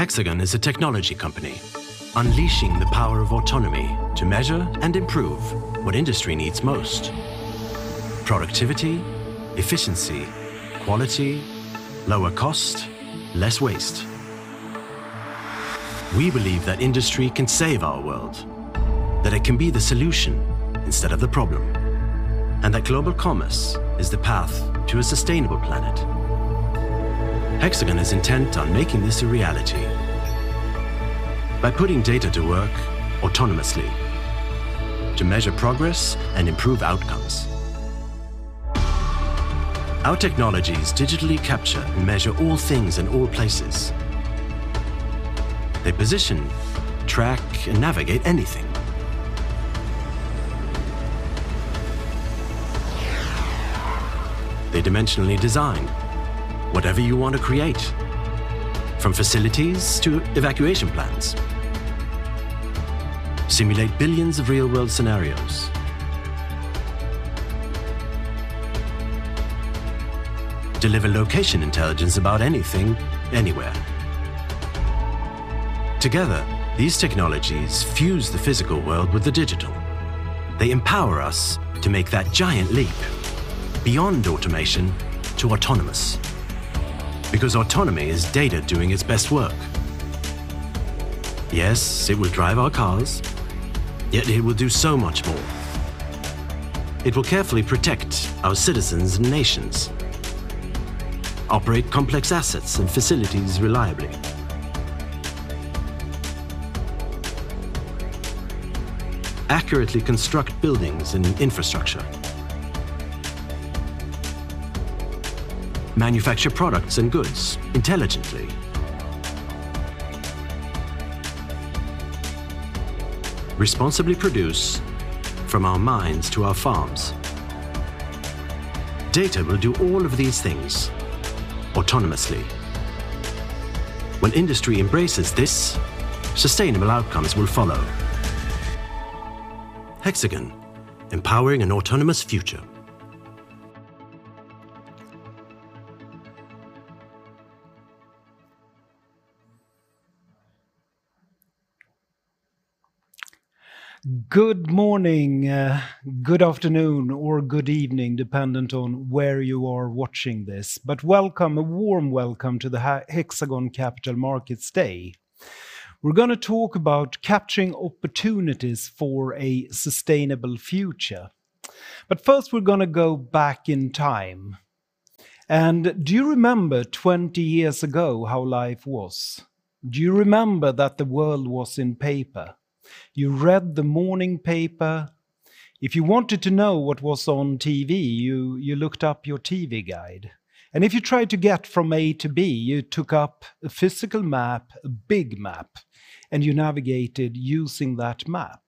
Hexagon is a technology company unleashing the power of autonomy to measure and improve what industry needs most, productivity, efficiency, quality, lower cost, less waste. We believe that industry can save our world, that it can be the solution instead of the problem, and that global commerce is the path to a sustainable planet. Hexagon is intent on making this a reality by putting data to work autonomously to measure progress and improve outcomes. Our technologies digitally capture and measure all things in all places. They position, track, and navigate anything. They dimensionally design whatever you want to create, from facilities to evacuation plans, simulate billions of real-world scenarios, deliver location intelligence about anything, anywhere. Together, these technologies fuse the physical world with the digital. They empower us to make that giant leap beyond automation to autonomous, because autonomy is data doing its best work. Yes, it will drive our cars, yet it will do so much more. It will carefully protect our citizens and nations, operate complex assets and facilities reliably, accurately construct buildings and infrastructure, manufacture products and goods intelligently, responsibly produce from our mines to our farms. Data will do all of these things autonomously. When industry embraces this, sustainable outcomes will follow. Hexagon, empowering an autonomous future. Good morning, good afternoon, or good evening, dependent on where you are watching this. Welcome, a warm welcome to the Hexagon Capital Markets Day. We're going to talk about capturing opportunities for a sustainable future. First, we're going to go back in time. Do you remember 20 years ago how life was? Do you remember that the world was in paper? You read the morning paper. If you wanted to know what was on TV, you looked up your TV guide. If you tried to get from A to B, you took up a physical map, a big map, and you navigated using that map.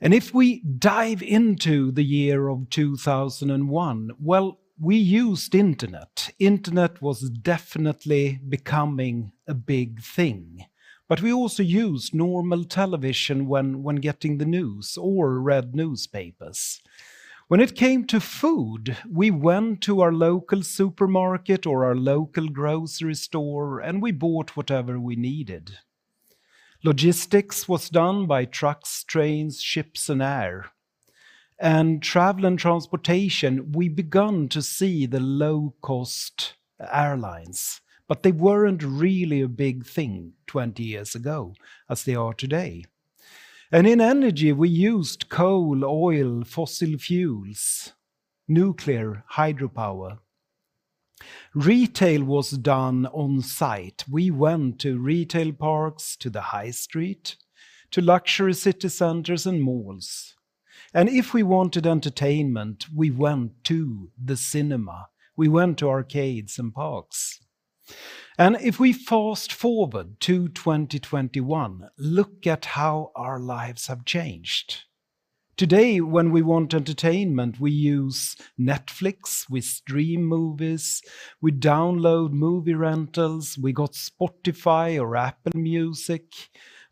If we dive into the year of 2001, well, we used internet. Internet was definitely becoming a big thing. We also used normal television when getting the news or read newspapers. When it came to food, we went to our local supermarket or our local grocery store and we bought whatever we needed. Logistics was done by trucks, trains, ships, and air. Travel and transportation, we begun to see the low-cost airlines, but they weren't really a big thing 20 years ago as they are today. In energy, we used coal, oil, fossil fuels, nuclear, hydropower. Retail was done on-site. We went to retail parks, to the high street, to luxury city centers, and malls. If we wanted entertainment, we went to the cinema, we went to arcades and parks. If we fast-forward to 2021, look at how our lives have changed. Today, when we want entertainment, we use Netflix, we stream movies, we download movie rentals, we got Spotify or Apple Music.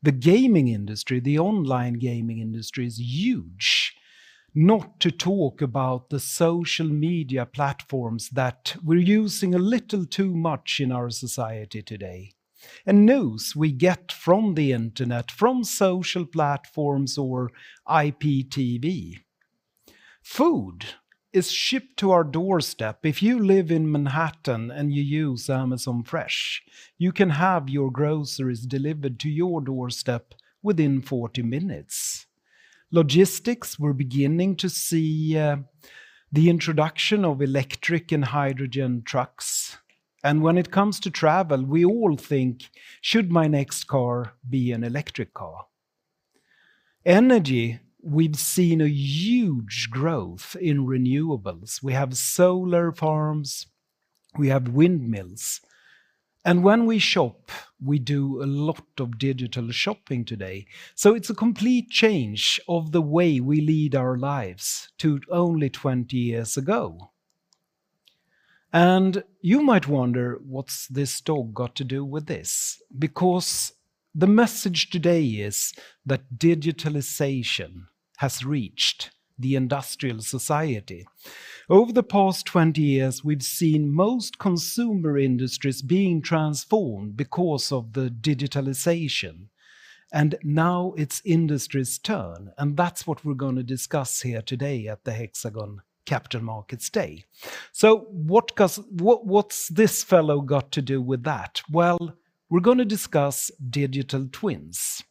The gaming industry, the online gaming industry is huge. Not to talk about the social media platforms that we're using a little too much in our society today. News we get from the internet, from social platforms or IPTV. Food is shipped to our doorstep. If you live in Manhattan and you use Amazon Fresh, you can have your groceries delivered to your doorstep within 40 minutes. Logistics, we're beginning to see the introduction of electric and hydrogen trucks. When it comes to travel, we all think, "Should my next car be an electric car?" Energy, we've seen a huge growth in renewables. We have solar farms, we have windmills. When we shop, we do a lot of digital shopping today. It's a complete change of the way we lead our lives to only 20 years ago. You might wonder, what's this dog got to do with this? The message today is that digitalization has reached the industrial society. Over the past 20 years, we've seen most consumer industries being transformed because of the digitalization, and now it's industry's turn, and that's what we're going to discuss here today at the Hexagon Capital Markets Day. So what's this fellow got to do with that? Well, we're going to discuss digital twins.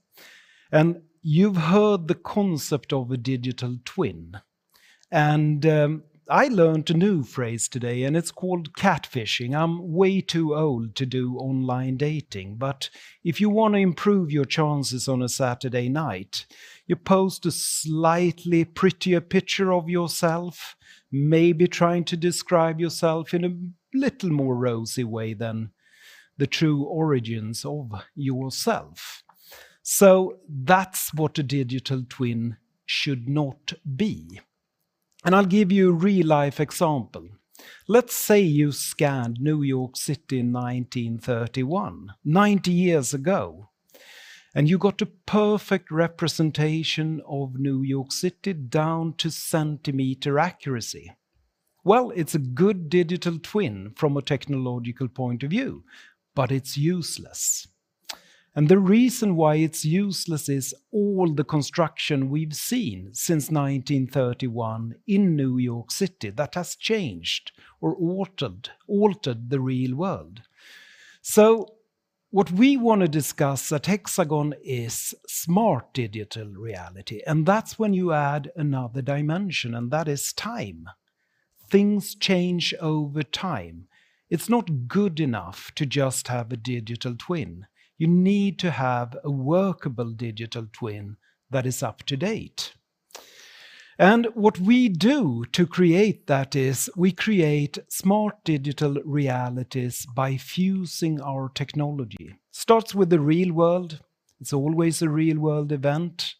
And you've heard the concept of a digital twin, and I learned a new phrase today, and it's called catfishing. I'm way too old to do online dating, but if you want to improve your chances on a Saturday night, you post a slightly prettier picture of yourself, maybe trying to describe yourself in a little rosier way than the true origins of yourself. So that's what a digital twin should not be. And I'll give you a real-life example. Let's say you scanned New York City in 1931, 90 years ago, and you got a perfect representation of New York City down to centimeter accuracy. Well, it's a good digital twin from a technological point of view, but it's useless. The reason why it's useless is all the construction we've seen since 1931 in New York City that has changed or altered the real world. What we want to discuss at Hexagon is smart digital reality, and that's when you add another dimension, and that is time. Things change over time. It's not good enough to just have a digital twin. You need to have a workable digital twin that is up to date. What we do to create that is we create smart digital realities by fusing our technology. It starts with the real world. It's always a real-world event,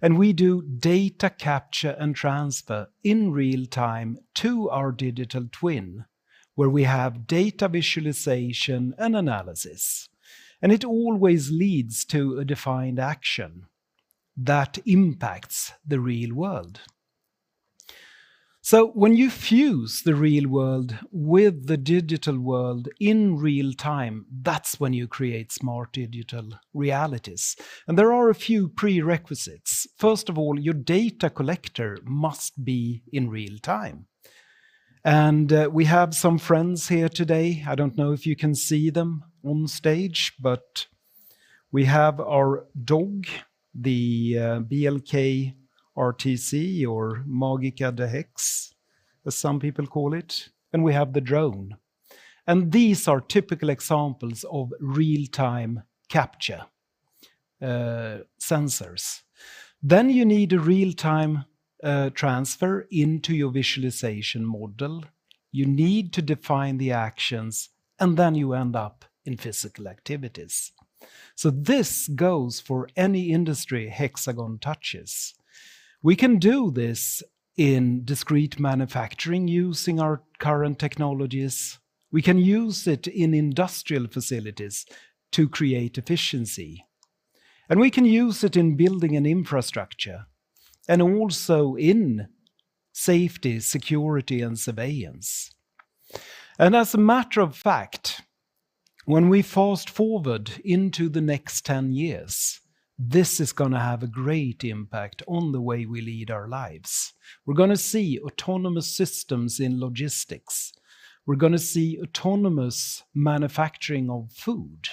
and we do data capture and transfer in real time to our digital twin, where we have data visualization and analysis, and it always leads to a defined action that impacts the real world. When you fuse the real world with the digital world in real time, that's when you create smart digital realities. There are a few prerequisites. First of all, your data collector must be in real time. We have some friends here today. I don't know if you can see them on stage, but we have our dog, the Leica BLK ARC, or Magica de Hex as some people call it, and we have the drone. These are typical examples of real-time capture sensors. You need a real-time transfer into your visualization model. You need to define the actions, and then you end up in physical activities. This goes for any industry Hexagon touches. We can do this in discrete manufacturing using our current technologies. We can use it in industrial facilities to create efficiency, and we can use it in building and infrastructure and also in safety, security, and surveillance. As a matter of fact, when we fast-forward into the next 10 years, this is going to have a great impact on the way we lead our lives. We're going to see autonomous systems in logistics. We're going to see autonomous manufacturing of food.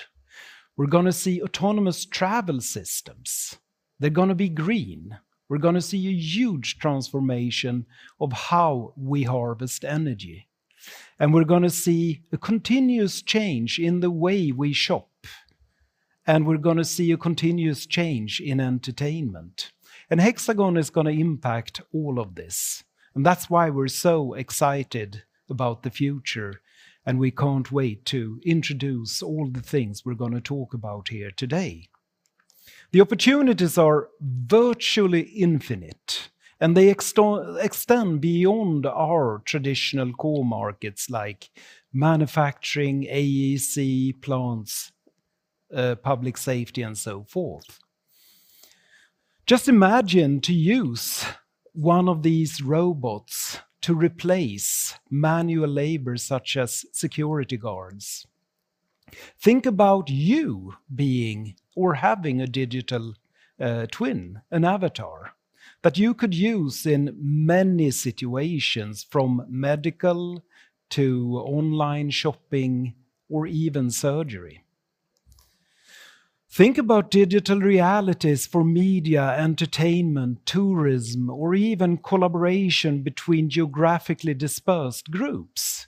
We're going to see autonomous travel systems. They're going to be green. We're going to see a huge transformation of how we harvest energy, and we're going to see a continuous change in the way we shop, and we're going to see a continuous change in entertainment, and Hexagon is going to impact all of this, and that's why we're so excited about the future, and we can't wait to introduce all the things we're going to talk about here today. The opportunities are virtually infinite, and they extend beyond our traditional core markets like manufacturing, AEC, plants, public safety, and so forth. Just imagine to use one of these robots to replace manual labor such as security guards. Think about you being or having a digital twin, an avatar that you could use in many situations from medical to online shopping or even surgery. Think about digital realities for media, entertainment, tourism, or even collaboration between geographically dispersed groups.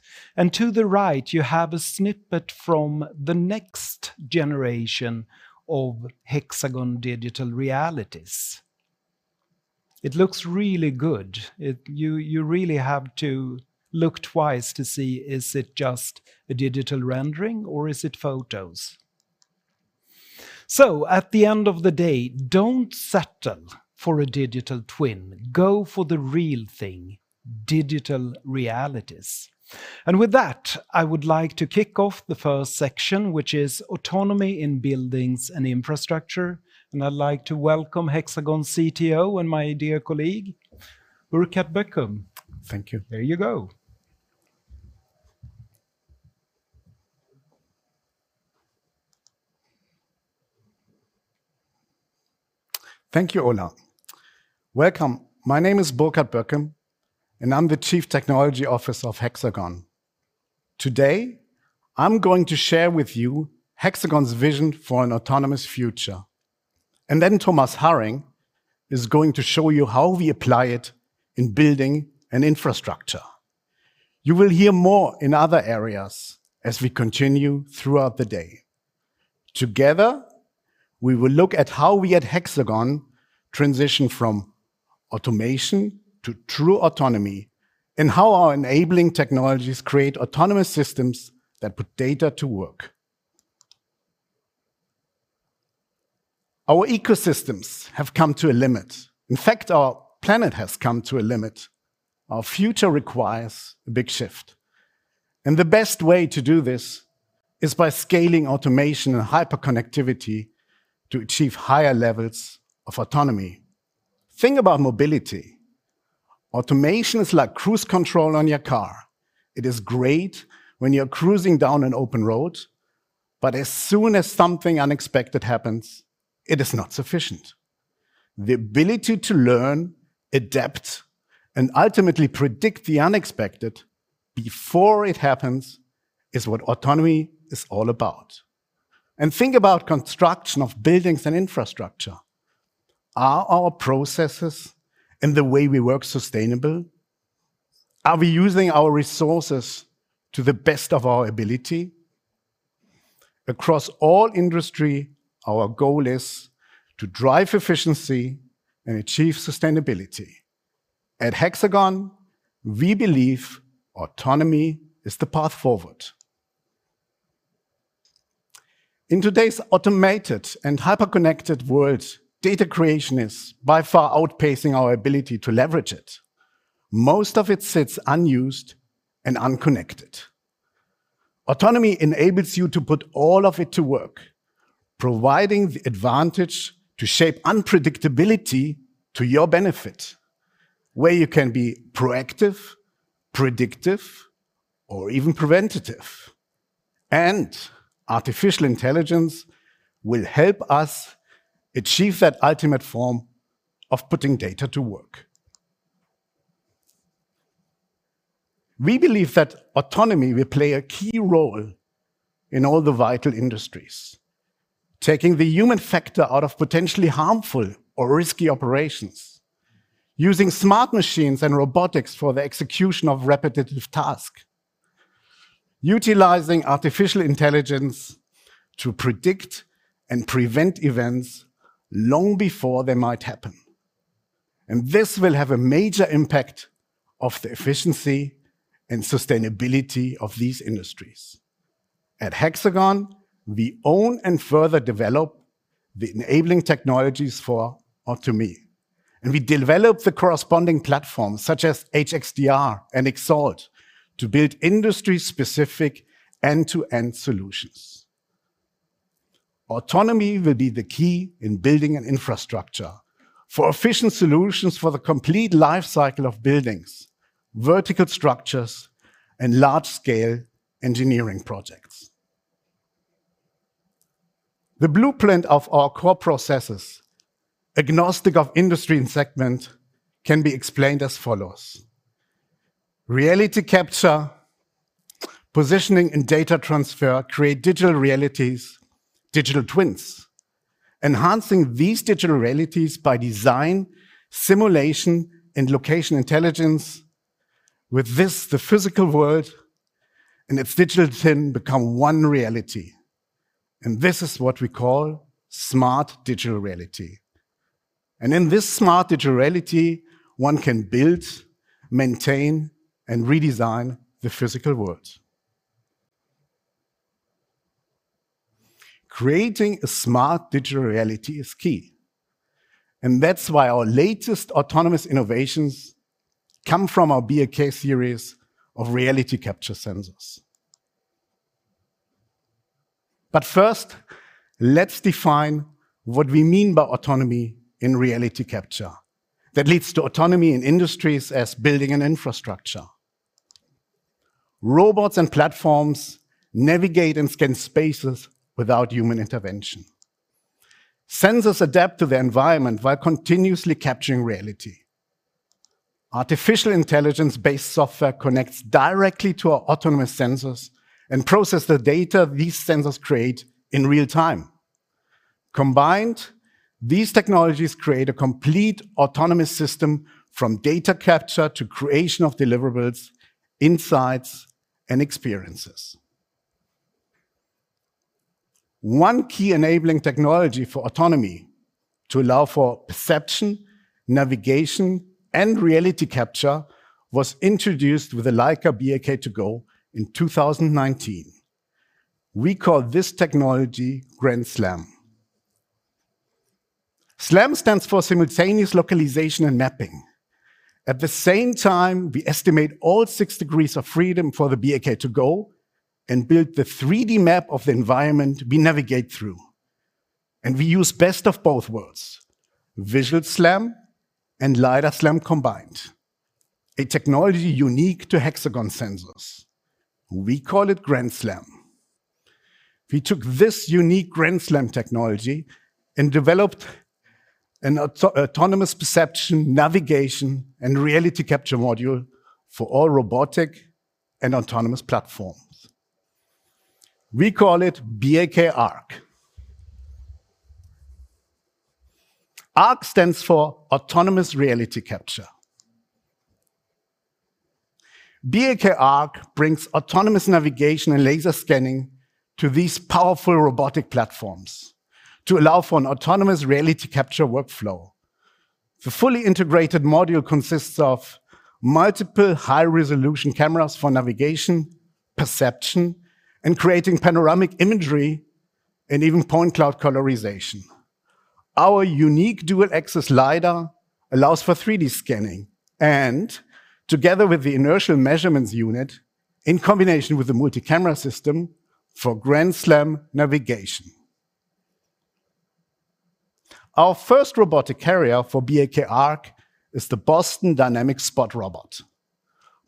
To the right, you have a snippet from the next generation of Hexagon digital realities. It looks really good. You really have to look twice to see, is it just a digital rendering or is it photos? At the end of the day, don't settle for a digital twin. Go for the real thing: Digital realities. With that, I would like to kick off the first section, which is autonomy in buildings and infrastructure. I'd like to welcome Hexagon's CTO and my dear colleague, Burkhard Boeckem. Thank you. There you go. Thank you, Ola. Welcome. My name is Burkhard Boeckem, and I'm the Chief Technology Officer of Hexagon. Today, I'm going to share with you Hexagon's vision for an autonomous future. Thomas Harring is going to show you how we apply it in building and infrastructure. You will hear more in other areas as we continue throughout the day. Together, we will look at how we at Hexagon transition from automation to true autonomy and how our enabling technologies create autonomous systems that put data to work. Our ecosystems have come to a limit. In fact, our planet has come to a limit. Our future requires a big shift, the best way to do this is by scaling automation and hyperconnectivity to achieve higher levels of autonomy. Think about mobility. Automation is like cruise control on your car. It is great when you're cruising down an open road, but as soon as something unexpected happens, it is not sufficient. The ability to learn, adapt, and ultimately predict the unexpected before it happens is what autonomy is all about. Think about construction of buildings and infrastructure. Are our processes and the way we work sustainable? Are we using our resources to the best of our ability? Across all industry, our goal is to drive efficiency and achieve sustainability. At Hexagon, we believe autonomy is the path forward. In today's automated and hyperconnected world, data creation is by far outpacing our ability to leverage it. Most of it sits unused and unconnected. Autonomy enables you to put all of it to work, providing the advantage to shape unpredictability to your benefit, where you can be proactive, predictive, or even preventative. Artificial intelligence will help us achieve that ultimate form of putting data to work. We believe that autonomy will play a key role in all the vital industries, taking the human factor out of potentially harmful or risky operations, using smart machines and robotics for the execution of repetitive tasks, utilizing artificial intelligence to predict and prevent events long before they might happen. This will have a major impact on the efficiency and sustainability of these industries. At Hexagon, we own and further develop the enabling technologies for autonomy, and we develop the corresponding platforms such as HxDR and XALT to build industry-specific end-to-end solutions. Autonomy will be the key in building and infrastructure for efficient solutions for the complete life cycle of buildings, vertical structures, and large-scale engineering projects. The blueprint of our core processes, agnostic of industry and segment, can be explained as follows. Reality capture, positioning, and data transfer create digital realities, digital twins. Enhancing these digital realities by design, simulation, and location intelligence. With this, the physical world and its digital twin become one reality, and this is what we call smart digital reality. In this smart digital reality, one can build, maintain, and redesign the physical world. Creating a smart digital reality is key, and that's why our latest autonomous innovations come from our BLK series of reality capture sensors. First, let's define what we mean by autonomy in reality capture that leads to autonomy in industries as building and infrastructure. Robots and platforms navigate and scan spaces without human intervention. Sensors adapt to their environment while continuously capturing reality. Artificial intelligence-based software connects directly to our autonomous sensors and process the data these sensors create in real time. Combined, these technologies create a complete autonomous system from data capture to creation of deliverables, insights, and experiences. One key enabling technology for autonomy to allow for perception, navigation, and reality capture was introduced with the Leica BLK2GO in 2019. We call this technology Grand SLAM. SLAM stands for simultaneous localization and mapping. At the same time, we estimate all six degrees of freedom for the BLK2GO and build the 3D map of the environment we navigate through. We use best of both worlds, visual SLAM and LIDAR SLAM combined, a technology unique to Hexagon sensors. We call it Grand SLAM. We took this unique Grand SLAM technology and developed an autonomous perception, navigation, and reality capture module for all robotic and autonomous platforms. We call it BLK ARC. ARC stands for autonomous reality capture. BLK ARC brings autonomous navigation and laser scanning to these powerful robotic platforms to allow for an autonomous reality capture workflow. The fully integrated module consists of multiple high-resolution cameras for navigation, perception, and creating panoramic imagery, and even point cloud colorization. Our unique dual-axis LIDAR allows for 3D scanning and together with the inertial measurements unit, in combination with the multi-camera system, for Grand SLAM navigation. Our first robotic carrier for BLK ARC is the Boston Dynamics Spot robot.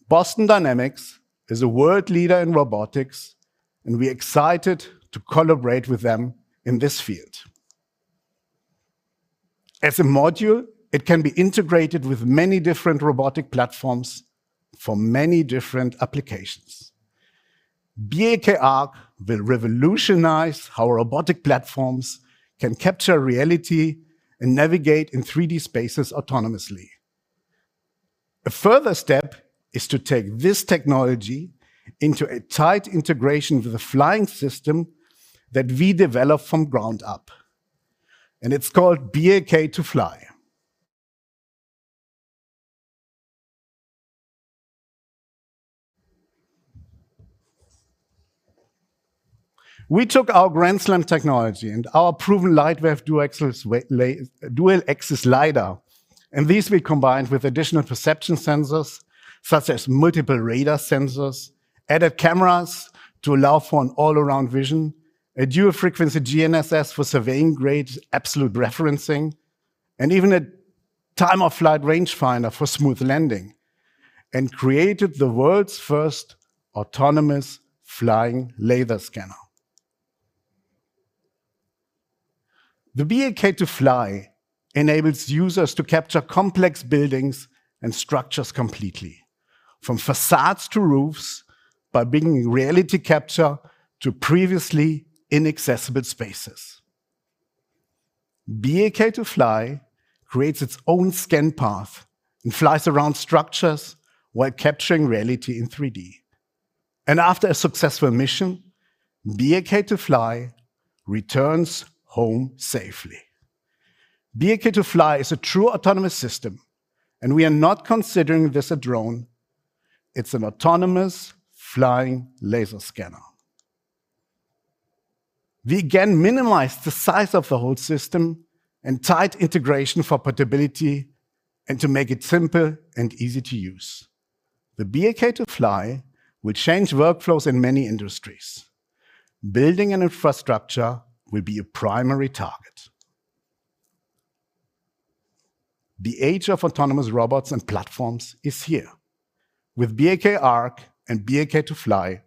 Boston Dynamics is a world leader in robotics, and we're excited to collaborate with them in this field. As a module, it can be integrated with many different robotic platforms for many different applications. BLK ARC will revolutionize how robotic platforms can capture reality and navigate in 3D spaces autonomously. A further step is to take this technology into a tight integration with a flying system that we developed from ground up, and it's called BLK2FLY. We took our Grand SLAM technology and our proven Lightweight dual-axis LIDAR, and these we combined with additional perception sensors, such as multiple radar sensors, added cameras to allow for an all-around vision, a dual-frequency GNSS for surveying-grade absolute referencing, and even a time-of-flight range finder for smooth landing, and created the world's first autonomous flying laser scanner. The BLK2FLY enables users to capture complex buildings and structures completely, from facades to roofs, by bringing reality capture to previously inaccessible spaces. BLK2FLY creates its own scan path and flies around structures while capturing reality in 3D. After a successful mission, BLK2FLY returns home safely. BLK2FLY is a true autonomous system, and we are not considering this a drone. It's an autonomous flying laser scanner. We again minimized the size of the whole system and tight integration for portability and to make it simple and easy to use. The BLK2FLY will change workflows in many industries. Building and infrastructure will be a primary target. The age of autonomous robots and platforms is here. With BLK ARC and BLK2FLY,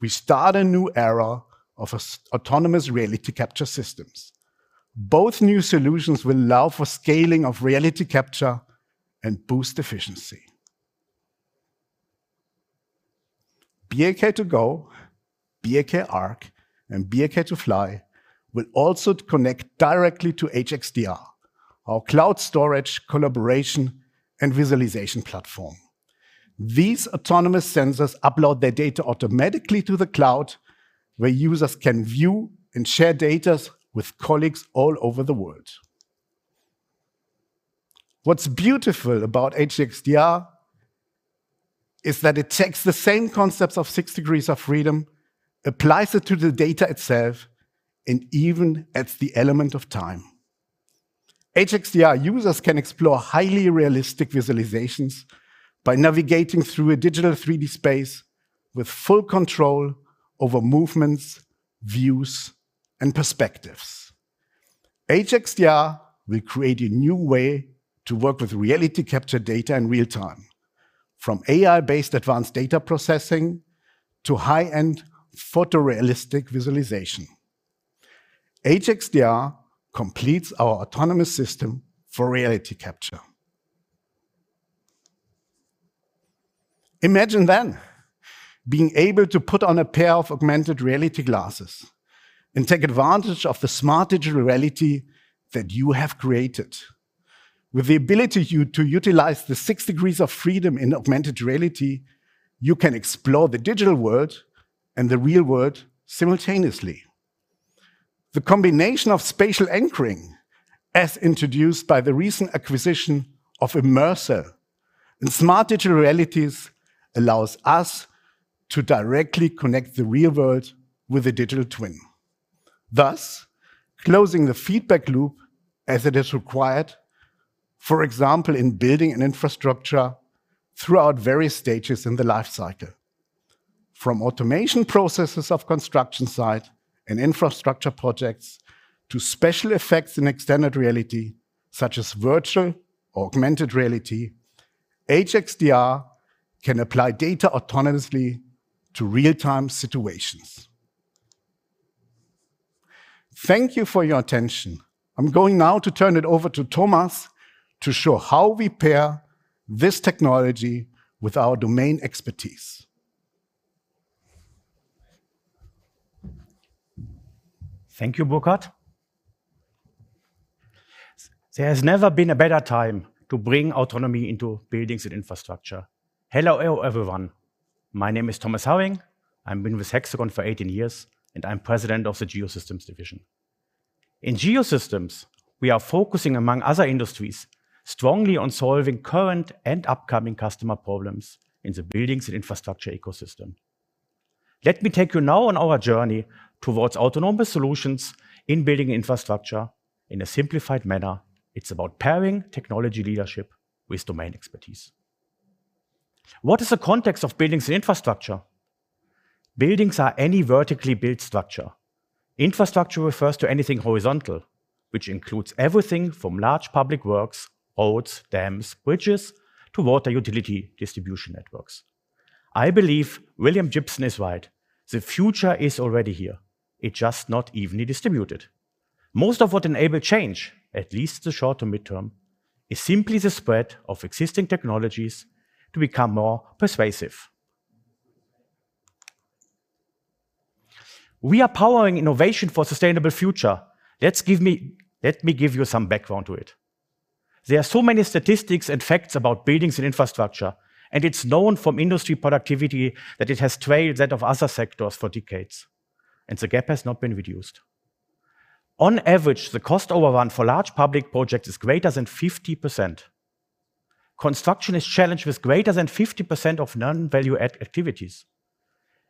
we start a new era of autonomous reality capture systems. Both new solutions will allow for scaling of reality capture and boost efficiency. BLK2GO, BLK ARC, and BLK2FLY will also connect directly to HxDR, our cloud storage, collaboration, and visualization platform. These autonomous sensors upload their data automatically to the cloud, where users can view and share data with colleagues all over the world. What's beautiful about HxDR is that it takes the same concepts of six degrees of freedom, applies it to the data itself, and even adds the element of time. HxDR users can explore highly realistic visualizations by navigating through a digital 3D space with full control over movements, views, and perspectives. HxDR will create a new way to work with reality capture data in real time, from AI-based advanced data processing to high-end photorealistic visualization. HxDR completes our autonomous system for reality capture. Imagine being able to put on a pair of augmented reality glasses and take advantage of the smart digital reality that you have created. With the ability to utilize the six degrees of freedom in augmented reality, you can explore the digital world and the real world simultaneously. The combination of spatial anchoring, as introduced by the recent acquisition of Immersal and Smart Digital Realities allows us to directly connect the real world with a digital twin, thus closing the feedback loop as it is required. For example, in building and infrastructure throughout various stages in the life cycle. From automation processes of construction site and infrastructure projects to special effects in extended reality, such as virtual or augmented reality, HxDR can apply data autonomously to real-time situations. Thank you for your attention. I'm going now to turn it over to Thomas to show how we pair this technology with our domain expertise. Thank you, Burkhard. There has never been a better time to bring autonomy into buildings and infrastructure. Hello, everyone. My name is Thomas Harring. I've been with Hexagon for 18 years, and I'm President of the Geosystems division. In Geosystems, we are focusing among other industries strongly on solving current and upcoming customer problems in the buildings and infrastructure ecosystem. Let me take you now on our journey towards autonomous solutions in building infrastructure in a simplified manner. It's about pairing technology leadership with domain expertise. What is the context of buildings and infrastructure? Buildings are any vertically built structure. Infrastructure refers to anything horizontal, which includes everything from large public works, roads, dams, bridges, to water utility distribution networks. I believe William Gibson is right. The future is already here. It's just not evenly distributed. Most of what enable change, at least the short to midterm, is simply the spread of existing technologies to become more persuasive. We are powering innovation for sustainable future. Let me give you some background to it. There are so many statistics and facts about buildings and infrastructure, and it's known from industry productivity that it has trailed that of other sectors for decades, and the gap has not been reduced. On average, the cost overrun for large public projects is greater than 50%. Construction is challenged with greater than 50% of non-value add activities.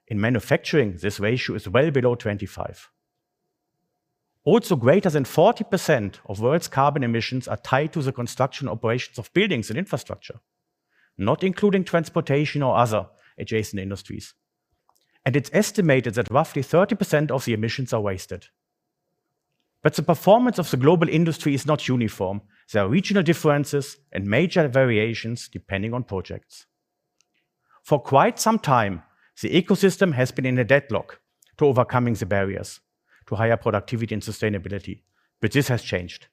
In manufacturing, this ratio is well below 25%. Greater than 40% of world's carbon emissions are tied to the construction operations of buildings and infrastructure, not including transportation or other adjacent industries. It's estimated that roughly 30% of the emissions are wasted. The performance of the global industry is not uniform. There are regional differences and major variations depending on projects. For quite some time, the ecosystem has been in a deadlock to overcoming the barriers to higher productivity and sustainability. This has changed.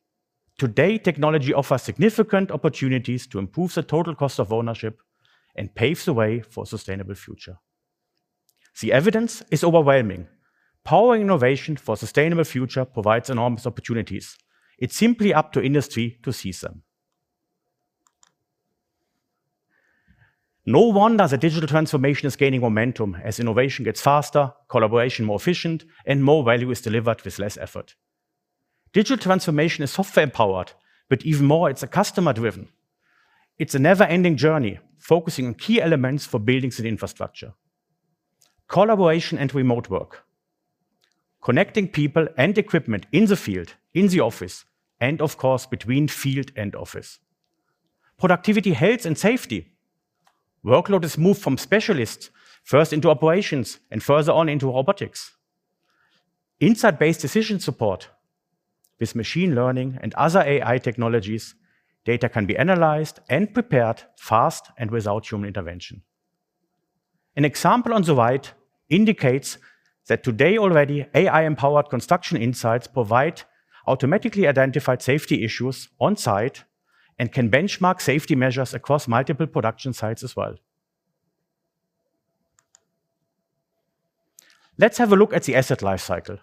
Today, technology offers significant opportunities to improve the total cost of ownership and paves the way for sustainable future. The evidence is overwhelming. Powering innovation for sustainable future provides enormous opportunities. It's simply up to industry to seize them. No wonder the digital transformation is gaining momentum as innovation gets faster, collaboration more efficient, and more value is delivered with less effort. Digital transformation is software powered, but even more, it's customer driven. It's a never-ending journey focusing on key elements for buildings and infrastructure. Collaboration and remote work, connecting people and equipment in the field, in the office, and of course, between field and office. Productivity, health, and safety. Workload is moved from specialists first into operations, and further on into robotics. Insight-based decision support with machine learning and other AI technologies, data can be analyzed and prepared fast and without human intervention. An example on the right indicates that today already, AI-empowered construction insights provide automatically identified safety issues on site and can benchmark safety measures across multiple production sites as well. Let's have a look at the asset life cycle,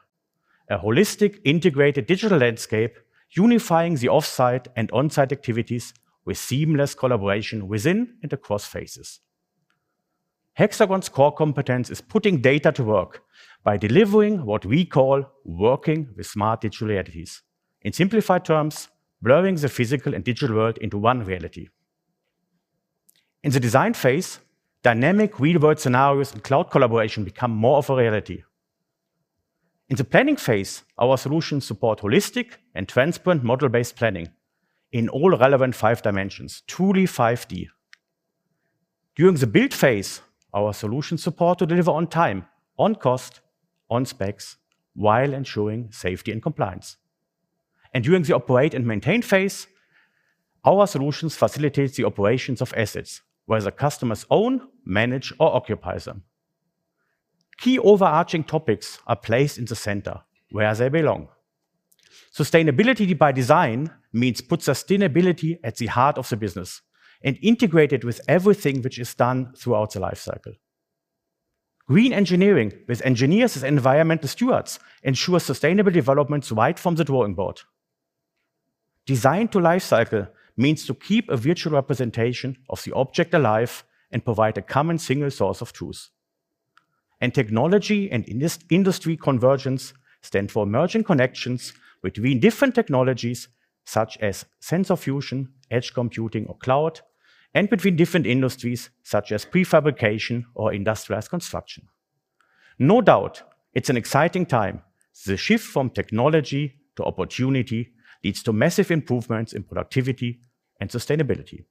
a holistic integrated digital landscape unifying the offsite and onsite activities with seamless collaboration within and across phases. Hexagon's core competence is putting data to work by delivering what we call working with smart digital realities. In simplified terms, blurring the physical and digital world into one reality. In the design phase, dynamic real world scenarios and cloud collaboration become more of a reality. In the planning phase, our solutions support holistic and transparent model-based planning in all relevant five dimensions, truly 5D. During the build phase, our solutions support to deliver on time, on cost, on specs, while ensuring safety and compliance. During the operate and maintain phase, our solutions facilitate the operations of assets, whether customers own, manage, or occupy them. Key overarching topics are placed in the center where they belong. Sustainability by design means put sustainability at the heart of the business and integrate it with everything which is done throughout the life cycle. Green engineering with engineers as environmental stewards ensures sustainable developments right from the drawing board. Design to life cycle means to keep a virtual representation of the object alive and provide a common single source of truth. Technology and industry convergence stand for emerging connections between different technologies, such as sensor fusion, edge computing or cloud, and between different industries, such as prefabrication or industrialized construction. No doubt, it's an exciting time. The shift from technology to opportunity leads to massive improvements in productivity and sustainability.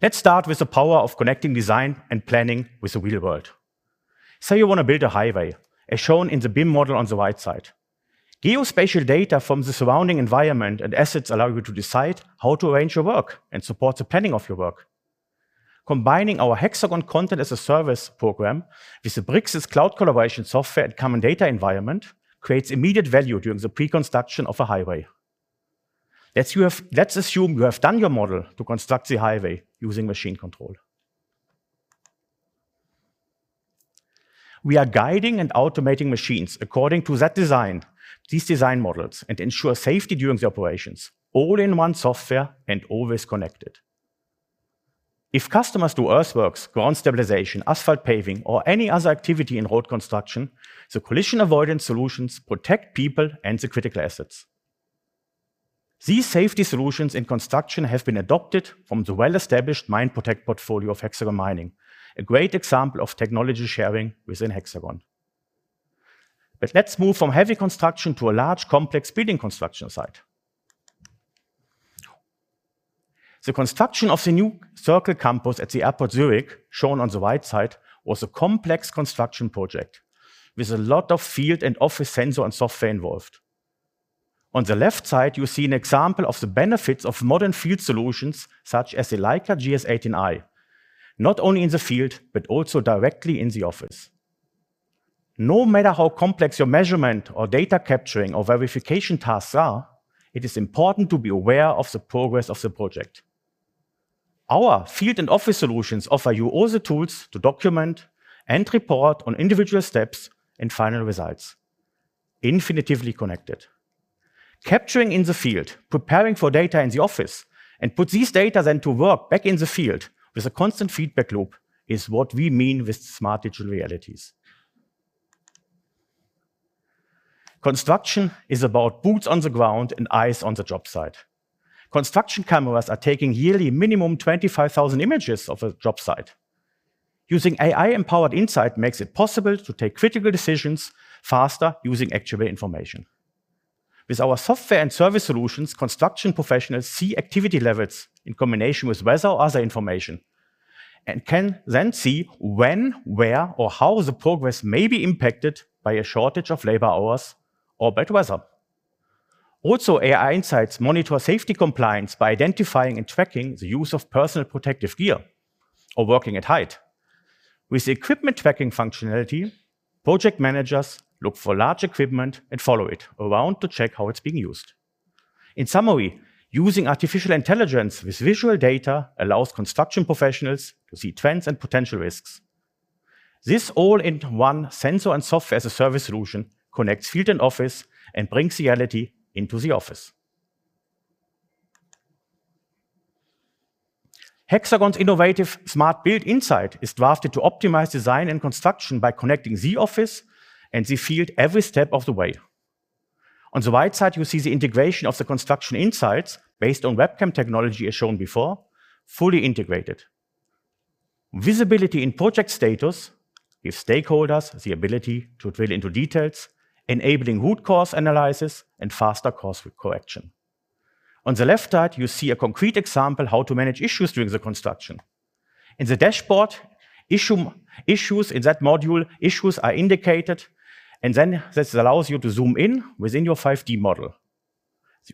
Let's start with the power of connecting design and planning with the real world. Say you want to build a highway, as shown in the BIM model on the right side. Geospatial data from the surrounding environment and assets allow you to decide how to arrange your work and support the planning of your work. Combining our Hexagon content as a service program with the Bricsys cloud collaboration software and common data environment creates immediate value during the pre-construction of a highway. Let's assume you have done your model to construct the highway using machine control. We are guiding and automating machines according to that design, these design models, and ensure safety during the operations, all in one software and always connected. If customers do earthworks, ground stabilization, asphalt paving, or any other activity in road construction, the collision avoidance solutions protect people and the critical assets. These safety solutions in construction have been adopted from the well-established MineProtect portfolio of Hexagon Mining, a great example of technology sharing within Hexagon. Let's move from heavy construction to a large complex building construction site. The construction of the new Circle campus at the Airport Zurich, shown on the right side, was a complex construction project with a lot of field and office sensor and software involved. On the left side, you see an example of the benefits of modern field solutions, such as the Leica GS18 I, not only in the field, but also directly in the office. No matter how complex your measurement or data capturing or verification tasks are, it is important to be aware of the progress of the project. Our field and office solutions offer you all the tools to document and report on individual steps and final results. Infinitively connected. Capturing in the field, preparing for data in the office, and put these data then to work back in the field with a constant feedback loop is what we mean with smart digital realities. Construction is about boots on the ground and eyes on the job site. Construction cameras are taking yearly minimum 25,000 images of a job site. Using AI-empowered insight makes it possible to take critical decisions faster using accurate information. With our software and service solutions, construction professionals see activity levels in combination with weather or other information and can then see when, where, or how the progress may be impacted by a shortage of labor hours or bad weather. Also, AI insights monitor safety compliance by identifying and tracking the use of personal protective gear or working at height. With equipment tracking functionality, project managers look for large equipment and follow it around to check how it's being used. In summary, using artificial intelligence with visual data allows construction professionals to see trends and potential risks. This all-in-one sensor and software-as-a-service solution connects field and office and brings reality into the office. Hexagon's innovative Smart Build Insight is drafted to optimize design and construction by connecting the office and the field every step of the way. On the right side, you see the integration of the construction insights based on webcam technology as shown before, fully integrated. Visibility in project status gives stakeholders the ability to drill into details, enabling root cause analysis and faster course correction. On the left side, you see a concrete example how to manage issues during the construction. In the dashboard, issues in that module, issues are indicated, and then this allows you to zoom in within your 5D model.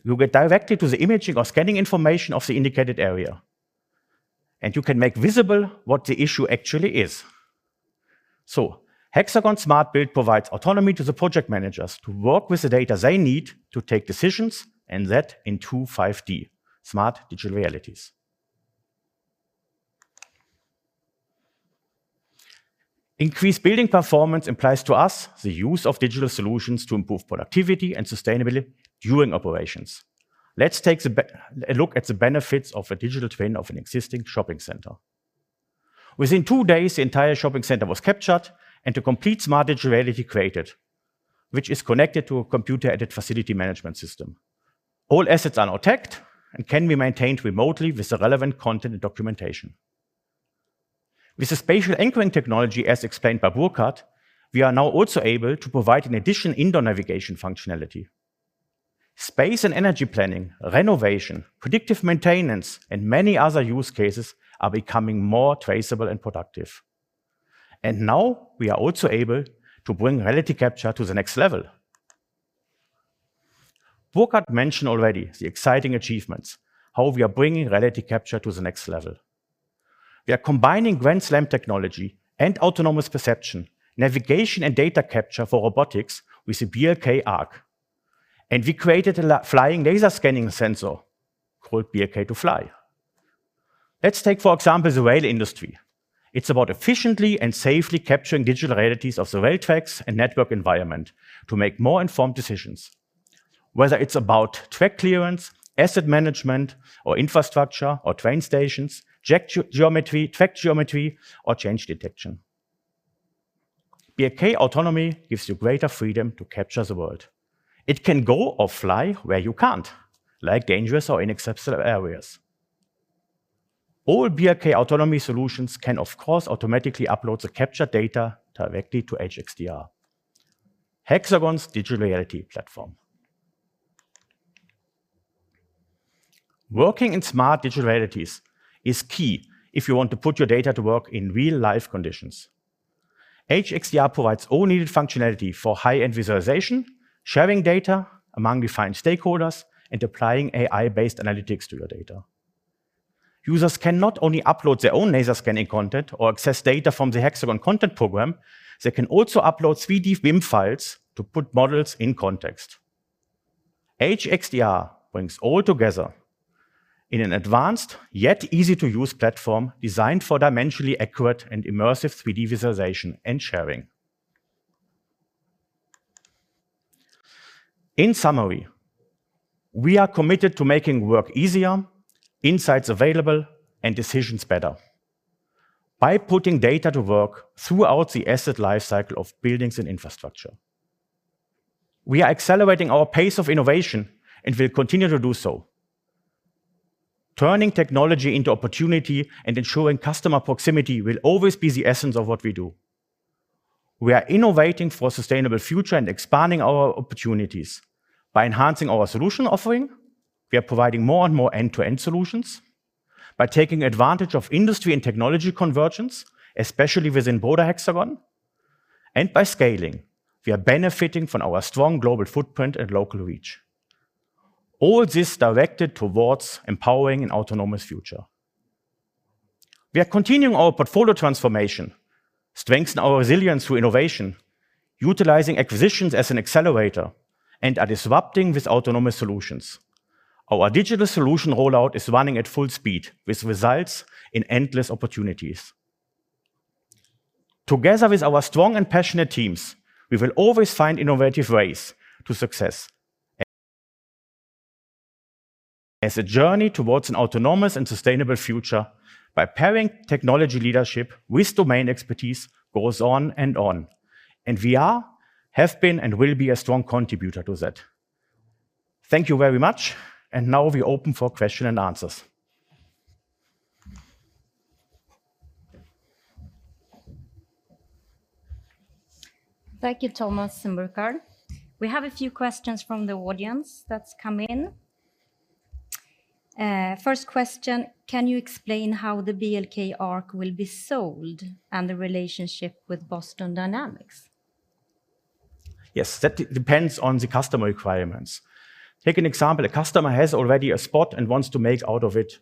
You get directly to the imaging or scanning information of the indicated area, and you can make visible what the issue actually is. Hexagon Smart Build provides autonomy to the project managers to work with the data they need to make decisions and that in true 5D smart digital realities. Increased building performance implies to us the use of digital solutions to improve productivity and sustainability during operations. Let's take a look at the benefits of a digital twin of an existing shopping center. Within two days, the entire shopping center was captured and a complete smart digital reality created, which is connected to a computer-aided facility management system. All assets are now tagged and can be maintained remotely with the relevant content and documentation. With the spatial anchoring technology, as explained by Burkhard, we are now also able to provide an additional indoor navigation functionality. Space and energy planning, renovation, predictive maintenance, and many other use cases are becoming more traceable and productive. Now we are also able to bring reality capture to the next level. Burkhard mentioned already the exciting achievements, how we are bringing reality capture to the next level. We are combining Grand SLAM technology and autonomous perception, navigation, and data capture for robotics with the BLK ARC, and we created a flying laser scanning sensor called BLK2FLY. Let's take, for example, the rail industry. It's about efficiently and safely capturing digital realities of the rail tracks and network environment to make more informed decisions. Whether it's about track clearance, asset management, or infrastructure, or train stations, geometry, track geometry, or change detection. BLK Autonomy gives you greater freedom to capture the world. It can go or fly where you can't, like dangerous or inaccessible areas. All BLK Autonomy solutions can, of course, automatically upload the captured data directly to HxDR, Hexagon's digital reality platform. Working in smart digital realities is key if you want to put your data to work in real-life conditions. HxDR provides all needed functionality for high-end visualization, sharing data among defined stakeholders, and applying AI-based analytics to your data. Users can not only upload their own laser scanning content or access data from the Hexagon content program, they can also upload 3D BIM files to put models in context. HxDR brings it all together in an advanced yet easy-to-use platform designed for dimensionally accurate and immersive 3D visualization and sharing. In summary, we are committed to making work easier, insights available, and decisions better, by putting data to work throughout the asset life cycle of buildings and infrastructure. We are accelerating our pace of innovation and will continue to do so. Turning technology into opportunity and ensuring customer proximity will always be the essence of what we do. We are innovating for a sustainable future and expanding our opportunities. By enhancing our solution offering, we are providing more and more end-to-end solutions. By taking advantage of industry and technology convergence, especially within broader Hexagon, and by scaling, we are benefiting from our strong global footprint and local reach. All this directed towards empowering an autonomous future. We are continuing our portfolio transformation, strengthening our resilience through innovation, utilizing acquisitions as an accelerator, and are disrupting with autonomous solutions. Our digital solution rollout is running at full speed, which results in endless opportunities. Together with our strong and passionate teams, we will always find innovative ways to success. As a journey towards an autonomous and sustainable future by pairing technology leadership with domain expertise goes on and on, and we are, have been, and will be a strong contributor to that. Thank you very much. Now we open for question and answers. Thank you, Thomas and Burkhard. We have a few questions from the audience that's come in. First question, can you explain how the BLK ARC will be sold and the relationship with Boston Dynamics? Yes, that depends on the customer requirements. Take an example. A customer has already a Spot and wants to make out of it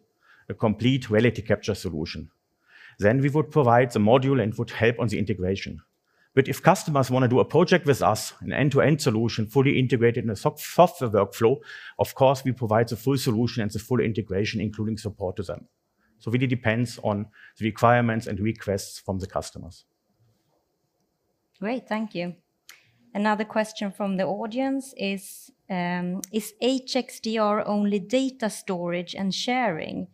a complete reality capture solution. We would provide the module and would help on the integration. If customers want to do a project with us, an end-to-end solution fully integrated in a software workflow, of course, we provide the full solution and the full integration, including support to them. It really depends on the requirements and requests from the customers. Great, thank you. Another question from the audience is, "Is HxDR only data storage and sharing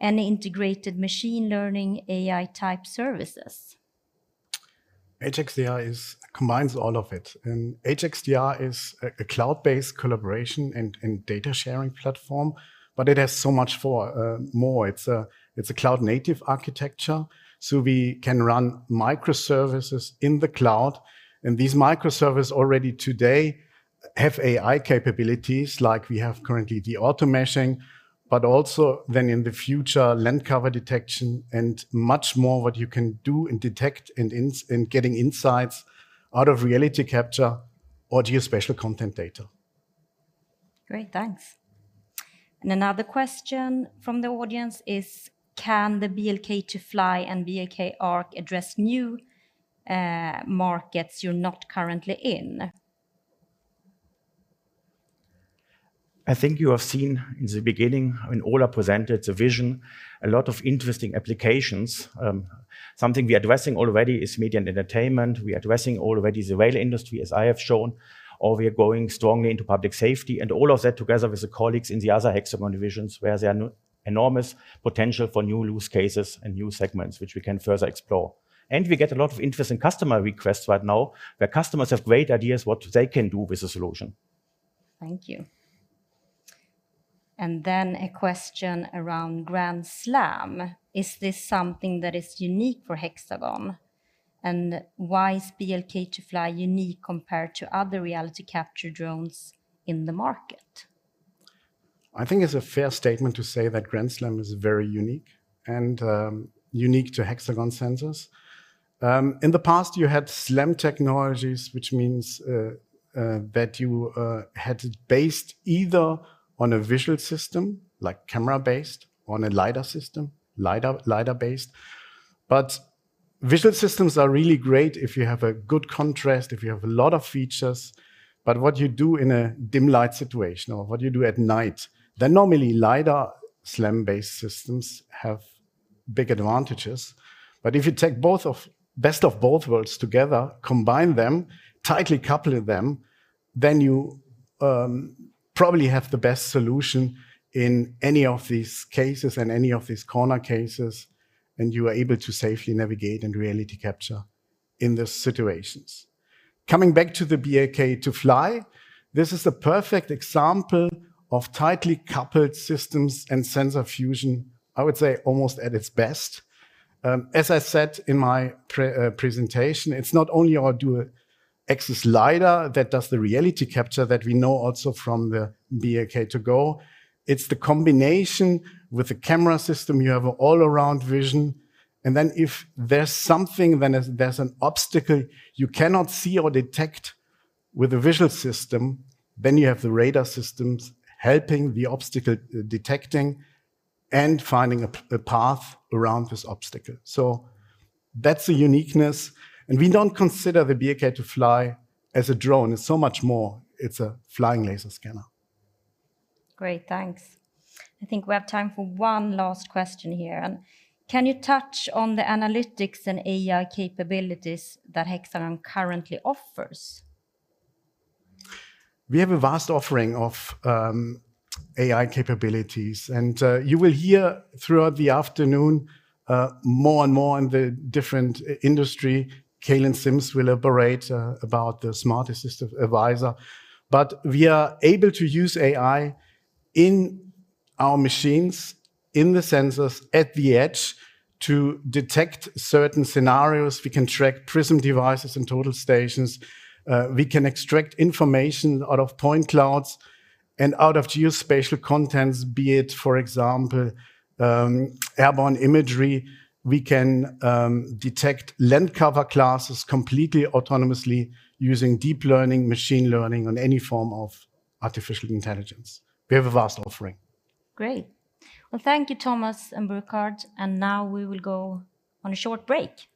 and integrated machine learning AI type services? HxDR combines all of it. HxDR is a cloud-based collaboration and data-sharing platform, but it has so much more. It's a cloud-native architecture, we can run microservices in the cloud, these microservices already today have AI capabilities. Like we have currently the auto-meshing, also then in the future, land cover detection and much more what you can do and detect and getting insights out of reality capture or geospatial content data. Great, thanks. Another question from the audience is, "Can the BLK2FLY and BLK ARC address new markets you're not currently in? I think you have seen in the beginning, when Ola presented the vision, a lot of interesting applications. Something we're addressing already is media and entertainment. We're addressing already the rail industry, as I have shown, or we are going strongly into public safety. All of that together with the colleagues in the other Hexagon divisions, where there are enormous potential for new use cases and new segments, which we can further explore. We get a lot of interesting customer requests right now, where customers have great ideas what they can do with the solution. Thank you. Then a question around Grand SLAM. Is this something that is unique for Hexagon? Why is BLK2FLY unique compared to other reality capture drones in the market? I think it's a fair statement to say that Grand SLAM is very unique and unique to Hexagon sensors. In the past, you had SLAM technologies, which means that you had it based either on a visual system, like camera-based, on a LiDAR system, LiDAR-based. Visual systems are really great if you have a good contrast, if you have a lot of features. What you do in a dim light situation, or what you do at night, then normally LiDAR SLAM-based systems have big advantages. If you take best of both worlds together, combine them, tightly couple them, then you probably have the best solution in any of these cases, in any of these corner cases, and you are able to safely navigate and reality capture in these situations. Coming back to the BLK2FLY, this is a perfect example of tightly coupled systems and sensor fusion, I would say almost at its best. As I said in my presentation, it's not only our dual-axis LiDAR that does the reality capture that we know also from the BLK2GO, it's the combination with the camera system, you have all-around vision. If there's an obstacle you cannot see or detect with a visual system, you have the radar systems helping the obstacle detecting and finding a path around this obstacle. That's the uniqueness, we don't consider the BLK2FLY as a drone. It's so much more. It's a flying laser scanner. Great, thanks. I think we have time for one last question here. Can you touch on the analytics and AI capabilities that Hexagon currently offers? We have a vast offering of AI capabilities. You will hear throughout the afternoon, more and more in the different industry. Kalyn Sims will elaborate about the Smart Assistant Advisor. We are able to use AI in our machines, in the sensors, at the edge, to detect certain scenarios. We can track prism devices and total stations. We can extract information out of point clouds and out of geospatial contents, be it, for example, airborne imagery. We can detect land cover classes completely autonomously using deep learning, machine learning, and any form of artificial intelligence. We have a vast offering. Great. Well, thank you, Thomas and Burkhard. Now we will go on a short break.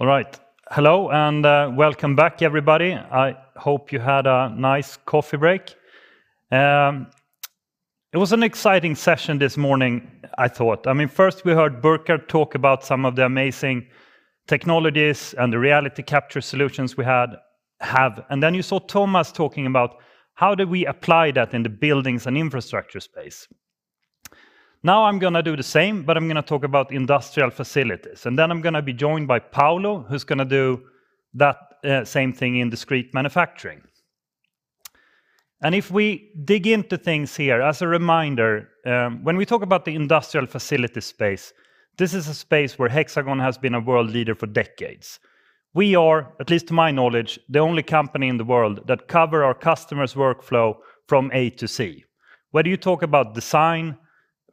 All right. Hello, and welcome back, everybody. I hope you had a nice coffee break. It was an exciting session this morning, I thought. First we heard Burkhard talk about some of the amazing technologies and the reality capture solutions we have. Then you saw Thomas talking about how do we apply that in the buildings and infrastructure space. Now I'm going to do the same, but I'm going to talk about industrial facilities, and then I'm going to be joined by Paolo, who's going to do that same thing in discrete manufacturing. If we dig into things here, as a reminder, when we talk about the industrial facility space, this is a space where Hexagon has been a world leader for decades. We are, at least to my knowledge, the only company in the world that cover our customers' workflow from A to Z. Whether you talk about design,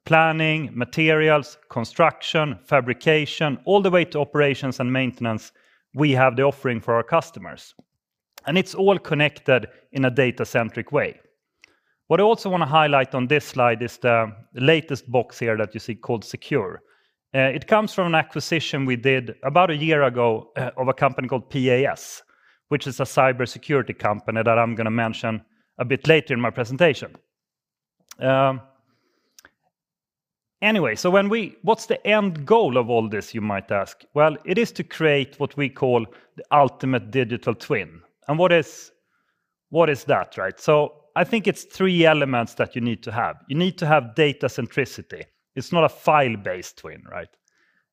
planning, materials, construction, fabrication, all the way to operations and maintenance, we have the offering for our customers, and it's all connected in a data-centric way. What I also want to highlight on this slide is the latest box here that you see called Secure. It comes from an acquisition we did about a year ago of a company called PAS, which is a cybersecurity company that I'm going to mention a bit later in my presentation. Anyway, "What's the end goal of all this?" you might ask. Well, it is to create what we call the ultimate digital twin. What is that? I think it's three elements that you need to have. You need to have data centricity. It's not a file-based twin.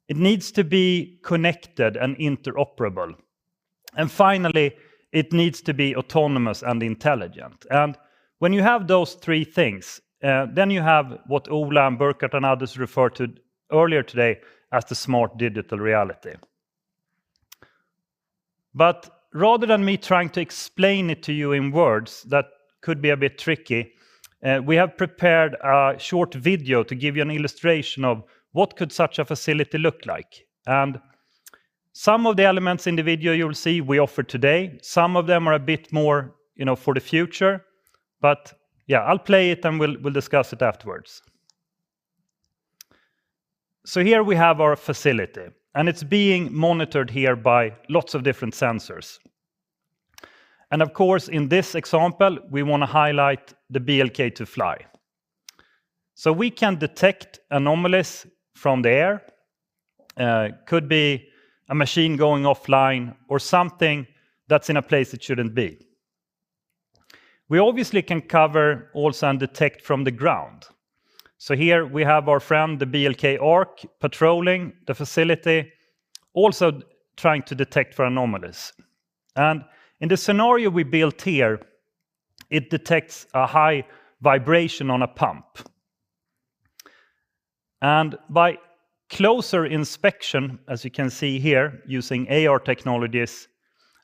It needs to be connected and interoperable. Finally, it needs to be autonomous and intelligent. When you have those three things, then you have what Ola and Burkard and others referred to earlier today as the smart digital reality. Rather than me trying to explain it to you in words, that could be a bit tricky. We have prepared a short video to give you an illustration of what could such a facility look like. Some of the elements in the video you will see we offer today, some of them are a bit more for the future. Yeah, I'll play it and we'll discuss it afterwards. Here we have our facility, and it's being monitored here by lots of different sensors. Of course, in this example, we want to highlight the BLK2FLY. We can detect anomalies from the air, could be a machine going offline or something that's in a place it shouldn't be. We obviously can cover also and detect from the ground. Here we have our friend, the BLK ARC, patrolling the facility, also trying to detect for anomalies. In the scenario we built here, it detects a high vibration on a pump. By closer inspection, as you can see here using AR technologies,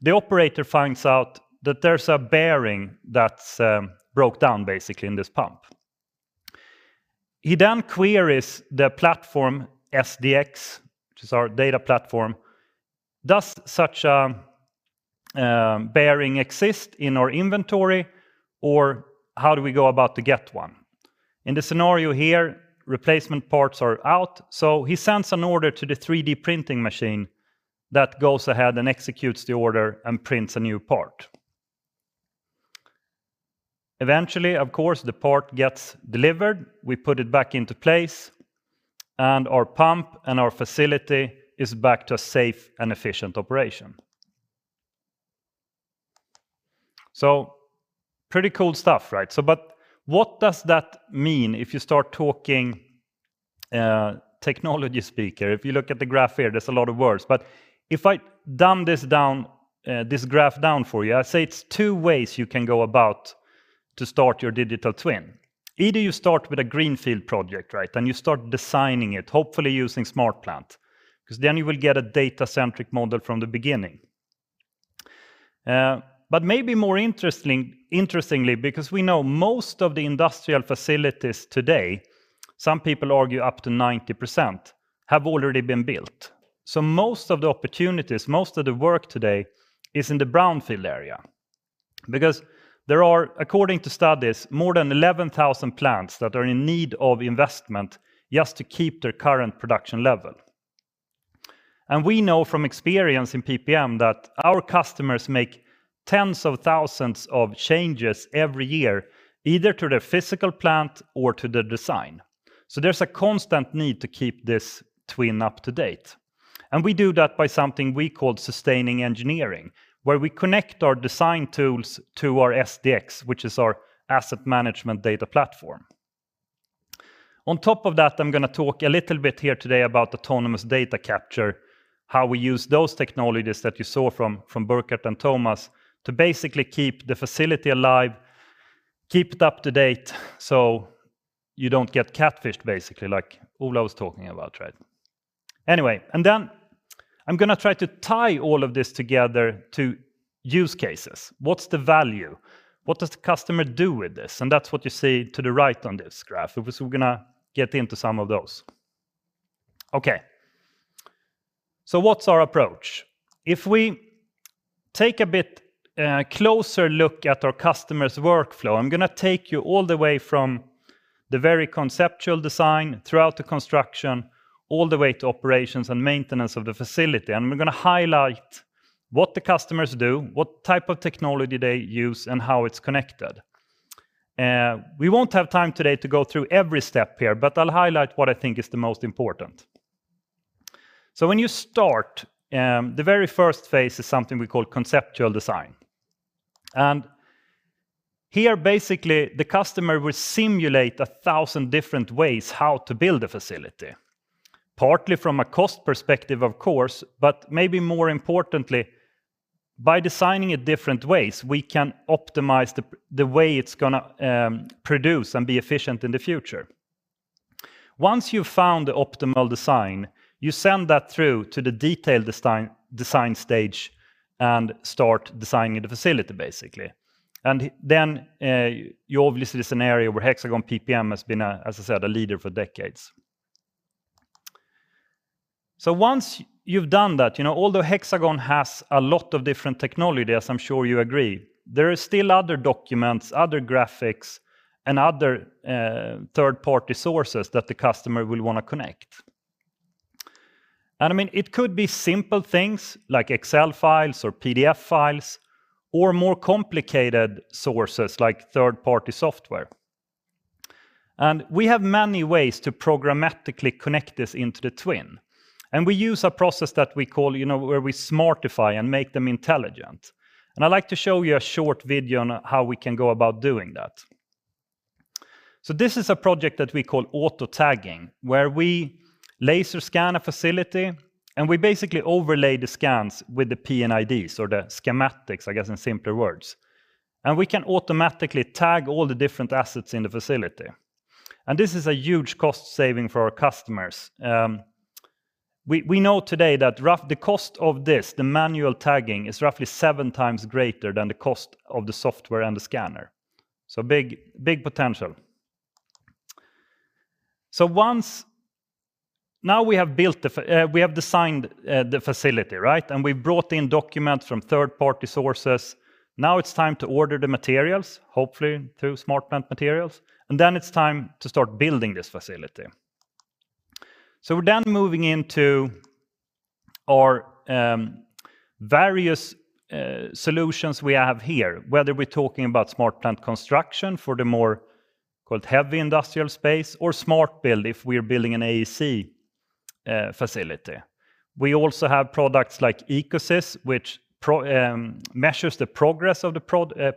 the operator finds out that there's a bearing that's broke down basically in this pump. He queries the platform, SDx, which is our data platform. Does such a bearing exist in our inventory or how do we go about to get one? In the scenario here, replacement parts are out, he sends an order to the 3D printing machine that goes ahead and executes the order and prints a new part. Eventually, of course, the part gets delivered, we put it back into place, and our pump and our facility is back to a safe and efficient operation. Pretty cool stuff, right? What does that mean if you start talking technology speak, or if you look at the graph here, there's a lot of words. If I dumb this graph down for you, I'd say it's two ways you can go about to start your digital twin. Either you start with a greenfield project, and you start designing it, hopefully using SmartPlant, because then you will get a data-centric model from the beginning. Maybe more interestingly, because we know most of the industrial facilities today, some people argue up to 90%, have already been built. Most of the opportunities, most of the work today is in the brownfield area because there are, according to studies, more than 11,000 plants that are in need of investment just to keep their current production level. We know from experience in PPM that our customers make tens of thousands of changes every year, either to their physical plant or to the design. There's a constant need to keep this twin up to date. We do that by something we call sustaining engineering, where we connect our design tools to our HxGN SDx, which is our asset management data platform. On top of that, I'm going to talk a little bit here today about autonomous data capture, how we use those technologies that you saw from Burkhard and Thomas to basically keep the facility alive, keep it up to date so you don't get catfished basically, like Ola was talking about. Anyway, I'm going to try to tie all of this together to use cases. What's the value? What does the customer do with this? That's what you see to the right on this graph. We're going to get into some of those. Okay. What's our approach? If we take a bit closer look at our customer's workflow, I'm going to take you all the way from the very conceptual design throughout the construction, all the way to operations and maintenance of the facility. We're going to highlight what the customers do, what type of technology they use, and how it's connected. We won't have time today to go through every step here, but I'll highlight what I think is the most important. When you start, the very first phase is something we call conceptual design. Here, basically, the customer will simulate 1,000 different ways how to build a facility, partly from a cost perspective, of course, but maybe more importantly, by designing it different ways, we can optimize the way it's going to produce and be efficient in the future. Once you've found the optimal design, you send that through to the detailed design stage and start designing the facility, basically. You obviously see the scenario where Hexagon PPM has been, as I said, a leader for decades. Once you've done that, although Hexagon has a lot of different technology, as I'm sure you agree, there are still other documents, other graphics, and other third-party sources that the customer will want to connect. It could be simple things like Excel files or PDF files, or more complicated sources like third-party software. We have many ways to programmatically connect this into the twin. We use a process where we smartify and make them intelligent. I'd like to show you a short video on how we can go about doing that. This is a project that we call auto-tagging, where we laser scan a facility, and we basically overlay the scans with the P&IDs or the schematics, I guess, in simpler words. We can automatically tag all the different assets in the facility. This is a huge cost saving for our customers. We know today that the cost of this, the manual tagging, is roughly seven times greater than the cost of the software and the scanner. Big potential. Now we have designed the facility. We've brought in documents from third-party sources. Now it's time to order the materials, hopefully through SmartPlant Materials. It's time to start building this facility. We're then moving into our various solutions we have here, whether we're talking about Intergraph Smart Construction for the more heavy industrial space or HxGN Smart Build if we're building an AEC facility. We also have products like EcoSys, which measures the progress of the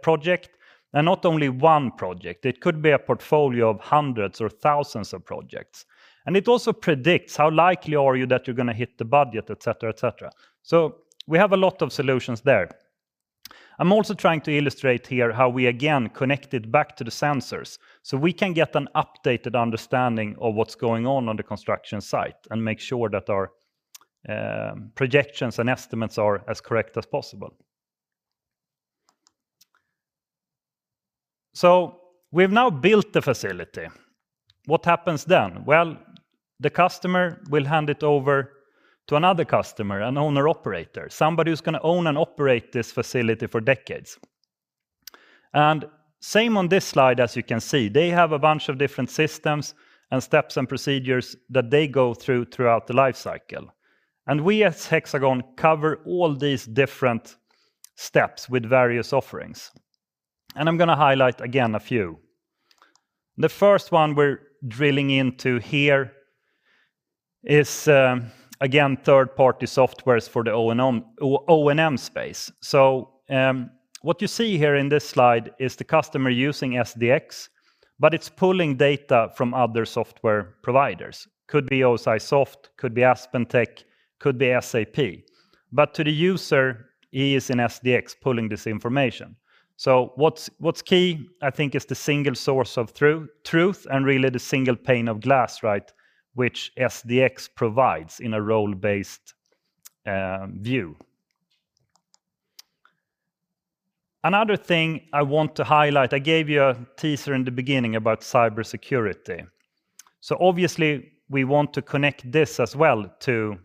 project. Not only one project. It could be a portfolio of hundreds or thousands of projects. It also predicts how likely are you that you're going to hit the budget, et cetera. We have a lot of solutions there. I'm also trying to illustrate here how we, again, connect it back to the sensors so we can get an updated understanding of what's going on on the construction site and make sure that our projections and estimates are as correct as possible. We've now built the facility. What happens then? Well, the customer will hand it over to another customer, an owner/operator, somebody who's going to own and operate this facility for decades. Same on this slide, as you can see, they have a bunch of different systems and steps and procedures that they go through throughout the life cycle. We at Hexagon cover all these different steps with various offerings. I'm going to highlight again a few. The first one we're drilling into here is, again, third-party software for the O&M space. What you see here in this slide is the customer using HxGN SDx, but it's pulling data from other software providers. Could be OSIsoft, could be AspenTech, could be SAP. To the user, he is in HxGN SDx pulling this information. What's key, I think, is the single source of truth and really the single pane of glass, which HxGN SDx provides in a role-based view. Another thing I want to highlight, I gave you a teaser in the beginning about cybersecurity. Obviously, we want to connect this as well to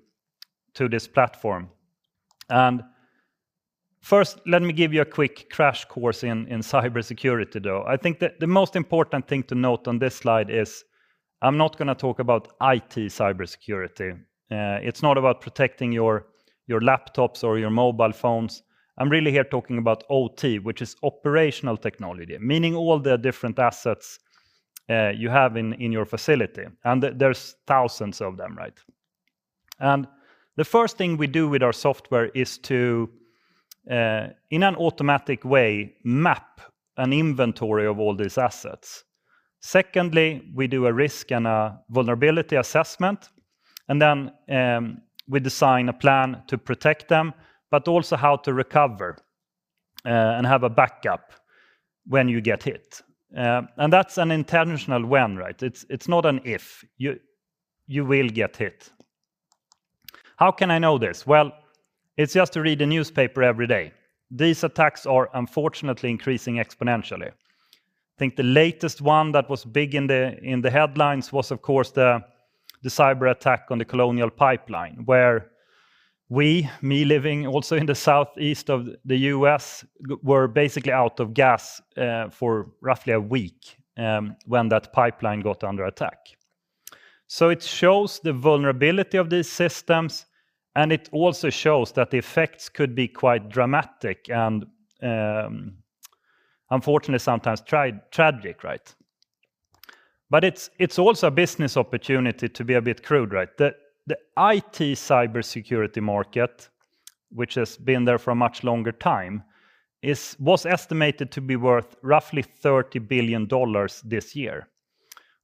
this platform. First, let me give you a quick crash course in cybersecurity, though. I think that the most important thing to note on this slide is I'm not going to talk about IT cybersecurity. It's not about protecting your laptops or your mobile phones. I'm really here talking about OT, which is operational technology, meaning all the different assets you have in your facility. There's thousands of them. The first thing we do with our software is to, in an automatic way, map an inventory of all these assets. Secondly, we do a risk and a vulnerability assessment, then we design a plan to protect them, but also how to recover and have a backup when you get hit. That's an intentional when. It's not an if. You will get hit. How can I know this? Well, it's just to read the newspaper every day. These attacks are unfortunately increasing exponentially. I think the latest one that was big in the headlines was, of course, the cyberattack on the Colonial Pipeline, where we, me living also in the southeast of the U.S., were basically out of gas for roughly a week when that pipeline got under attack. It shows the vulnerability of these systems, and it also shows that the effects could be quite dramatic and, unfortunately, sometimes tragic. It's also a business opportunity to be a bit crude. The IT cybersecurity market, which has been there for a much longer time, was estimated to be worth roughly $30 billion this year.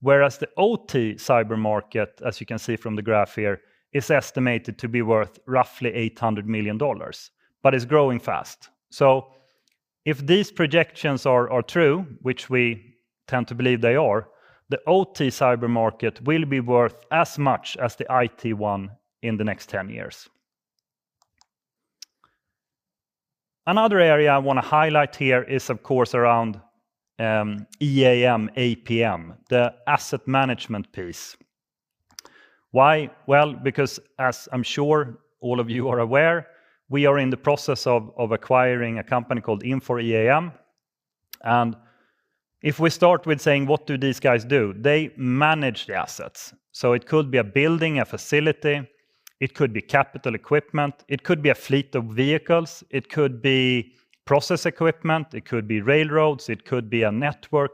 Whereas the OT cyber market, as you can see from the graph here, is estimated to be worth roughly $800 million, but is growing fast. If these projections are true, which we tend to believe they are, the OT cyber market will be worth as much as the IT one in the next 10 years. Another area I want to highlight here is, of course, around EAM/APM, the asset management piece. Why? Well, because as I'm sure all of you are aware, we are in the process of acquiring a company called Infor EAM. If we start with saying, what do these guys do? They manage the assets. It could be a building, a facility, it could be capital equipment, it could be a fleet of vehicles, it could be process equipment, it could be railroads, it could be a network.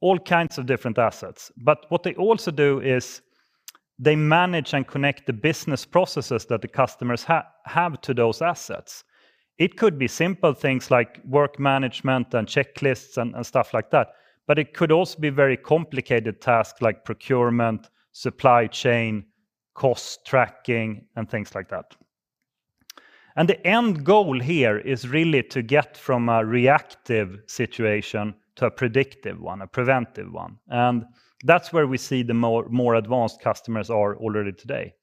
All kinds of different assets. What they also do is they manage and connect the business processes that the customers have to those assets. It could be simple things like work management and checklists and stuff like that, but it could also be very complicated tasks like procurement, supply chain, cost tracking, and things like that. The end goal here is really to get from a reactive situation to a predictive one, a preventive one. That's where we see the more advanced customers are already today.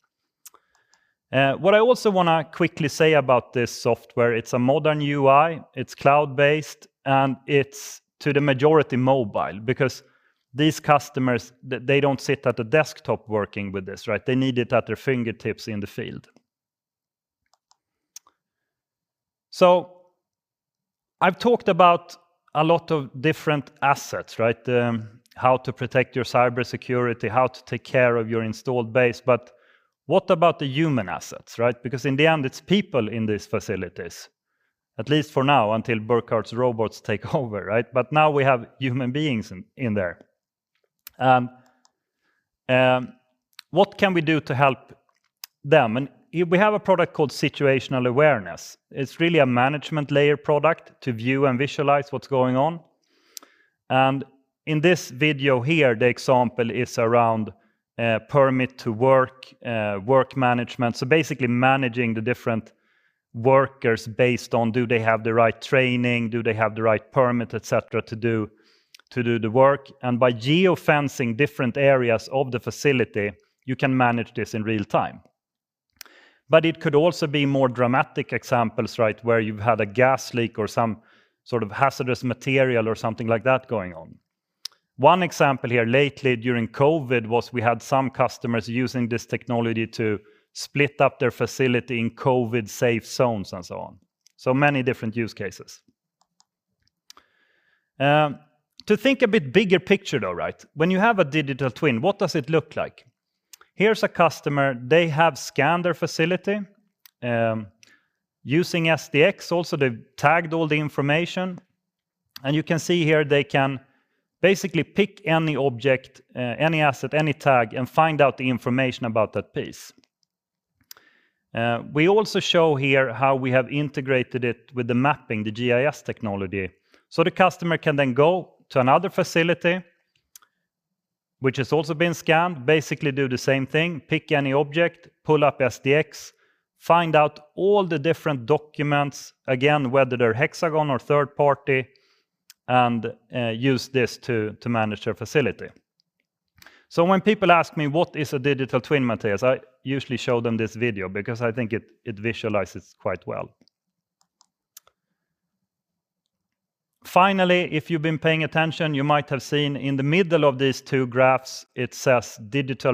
What I also want to quickly say about this software, it's a modern UI, it's cloud-based, and it's, to the majority, mobile because these customers, they don't sit at a desktop working with this. They need it at their fingertips in the field. I've talked about a lot of different assets. How to protect your cybersecurity, how to take care of your installed base. What about the human assets? In the end, it's people in these facilities, at least for now, until Burkhard's robots take over. Now we have human beings in there. What can we do to help them? We have a product called Situational Awareness. It's really a management layer product to view and visualize what's going on. In this video here, the example is around permit to work management. Basically managing the different workers based on do they have the right training, do they have the right permit, et cetera, to do the work. By geo-fencing different areas of the facility, you can manage this in real time. It could also be more dramatic examples where you've had a gas leak or some sort of hazardous material or something like that going on. One example here lately during COVID was we had some customers using this technology to split up their facility in COVID safe zones and so on. Many different use cases. To think a bit bigger picture, though. When you have a digital twin, what does it look like? Here's a customer. They have scanned their facility, using SDx also, they've tagged all the information, and you can see here they can basically pick any object, any asset, any tag, and find out the information about that piece. We also show here how we have integrated it with the mapping, the GIS technology. The customer can then go to another facility which has also been scanned, basically do the same thing, pick any object, pull up SDx, find out all the different documents, again, whether they're Hexagon or third party, and use this to manage their facility. When people ask me, "What is a digital twin, Mattias?" I usually show them this video because I think it visualizes quite well. Finally, if you've been paying attention, you might have seen in the middle of these two graphs, it says "Digital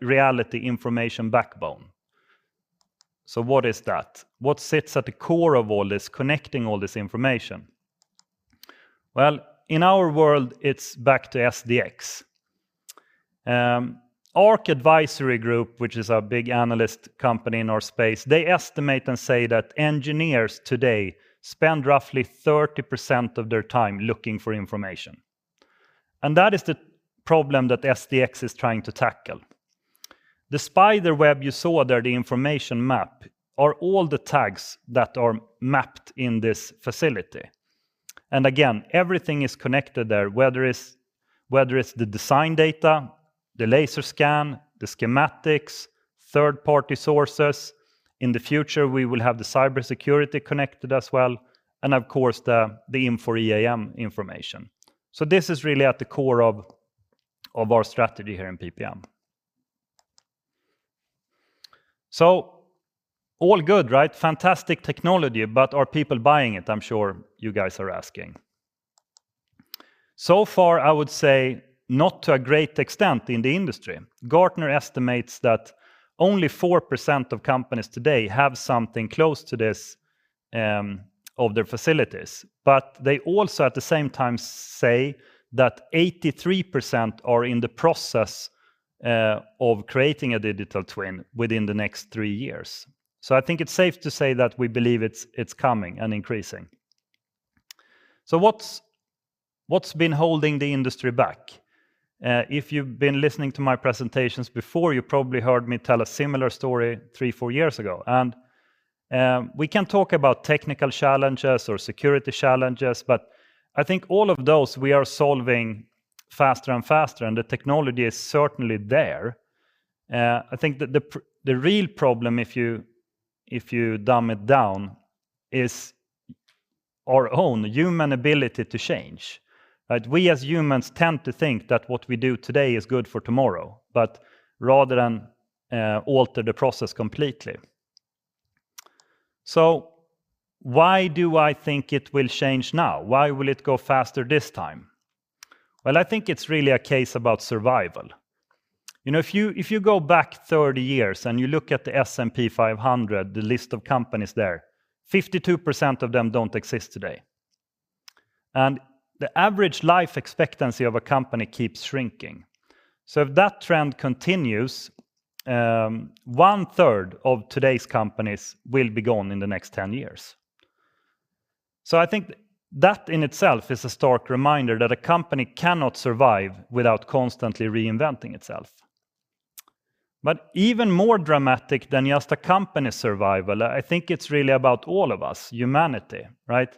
reality information backbone." What is that? What sits at the core of all this, connecting all this information? Well, in our world, it's back to SDx. ARC Advisory Group, which is a big analyst company in our space, they estimate and say that engineers today spend roughly 30% of their time looking for information. That is the problem that SDx is trying to tackle. The spider web you saw there, the information map, are all the tags that are mapped in this facility. Again, everything is connected there, whether it's the design data, the laser scan, the schematics, third-party sources. In the future, we will have the cybersecurity connected as well, and of course, the Infor EAM information. This is really at the core of our strategy here in PPM. All good. Fantastic technology, are people buying it? I'm sure you guys are asking. So far, I would say not to a great extent in the industry. Gartner estimates that only 4% of companies today have something close to this of their facilities. They also, at the same time, say that 83% are in the process of creating a digital twin within the next three years. I think it's safe to say that we believe it's coming and increasing. What's been holding the industry back? If you've been listening to my presentations before, you probably heard me tell a similar story three, four years ago. We can talk about technical challenges or security challenges, but I think all of those we are solving faster and faster, and the technology is certainly there. I think that the real problem, if you dumb it down, is our own human ability to change, right? We as humans tend to think that what we do today is good for tomorrow. Why do I think it will change now? Why will it go faster this time? Well, I think it's really a case about survival. If you go back 30 years and you look at the S&P 500, the list of companies there, 52% of them don't exist today. The average life expectancy of a company keeps shrinking. If that trend continues, one third of today's companies will be gone in the next 10 years. I think that in itself is a stark reminder that a company cannot survive without constantly reinventing itself. Even more dramatic than just a company's survival, I think it's really about all of us, humanity, right?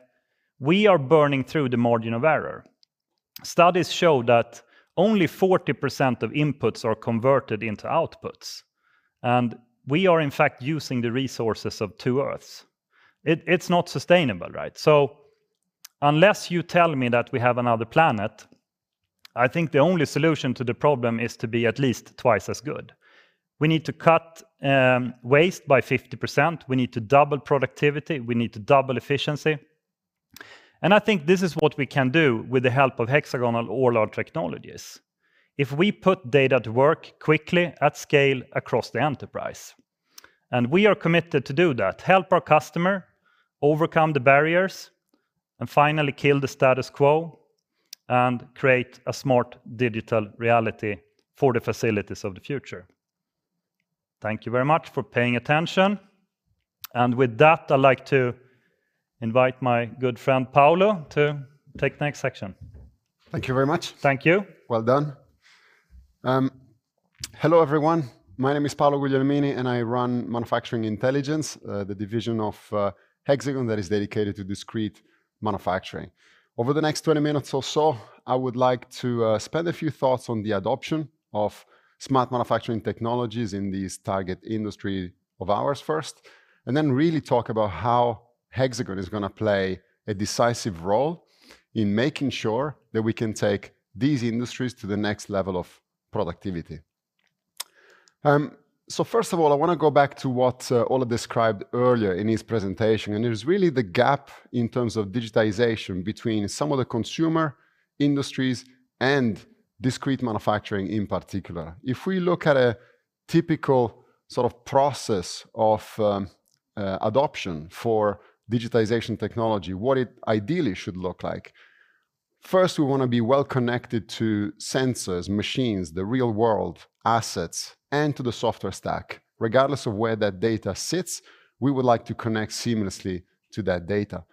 We are burning through the margin of error. Studies show that only 40% of inputs are converted into outputs, and we are in fact using the resources of two earths. It's not sustainable, right? Unless you tell me that we have another planet, I think the only solution to the problem is to be at least twice as good. We need to cut waste by 50%. We need to double productivity. We need to double efficiency. I think this is what we can do with the help of Hexagon and all our technologies if we put data to work quickly at scale across the enterprise. We are committed to do that, help our customer overcome the barriers and finally kill the status quo and create a smart digital reality for the facilities of the future. Thank you very much for paying attention. With that, I'd like to invite my good friend Paolo to take the next section. Thank you very much. Thank you. Well done. Hello, everyone. My name is Paolo Guglielmini, and I run Manufacturing Intelligence, the division of Hexagon that is dedicated to discrete manufacturing. Over the next 20 minutes or so, I would like to spend a few thoughts on the adoption of smart manufacturing technologies in this target industry of ours first, and then really talk about how Hexagon is going to play a decisive role in making sure that we can take these industries to the next level of productivity. First of all, I want to go back to what Ola described earlier in his presentation, and it is really the gap in terms of digitization between some of the consumer industries and discrete manufacturing in particular. If we look at a typical sort of process of adoption for digitization technology, what it ideally should look like. First, we want to be well-connected to sensors, machines, the real-world assets, and to the software stack. Regardless of where that data sits, we would like to connect seamlessly to that data.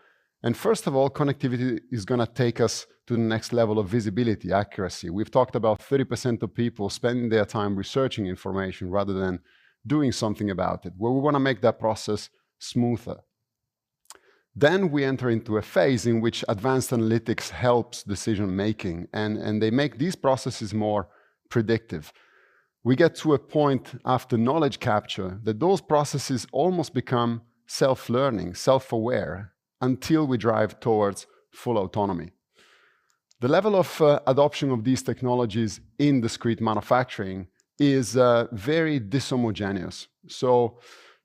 First of all, connectivity is going to take us to the next level of visibility accuracy. We've talked about 30% of people spending their time researching information rather than doing something about it, where we want to make that process smoother. We enter into a phase in which advanced analytics helps decision-making, and they make these processes more predictive. We get to a point after knowledge capture that those processes almost become self-learning, self-aware, until we drive towards full autonomy. The level of adoption of these technologies in discrete manufacturing is very dishomogeneous.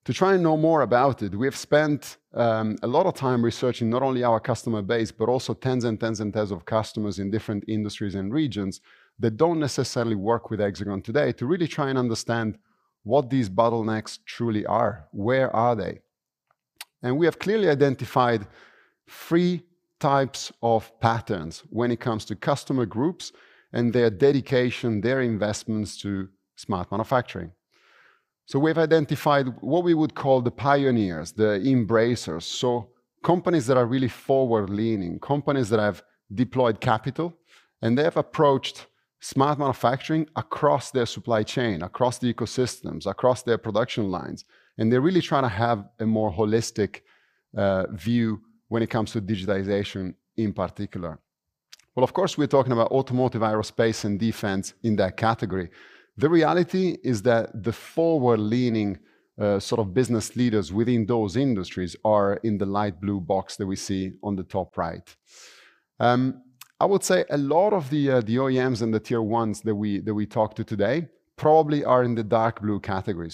To try and know more about it, we have spent a lot of time researching not only our customer base, but also 10s and 10s and 10s of customers in different industries and regions that don't necessarily work with Hexagon today to really try and understand what these bottlenecks truly are. Where are they? We have clearly identified three types of patterns when it comes to customer groups and their dedication, their investments to smart manufacturing. We've identified what we would call the pioneers, the embracers. Companies that are really forward-leaning, companies that have deployed capital, and they have approached smart manufacturing across their supply chain, across the ecosystems, across their production lines. They're really trying to have a more holistic view when it comes to digitization in particular. Of course, we're talking about automotive, aerospace, and defense in that category. The reality is that the forward-leaning sort of business leaders within those industries are in the light blue box that we see on the top right. I would say a lot of the OEMs and the tier 1s that we talked to today probably are in the dark blue category.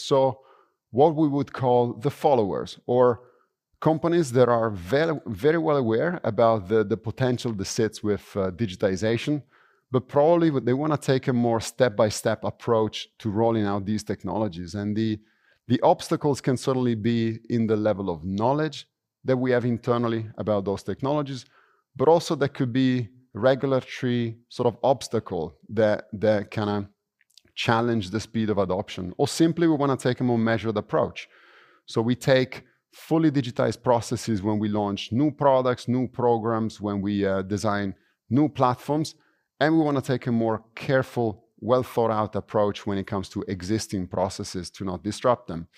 What we would call the followers or companies that are very well aware about the potential that sits with digitization. Probably they want to take a more step-by-step approach to rolling out these technologies. The obstacles can certainly be in the level of knowledge that we have internally about those technologies. Also there could be regulatory sort of obstacle that kind of challenge the speed of adoption. Simply we want to take a more measured approach. We take fully digitized processes when we launch new products, new programs, when we design new platforms, and we want to take a more careful, well-thought-out approach when it comes to existing processes to not disrupt them.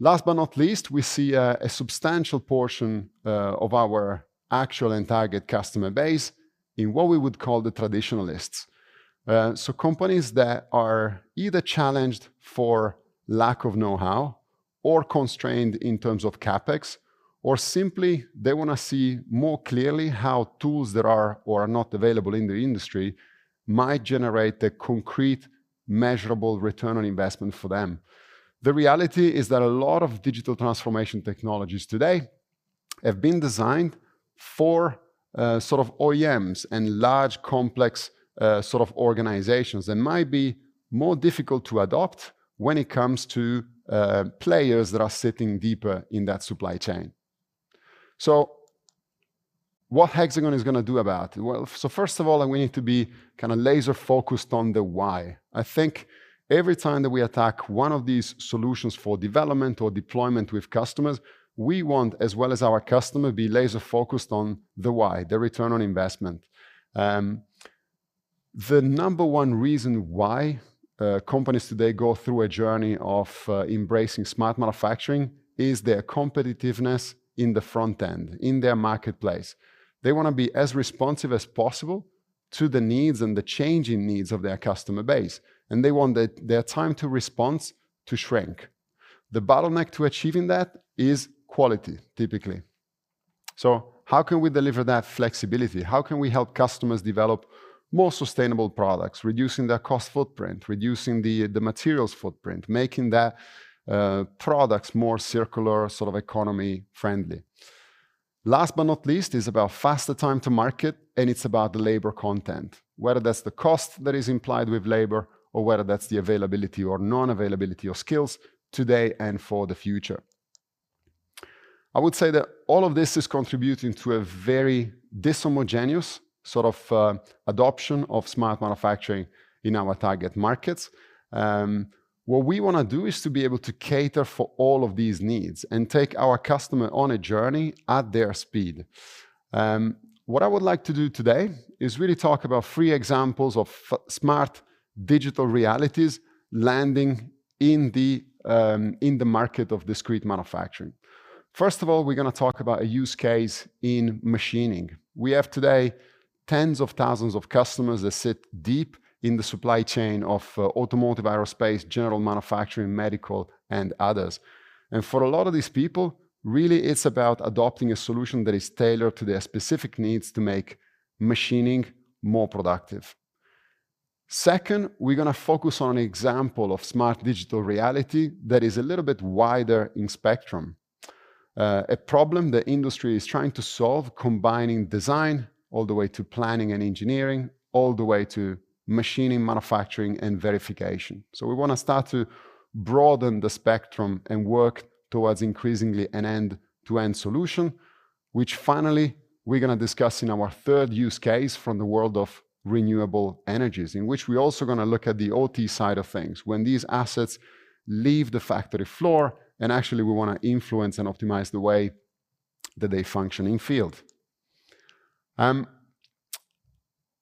Last but not least, we see a substantial portion of our actual and target customer base in what we would call the traditionalists. Companies that are either challenged for lack of know-how or constrained in terms of CapEx, or simply they want to see more clearly how tools that are or are not available in the industry might generate a concrete, measurable return on investment for them. The reality is that a lot of digital transformation technologies today have been designed for sort of OEMs and large, complex sort of organizations, and might be more difficult to adopt when it comes to players that are sitting deeper in that supply chain. What Hexagon is going to do about it? Well, first of all, we need to be laser focused on the why. I think every time that we attack one of these solutions for development or deployment with customers, we want, as well as our customer, be laser focused on the why, the return on investment. The number one reason why companies today go through a journey of embracing smart manufacturing is their competitiveness in the front end, in their marketplace. They want to be as responsive as possible to the needs and the changing needs of their customer base, and they want their time to response to shrink. The bottleneck to achieving that is quality, typically. How can we deliver that flexibility? How can we help customers develop more sustainable products, reducing their cost footprint, reducing the materials footprint, making their products more circular economy friendly? Last but not least, is about faster time to market, and it's about the labor content. Whether that's the cost that is implied with labor or whether that's the availability or non-availability of skills today and for the future. I would say that all of this is contributing to a very dishomogeneous sort of adoption of smart manufacturing in our target markets. What we want to do is to be able to cater for all of these needs and take our customer on a journey at their speed. What I would like to do today is really talk about three examples of smart digital realities landing in the market of discrete manufacturing. First of all, we're going to talk about a use case in machining. We have today tens of thousands of customers that sit deep in the supply chain of automotive, aerospace, general manufacturing, medical and others. For a lot of these people, really it's about adopting a solution that is tailored to their specific needs to make machining more productive. Second, we're going to focus on an example of smart digital reality that is a little bit wider in spectrum. A problem the industry is trying to solve, combining design all the way to planning and engineering, all the way to machining, manufacturing and verification. We want to start to broaden the spectrum and work towards increasingly an end-to-end solution, which finally, we're going to discuss in our third use case from the world of renewable energies, in which we're also going to look at the OT side of things. When these assets leave the factory floor and actually we want to influence and optimize the way that they function in field.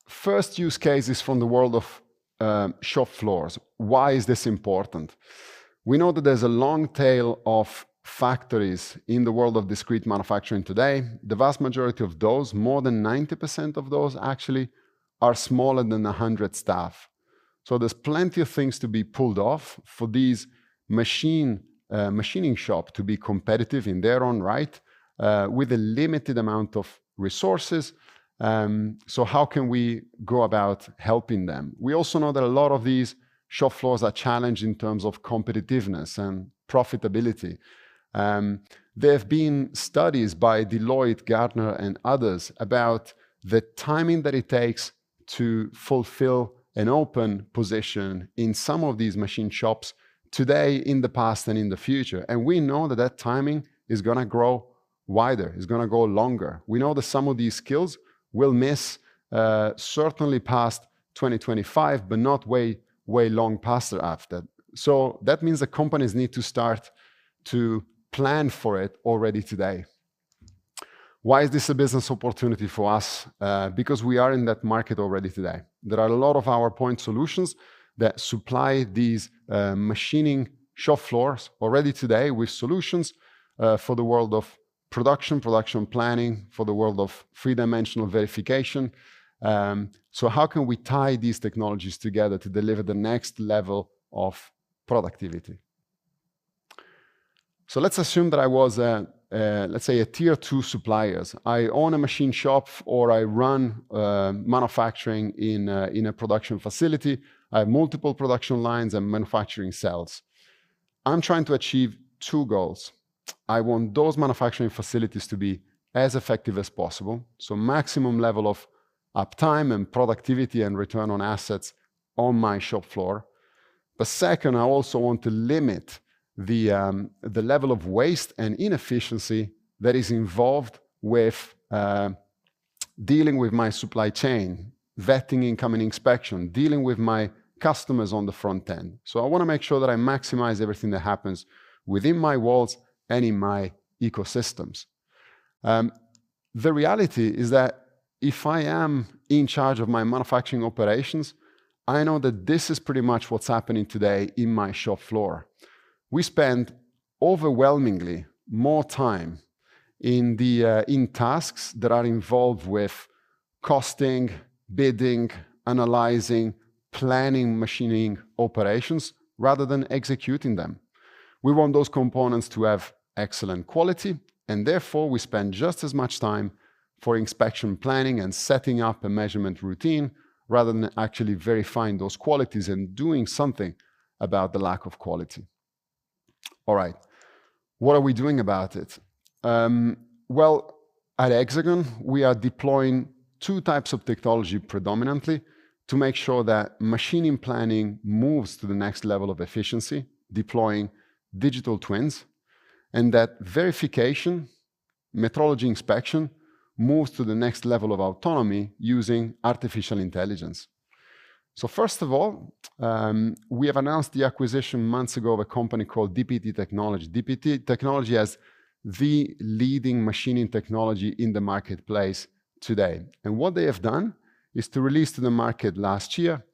First use case is from the world of shop floors. Why is this important? We know that there's a long tail of factories in the world of discrete manufacturing today. The vast majority of those, more than 90% of those actually, are smaller than 100 staff. There's plenty of things to be pulled off for these machining shop to be competitive in their own right, with a limited amount of resources. How can we go about helping them? We also know that a lot of these shop floors are challenged in terms of competitiveness and profitability. There have been studies by Deloitte, Gartner, and others about the timing that it takes to fulfill an open position in some of these machine shops today, in the past, and in the future. We know that that timing is going to grow wider, is going to go longer. We know that some of these skills will miss, certainly past 2025, but not way long past after. That means that companies need to start to plan for it already today. Why is this a business opportunity for us? Because we are in that market already today. There are a lot of our point solutions that supply these machining shop floors already today with solutions for the world of production planning, for the world of three-dimensional verification. How can we tie these technologies together to deliver the next level of productivity? Let's assume that I was, let's say, a tier two suppliers. I own a machine shop, or I run manufacturing in a production facility. I have multiple production lines and manufacturing cells. I'm trying to achieve two goals. I want those manufacturing facilities to be as effective as possible, so maximum level of uptime and productivity and return on assets on my shop floor. Second, I also want to limit the level of waste and inefficiency that is involved with dealing with my supply chain, vetting incoming inspection, dealing with my customers on the front end. I want to make sure that I maximize everything that happens within my walls and in my ecosystems. The reality is that if I am in charge of my manufacturing operations, I know that this is pretty much what's happening today in my shop floor. We spend overwhelmingly more time in tasks that are involved with costing, bidding, analyzing, planning, machining operations, rather than executing them. We want those components to have excellent quality. Therefore, we spend just as much time for inspection planning and setting up a measurement routine rather than actually verifying those qualities and doing something about the lack of quality. All right. What are we doing about it? Well, at Hexagon, we are deploying two types of technology predominantly to make sure that machining planning moves to the next level of efficiency, deploying digital twins, and that verification, metrology inspection, moves to the next level of autonomy using artificial intelligence. First of all, we have announced the acquisition months ago of a company called DP Technology. DP Technology has the leading machining technology in the marketplace today. What they have done is to release to the market last year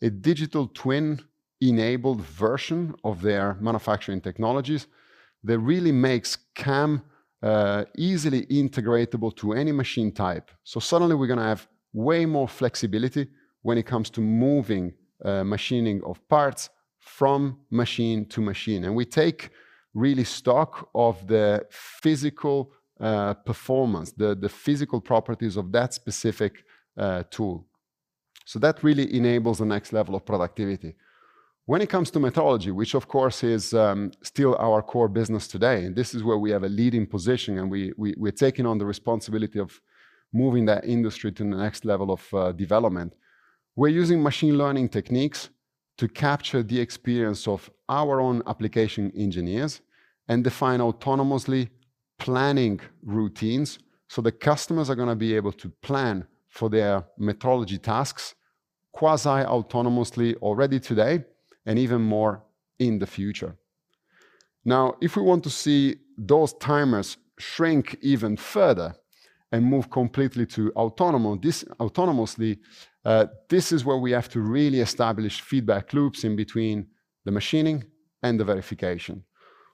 a digital twin-enabled version of their manufacturing technologies that really makes CAM easily integratable to any machine type. Suddenly, we're going to have way more flexibility when it comes to moving machining of parts from machine to machine. We take really stock of the physical performance, the physical properties of that specific tool. That really enables the next level of productivity. When it comes to metrology, which of course is still our core business today, and this is where we have a leading position and we're taking on the responsibility of moving that industry to the next level of development. We're using machine learning techniques to capture the experience of our own application engineers and define autonomously planning routines so that customers are going to be able to plan for their metrology tasks quasi-autonomously already today, and even more in the future. If we want to see those timers shrink even further and move completely to autonomously, this is where we have to really establish feedback loops in between the machining and the verification.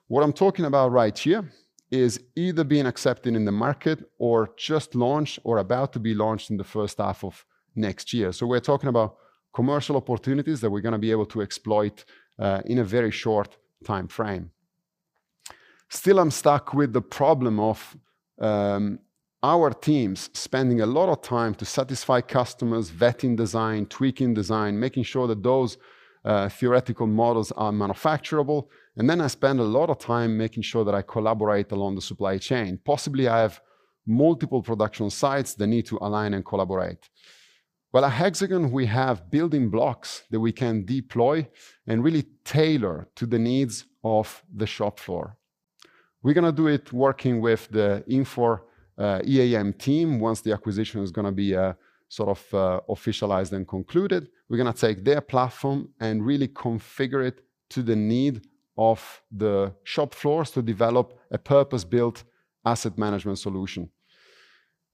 What I'm talking about right here is either being accepted in the market or just launched or about to be launched in the first half of next year. We're talking about commercial opportunities that we're going to be able to exploit in a very short timeframe. I'm stuck with the problem of our teams spending a lot of time to satisfy customers, vetting design, tweaking design, making sure that those theoretical models are manufacturable, and then I spend a lot of time making sure that I collaborate along the supply chain. Possibly, I have multiple production sites that need to align and collaborate. At Hexagon, we have building blocks that we can deploy and really tailor to the needs of the shop floor. We're going to do it working with the Infor EAM team once the acquisition is going to be sort of officialized and concluded. We're going to take their platform and really configure it to the need of the shop floors to develop a purpose-built asset management solution.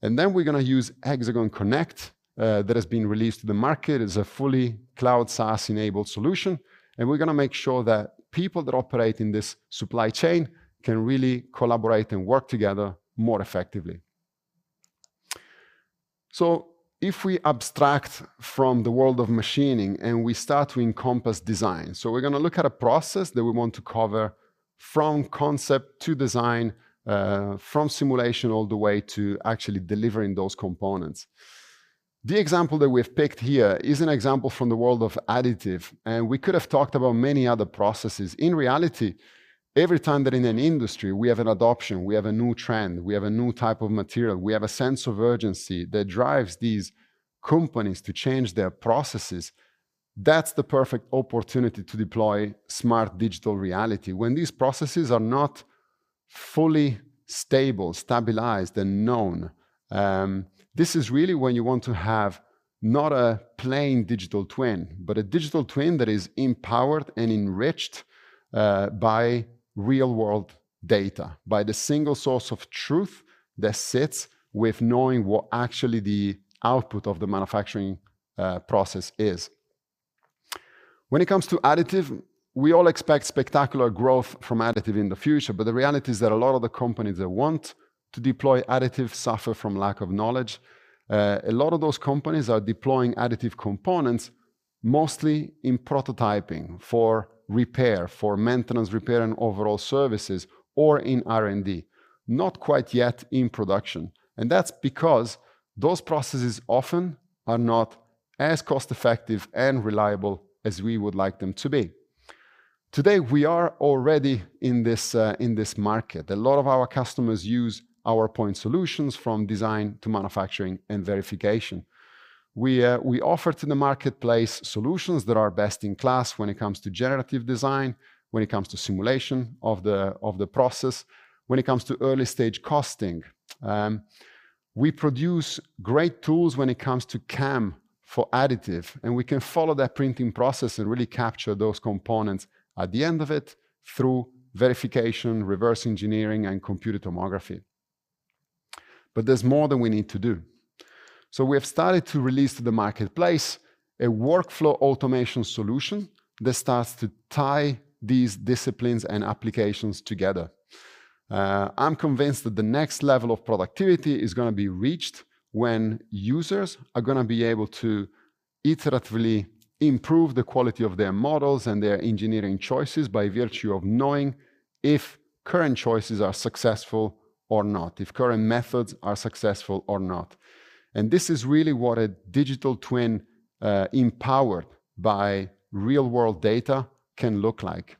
Then we're going to use HxGN Connect that has been released to the market as a fully cloud SaaS-enabled solution, and we're going to make sure that people that operate in this supply chain can really collaborate and work together more effectively. If we abstract from the world of machining and we start to encompass design, so we're going to look at a process that we want to cover from concept to design, from simulation all the way to actually delivering those components. The example that we've picked here is an example from the world of additive, and we could have talked about many other processes. In reality, every time that in an industry we have an adoption, we have a new trend, we have a new type of material, we have a sense of urgency that drives these companies to change their processes, that's the perfect opportunity to deploy smart digital reality. When these processes are not fully stabilized and known, this is really when you want to have not a plain digital twin, but a digital twin that is empowered and enriched by real-world data, by the single source of truth that sits with knowing what actually the output of the manufacturing process is. When it comes to additive, we all expect spectacular growth from additive in the future. The reality is that a lot of the companies that want to deploy additive suffer from lack of knowledge. A lot of those companies are deploying additive components, mostly in prototyping for repair, for maintenance repair and overall services, or in R&D. Not quite yet in production. That's because those processes often are not as cost-effective and reliable as we would like them to be. Today, we are already in this market. A lot of our customers use our point solutions from design to manufacturing and verification. We offer to the marketplace solutions that are best in class when it comes to generative design, when it comes to simulation of the process, when it comes to early-stage costing. We produce great tools when it comes to CAM for additive, and we can follow that printing process and really capture those components at the end of it through verification, reverse engineering, and computer tomography. There's more that we need to do. We have started to release to the marketplace a workflow automation solution that starts to tie these disciplines and applications together. I'm convinced that the next level of productivity is going to be reached when users are going to be able to iteratively improve the quality of their models and their engineering choices by virtue of knowing if current choices are successful or not, if current methods are successful or not. This is really what a digital twin empowered by real-world data can look like.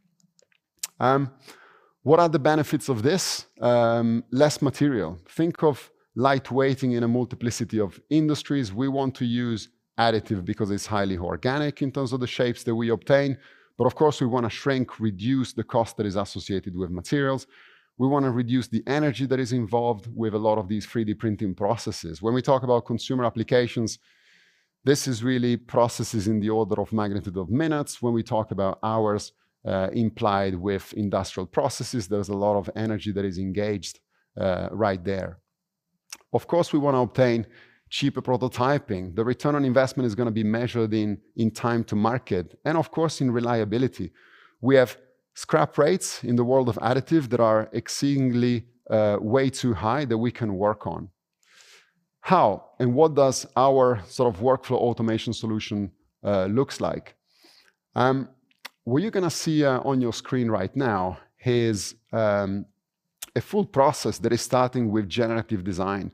What are the benefits of this? Less material. Think of lightweighting in a multiplicity of industries. We want to use additive because it's highly organic in terms of the shapes that we obtain. Of course, we want to shrink, reduce the cost that is associated with materials. We want to reduce the energy that is involved with a lot of these 3D printing processes. When we talk about consumer applications, this is really processes in the order of magnitude of minutes. When we talk about hours implied with industrial processes, there is a lot of energy that is engaged right there. Of course, we want to obtain cheaper prototyping. The return on investment is going to be measured in time to market and of course in reliability. We have scrap rates in the world of additive that are exceedingly way too high that we can work on. How and what does our sort of workflow automation solution looks like? What you're going to see on your screen right now is a full process that is starting with generative design.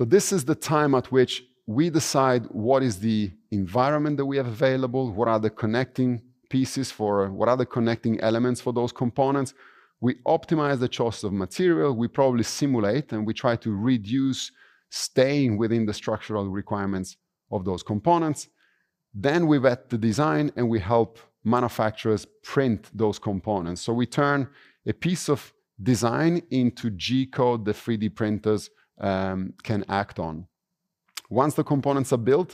This is the time at which we decide what is the environment that we have available, what are the connecting pieces for, what are the connecting elements for those components. We optimize the choice of material, we probably simulate, and we try to reduce staying within the structural requirements of those components. We vet the design, and we help manufacturers print those components. We turn a piece of design into G-code the 3D printers can act on. Once the components are built,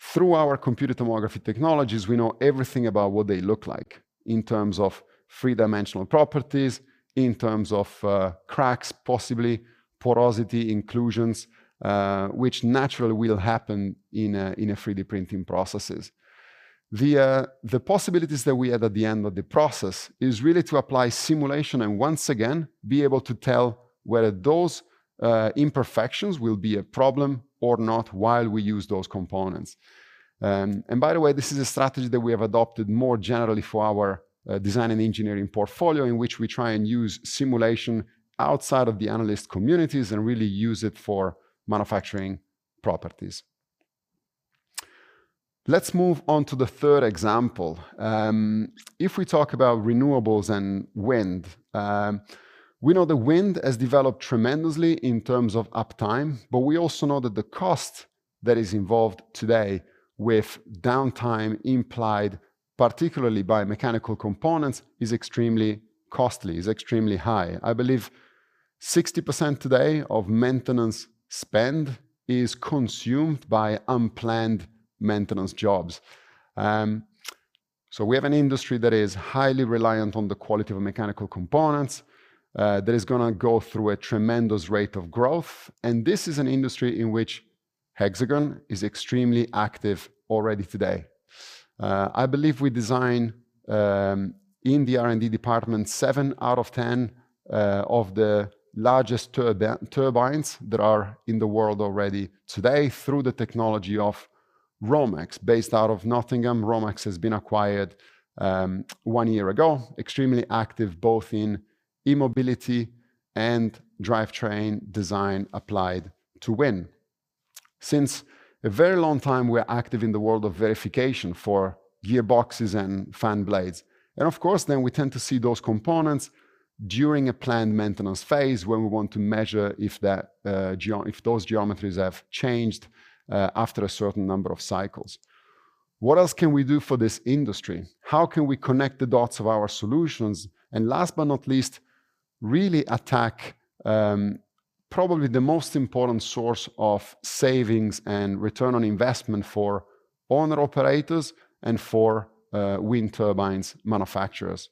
through our computed tomography technologies, we know everything about what they look like in terms of three-dimensional properties, in terms of cracks, possibly porosity inclusions, which naturally will happen in a 3D printing processes. The possibilities that we have at the end of the process is really to apply simulation and once again, be able to tell whether those imperfections will be a problem or not while we use those components. By the way, this is a strategy that we have adopted more generally for our design and engineering portfolio in which we try and use simulation outside of the analyst communities and really use it for manufacturing properties. Let's move on to the third example. If we talk about renewables and wind, we know the wind has developed tremendously in terms of uptime, but we also know that the cost that is involved today with downtime implied particularly by mechanical components, is extremely costly, is extremely high. I believe 60% today of maintenance spend is consumed by unplanned maintenance jobs. We have an industry that is highly reliant on the quality of mechanical components, that is going to go through a tremendous rate of growth, and this is an industry in which Hexagon is extremely active already today. I believe we design, in the R&D department, seven out of 10 of the largest turbines that are in the world already today through the technology of Romax. Based out of Nottingham, Romax has been acquired one year ago. Extremely active both in e-mobility and drivetrain design applied to wind. Since a very long time, we're active in the world of verification for gearboxes and fan blades. Of course, then we tend to see those components during a planned maintenance phase when we want to measure if those geometries have changed after a certain number of cycles. What else can we do for this industry? How can we connect the dots of our solutions and last but not least, really attack probably the most important source of savings and return on investment for owner-operators and for wind turbines manufacturers?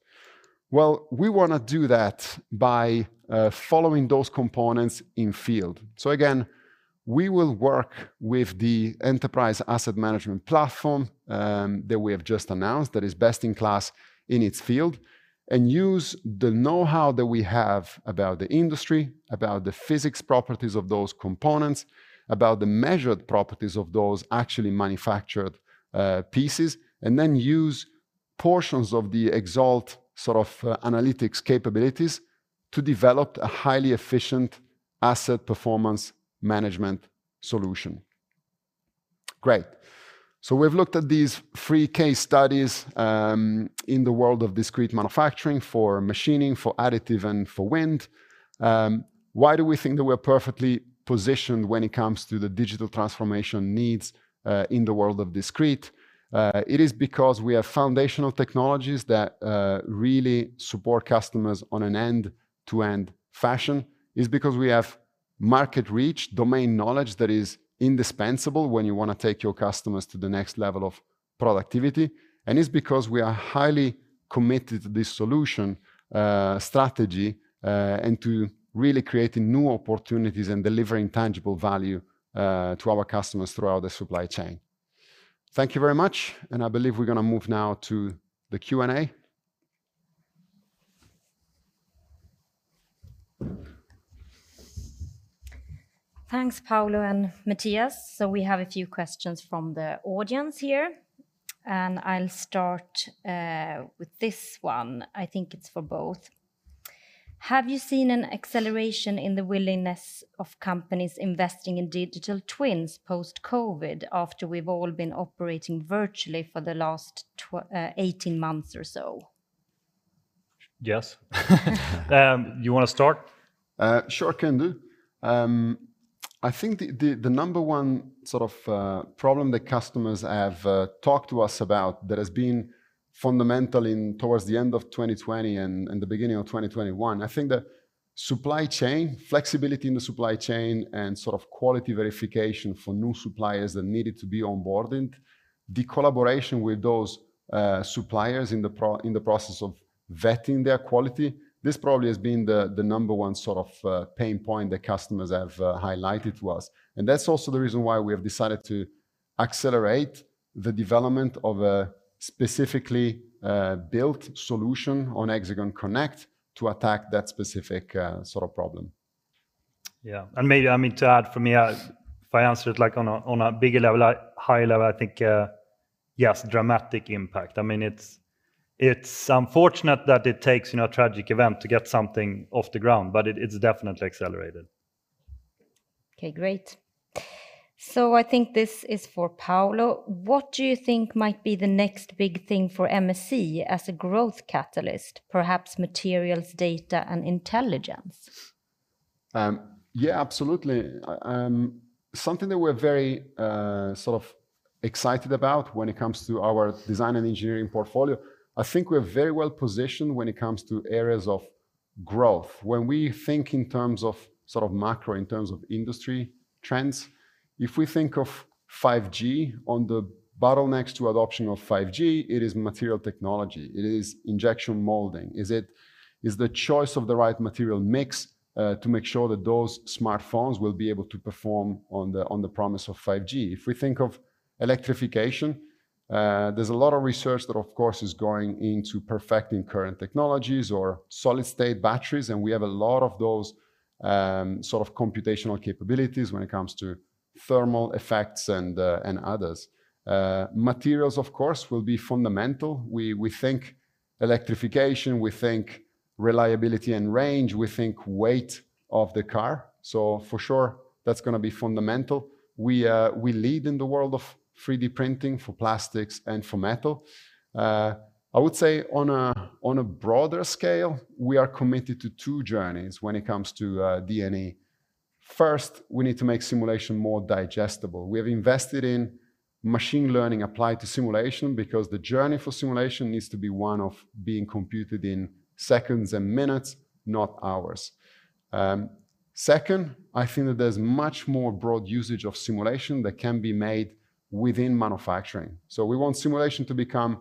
Well, we want to do that by following those components in field. Again, we will work with the enterprise asset management platform that we have just announced that is best in class in its field, and use the knowhow that we have about the industry, about the physics properties of those components, about the measured properties of those actually manufactured pieces, and then use portions of the XALT sort of analytics capabilities to develop a highly efficient asset performance management solution. Great. We've looked at these three case studies in the world of discrete manufacturing for machining, for additive, and for wind. Why do we think that we're perfectly positioned when it comes to the digital transformation needs in the world of discrete? It is because we have foundational technologies that really support customers on an end-to-end fashion. It's because we have market reach, domain knowledge that is indispensable when you want to take your customers to the next level of productivity. It's because we are highly committed to this solution strategy and to really creating new opportunities and delivering tangible value to our customers throughout the supply chain. Thank you very much, and I believe we're going to move now to the Q&A. Thanks, Paolo and Mattias. We have a few questions from the audience here, and I'll start with this one. I think it's for both. Have you seen an acceleration in the willingness of companies investing in digital twins post-COVID after we've all been operating virtually for the last 18 months or so? Yes. You want to start? Sure, can do. I think the number one sort of problem that customers have talked to us about that has been fundamental towards the end of 2020 and the beginning of 2021, I think that supply chain, flexibility in the supply chain, and sort of quality verification for new suppliers that needed to be onboarded, the collaboration with those suppliers in the process of vetting their quality. This probably has been the number one sort of pain point that customers have highlighted to us. That's also the reason why we have decided to accelerate the development of a specifically built solution on HxGN Connect to attack that specific sort of problem. Yeah, maybe, to add from me, if I answer it on a bigger level, higher level, I think, yes, dramatic impact. It's unfortunate that it takes a tragic event to get something off the ground. It's definitely accelerated. Okay, great. I think this is for Paolo. What do you think might be the next big thing for MSC as a growth catalyst, perhaps materials, data, and intelligence? Yeah, absolutely. Something that we're very sort of excited about when it comes to our design and engineering portfolio, I think we're very well positioned when it comes to areas of growth. When we think in terms of sort of macro, in terms of industry trends, if we think of 5G, on the bottlenecks to adoption of 5G, it is material technology. It is injection molding. It is the choice of the right material mix to make sure that those smartphones will be able to perform on the promise of 5G. If we think of electrification, there's a lot of research that, of course, is going into perfecting current technologies or solid-state batteries, and we have a lot of those sort of computational capabilities when it comes to thermal effects and others. Materials, of course, will be fundamental. We think electrification, we think reliability and range, we think weight of the car. For sure, that's going to be fundamental. We lead in the world of 3D printing for plastics and for metal. I would say on a broader scale, we are committed to two journeys when it comes to D&A. First, we need to make simulation more digestible. We have invested in machine learning applied to simulation because the journey for simulation needs to be one of being computed in seconds and minutes, not hours. Second, I think that there's much more broad usage of simulation that can be made within manufacturing. We want simulation to become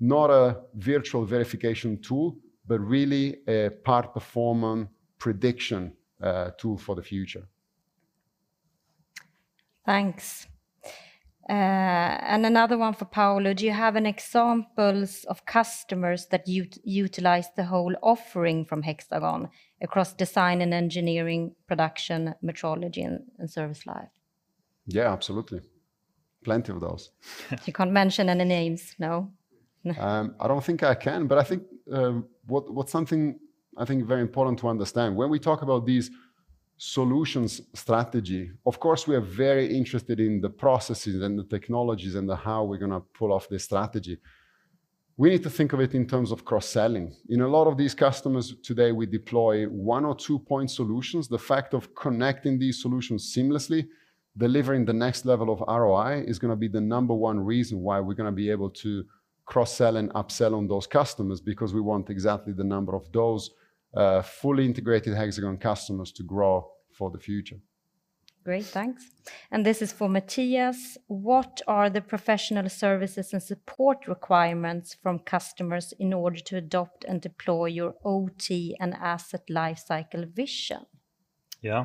not a virtual verification tool, but really a part performance prediction tool for the future. Thanks. Another one for Paolo, do you have an example of customers that utilize the whole offering from Hexagon across design and engineering, production, metrology, and service life? Yeah, absolutely. Plenty of those. You can't mention any names, no? I don't think I can, but I think what's something I think very important to understand, when we talk about these solutions strategy, of course, we are very interested in the processes and the technologies and the how we're going to pull off the strategy. We need to think of it in terms of cross-selling. In a lot of these customers today, we deploy one or two-point solutions. The fact of connecting these solutions seamlessly, delivering the next level of ROI, is going to be the number one reason why we're going to be able to cross-sell and upsell on those customers because we want exactly the number of those fully integrated Hexagon customers to grow for the future. Great, thanks. This is for Mattias. What are the professional services and support requirements from customers in order to adopt and deploy your OT and asset lifecycle vision? Yeah.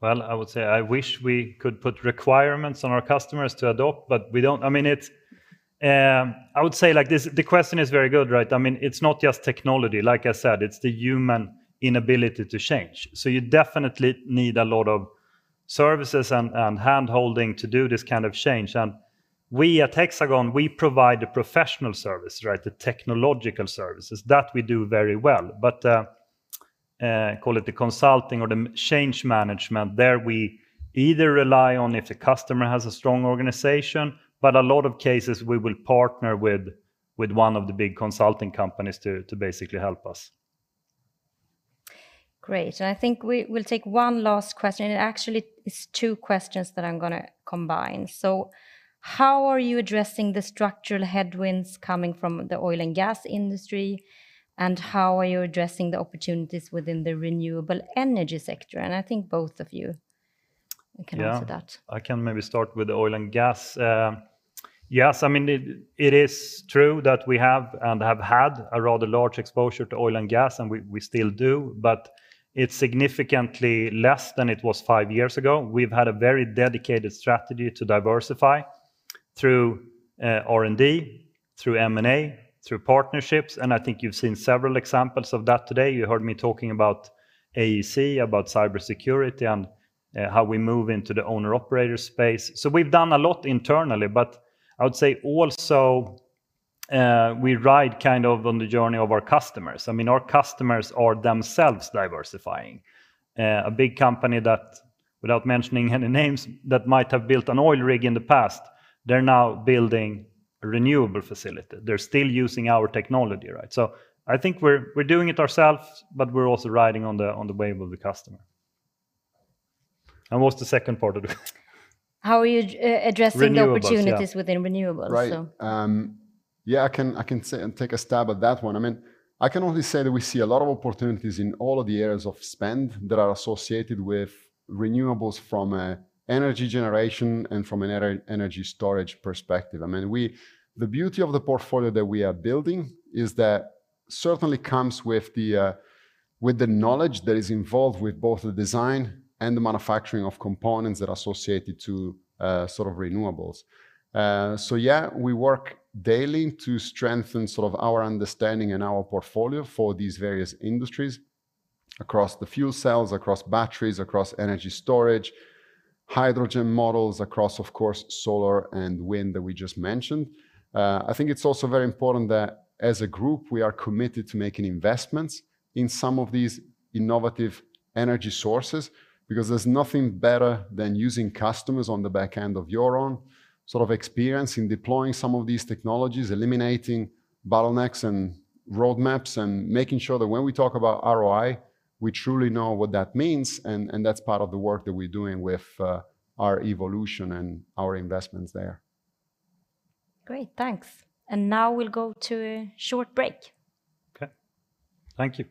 Well, I would say I wish we could put requirements on our customers to adopt, but we don't. I would say the question is very good, right? It's not just technology. Like I said, it's the human inability to change. You definitely need a lot of services and hand-holding to do this kind of change, and we at Hexagon, we provide the professional service, right? The technological services. That we do very well. Call it the consulting or the change management, there we either rely on if the customer has a strong organization, but a lot of cases, we will partner with one of the big consulting companies to basically help us. Great. I think we'll take one last question. It actually is two questions that I am going to combine. How are you addressing the structural headwinds coming from the oil and gas industry, and how are you addressing the opportunities within the renewable energy sector? I think both of you. I can answer that. I can maybe start with oil and gas. Yes, it is true that we have and have had a rather large exposure to oil and gas, and we still do, but it's significantly less than it was five years ago. We've had a very dedicated strategy to diversify through R&D, through M&A, through partnerships. I think you've seen several examples of that today. You heard me talking about AEC, about cybersecurity, and how we move into the owner/operator space. We've done a lot internally, but I would say also we ride on the journey of our customers. Our customers are themselves diversifying. A big company that, without mentioning any names, that might have built an oil rig in the past, they're now building a renewable facility. They're still using our technology. I think we're doing it ourselves, but we're also riding on the wave of the customer. What's the second part of the question? How are you? Renewables, yeah. opportunities within renewables? Right. I can take a stab at that one. I can only say that we see a lot of opportunities in all of the areas of spend that are associated with renewables from an energy generation and from an energy storage perspective. The beauty of the portfolio that we are building is that certainly comes with the knowledge that is involved with both the design and the manufacturing of components that are associated to renewables. Yeah, we work daily to strengthen our understanding and our portfolio for these various industries across the fuel cells, across batteries, across energy storage, hydrogen models, across, of course, solar and wind that we just mentioned. I think it is also very important that as a group, we are committed to making investments in some of these innovative energy sources, because there is nothing better than using customers on the back end of your own experience in deploying some of these technologies, eliminating bottlenecks and roadmaps, and making sure that when we talk about ROI, we truly know what that means, and that is part of the work that we are doing with R-evolution and our investments there. Great, thanks. Now we'll go to a short break. Okay. Thank you.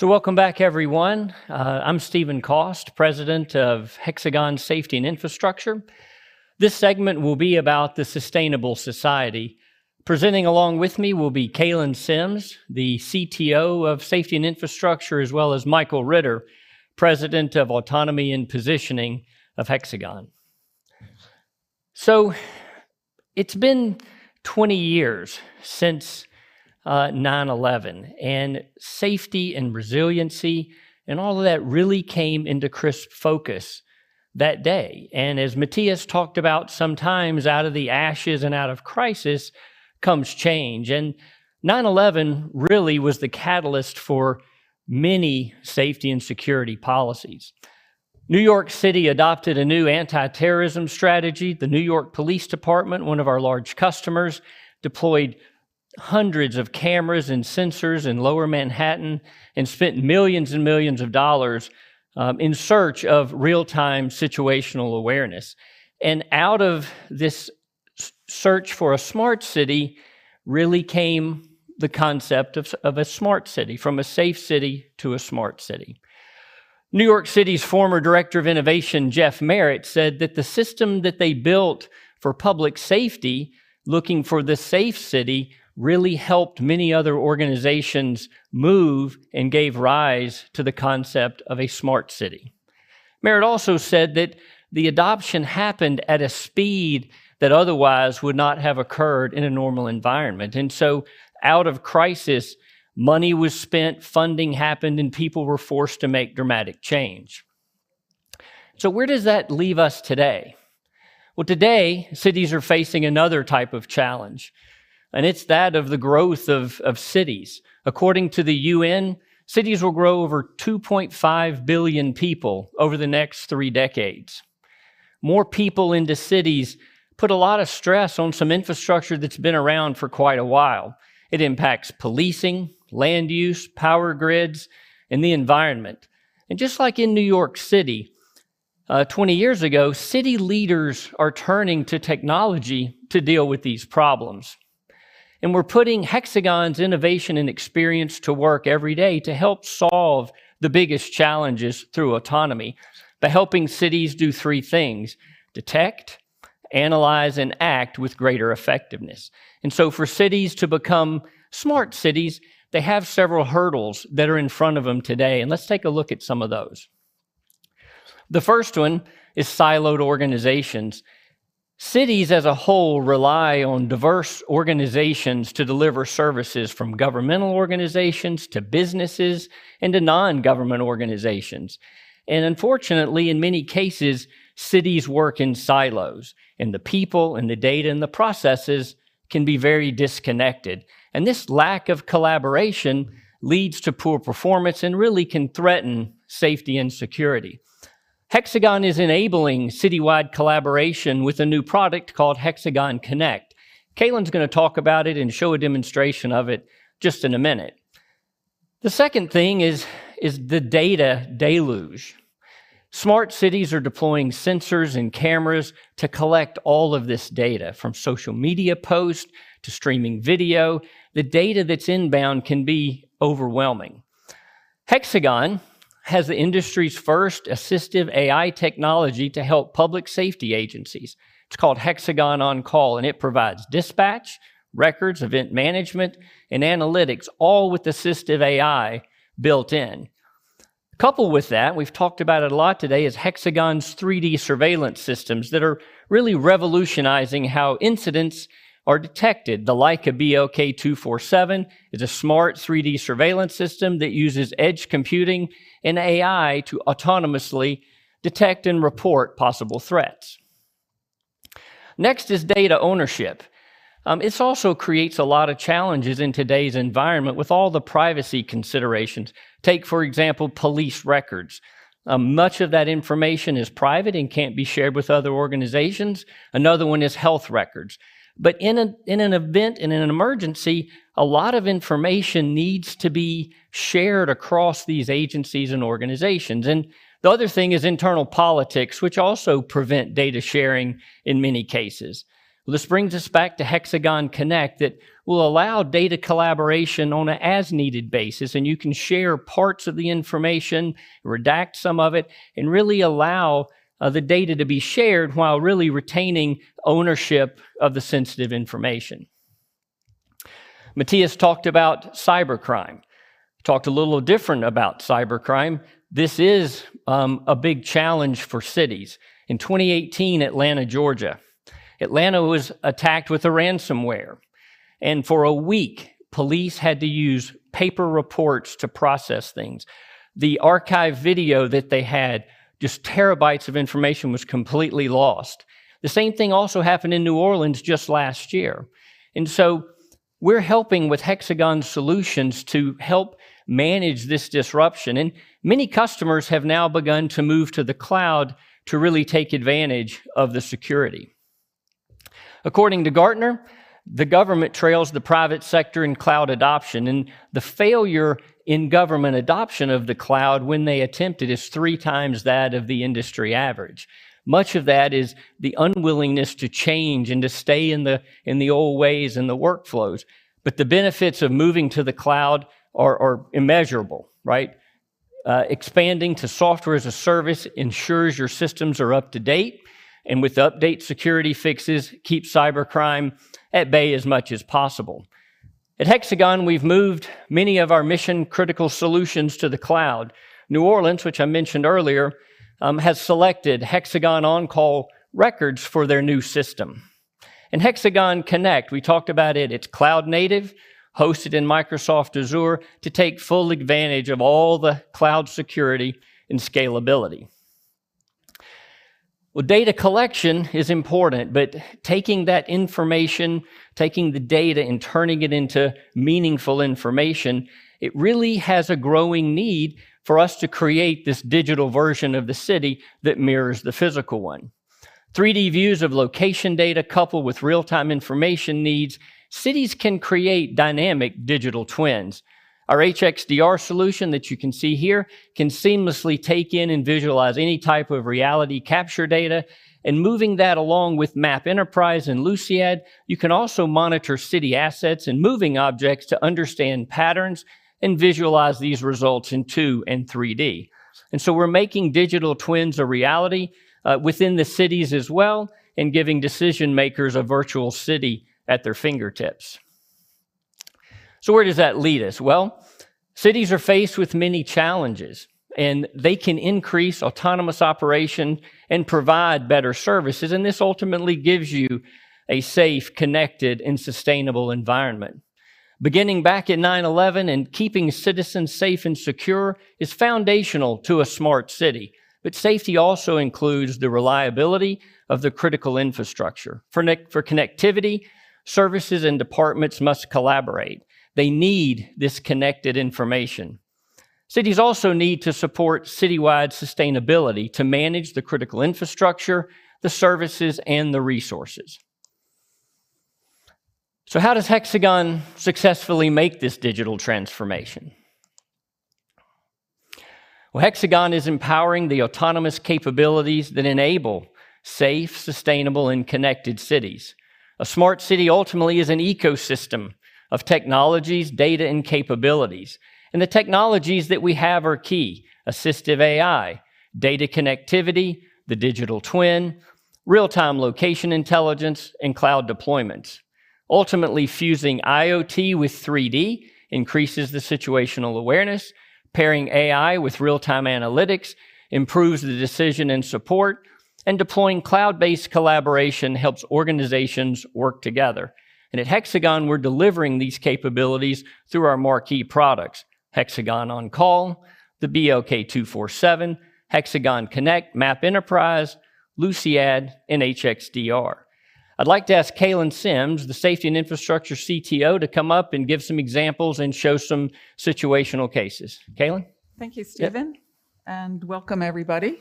Welcome back, everyone. I'm Steven Cost, President of Hexagon Safety & Infrastructure. This segment will be about the sustainable society. Presenting along with me will be Kalyn Sims, the Chief Technology Officer of Safety & Infrastructure, as well as Michael Ritter, President of Autonomy & Positioning of Hexagon. It's been 20 years since 9/11, Safety and resiliency and all of that really came into crisp focus that day. As Mattias talked about, sometimes out of the ashes and out of crisis comes change, 9/11 really was the catalyst for many safety and security policies. New York City adopted a new anti-terrorism strategy. The New York City Police Department, one of our large customers, deployed hundreds of cameras and sensors in Lower Manhattan and spent millions and millions of dollars in search of real-time Situational Awareness. Out of this search for a smart city really came the concept of a smart city, from a safe city to a smart city. New York City's former Director of Innovation, Jeff Merritt, said that the system that they built for public safety, looking for the safe city, really helped many other organizations move and gave rise to the concept of a smart city. Merritt also said that the adoption happened at a speed that otherwise would not have occurred in a normal environment. Out of crisis, money was spent, funding happened, and people were forced to make dramatic change. Where does that leave us today? Well, today, cities are facing another type of challenge, and it's that of the growth of cities. According to the UN, cities will grow over 2.5 billion people over the next three decades. More people into cities put a lot of stress on some infrastructure that's been around for quite a while. It impacts policing, land use, power grids, and the environment. Just like in New York City 20 years ago, city leaders are turning to technology to deal with these problems. We're putting Hexagon's innovation and experience to work every day to help solve the biggest challenges through autonomy by helping cities do three things: detect, analyze, and act with greater effectiveness. For cities to become smart cities, they have several hurdles that are in front of them today, and let's take a look at some of those. The first one is siloed organizations. Cities as a whole rely on diverse organizations to deliver services, from governmental organizations to businesses and to non-government organizations. Unfortunately, in many cases, cities work in silos, and the people and the data and the processes can be very disconnected. This lack of collaboration leads to poor performance and really can threaten safety and security. Hexagon is enabling citywide collaboration with a new product called HxGN Connect. Kalyn's going to talk about it and show a demonstration of it just in a minute. The second thing is the data deluge. Smart cities are deploying sensors and cameras to collect all of this data, from social media posts to streaming video. The data that's inbound can be overwhelming. Hexagon has the industry's first assistive AI technology to help public safety agencies. It's called HxGN OnCall, and it provides dispatch, records, event management, and analytics, all with assistive AI built in. Coupled with that, we've talked about it a lot today, is Hexagon's 3D surveillance systems that are really revolutionizing how incidents are detected. The Leica BLK247 is a smart 3D surveillance system that uses edge computing and AI to autonomously detect and report possible threats. Next is data ownership. This also creates a lot of challenges in today's environment with all the privacy considerations. Take, for example, police records. Much of that information is private and can't be shared with other organizations. Another one is health records. In an event, in an emergency, a lot of information needs to be shared across these agencies and organizations. The other thing is internal politics, which also prevent data sharing in many cases. This brings us back to HxGN Connect, that will allow data collaboration on an as-needed basis, and you can share parts of the information, redact some of it, and really allow the data to be shared while really retaining ownership of the sensitive information. Mattias talked about cybercrime. Mattias talked a little different about cybercrime. This is a big challenge for cities. In 2018, Atlanta, Georgia. Atlanta was attacked with a ransomware, and for a week, police had to use paper reports to process things. The archive video that they had, just terabytes of information was completely lost. The same thing also happened in New Orleans just last year. So we're helping with Hexagon solutions to help manage this disruption, and many customers have now begun to move to the cloud to really take advantage of the security. According to Gartner, the government trails the private sector in cloud adoption. The failure in government adoption of the cloud when they attempt it is three times that of the industry average. Much of that is the unwillingness to change and to stay in the old ways and the workflows. The benefits of moving to the cloud are immeasurable, right? Expanding to software as a service ensures your systems are up to date, and with update security fixes, keep cybercrime at bay as much as possible. At Hexagon, we've moved many of our mission-critical solutions to the cloud. New Orleans, which I mentioned earlier, has selected HxGN OnCall records for their new system. In HxGN Connect, we talked about it. It's cloud-native, hosted in Microsoft Azure to take full advantage of all the cloud security and scalability. Well, data collection is important, but taking that information, taking the data and turning it into meaningful information, it really has a growing need for us to create this digital version of the city that mirrors the physical one. 3D views of location data coupled with real-time information needs, cities can create dynamic digital twins. Our HxDR solution that you can see here can seamlessly take in and visualize any type of reality capture data. In moving that along with M.App Enterprise and Luciad, you can also monitor city assets and moving objects to understand patterns and visualize these results in two and 3D. We're making digital twins a reality within the cities as well and giving decision-makers a virtual city at their fingertips. Where does that lead us? Well, cities are faced with many challenges, and they can increase autonomous operation and provide better services, and this ultimately gives you a safe, connected, and sustainable environment. Beginning back at 9/11 and keeping citizens safe and secure is foundational to a smart city. Safety also includes the reliability of the critical infrastructure. For connectivity, services and departments must collaborate. They need this connected information. Cities also need to support citywide sustainability to manage the critical infrastructure, the services, and the resources. How does Hexagon successfully make this digital transformation? Well, Hexagon is empowering the autonomous capabilities that enable safe, sustainable, and connected cities. A smart city ultimately is an ecosystem of technologies, data, and capabilities, and the technologies that we have are key: assistive AI, data connectivity, the digital twin, real-time location intelligence, and cloud deployments. Ultimately, fusing IoT with 3D increases the Situational Awareness. Pairing AI with real-time analytics improves the decision and support. Deploying cloud-based collaboration helps organizations work together. At Hexagon, we're delivering these capabilities through our marquee products, HxGN OnCall, the Leica BLK247, HxGN Connect, M.App Enterprise, Luciad, and HxDR. I'd like to ask Kalyn Sims, the Safety & Infrastructure CTO, to come up and give some examples and show some situational cases. Kalyn? Thank you, Steven. Yeah. Welcome, everybody.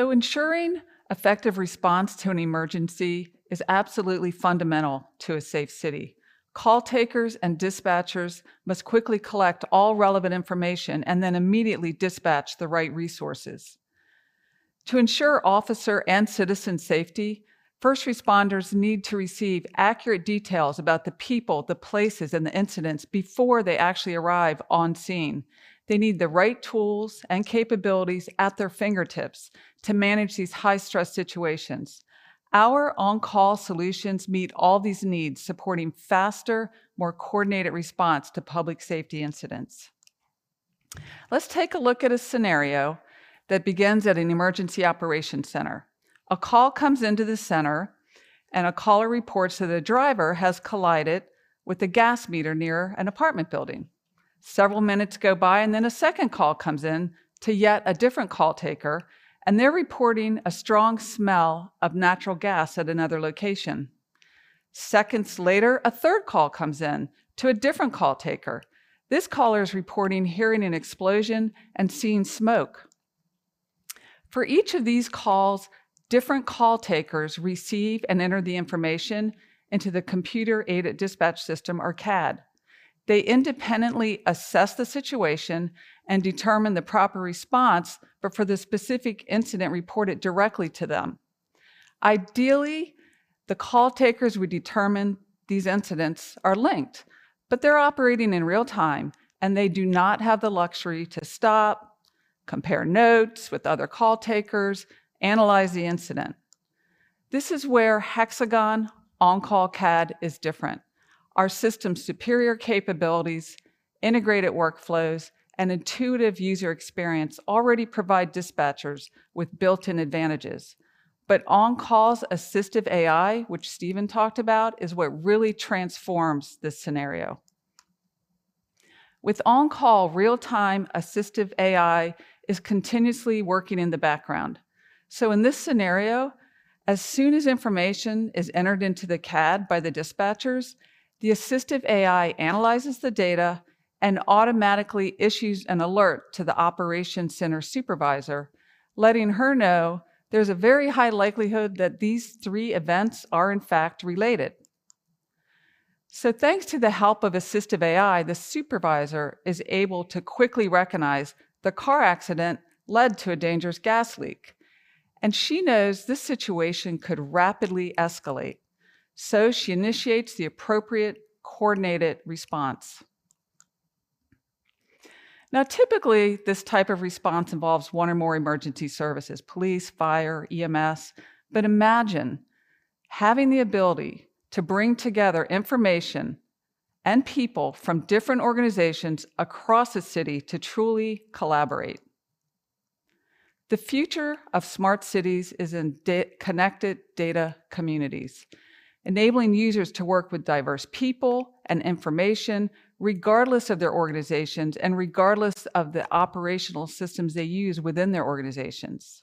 Ensuring effective response to an emergency is absolutely fundamental to a safe city. Call takers and dispatchers must quickly collect all relevant information and then immediately dispatch the right resources. To ensure officer and citizen safety, first responders need to receive accurate details about the people, the places, and the incidents before they actually arrive on scene. They need the right tools and capabilities at their fingertips to manage these high-stress situations. Our OnCall solutions meet all these needs, supporting faster, more coordinated response to public safety incidents. Let's take a look at a scenario that begins at an emergency operation center. A call comes into the center, and a caller reports that a driver has collided with a gas meter near an apartment building. Several minutes go by, and then a second call comes in to yet a different call taker, and they're reporting a strong smell of natural gas at another location. Seconds later, a third call comes in to a different call taker. This caller is reporting hearing an explosion and seeing smoke. For each of these calls, different call takers receive and enter the information into the computer-aided dispatch system, or CAD. They independently assess the situation and determine the proper response for the specific incident reported directly to them. Ideally, the call takers would determine these incidents are linked, they're operating in real-time, and they do not have the luxury to stop, compare notes with other call takers, analyze the incident. This is where HxGN OnCall Dispatch is different. Our system's superior capabilities, integrated workflows, and intuitive user experience already provide dispatchers with built-in advantages. OnCall's assistive AI, which Steven talked about, is what really transforms this scenario. With OnCall, real-time assistive AI is continuously working in the background. In this scenario, as soon as information is entered into the CAD by the dispatchers, the assistive AI analyzes the data and automatically issues an alert to the operations center supervisor, letting her know there's a very high likelihood that these three events are in fact related. Thanks to the help of assistive AI, the supervisor is able to quickly recognize the car accident led to a dangerous gas leak, and she knows this situation could rapidly escalate. She initiates the appropriate coordinated response. Now, typically, this type of response involves one or more emergency services, police, fire, EMS. Imagine having the ability to bring together information and people from different organizations across a city to truly collaborate. The future of smart cities is in connected data communities, enabling users to work with diverse people and information regardless of their organizations and regardless of the operational systems they use within their organizations.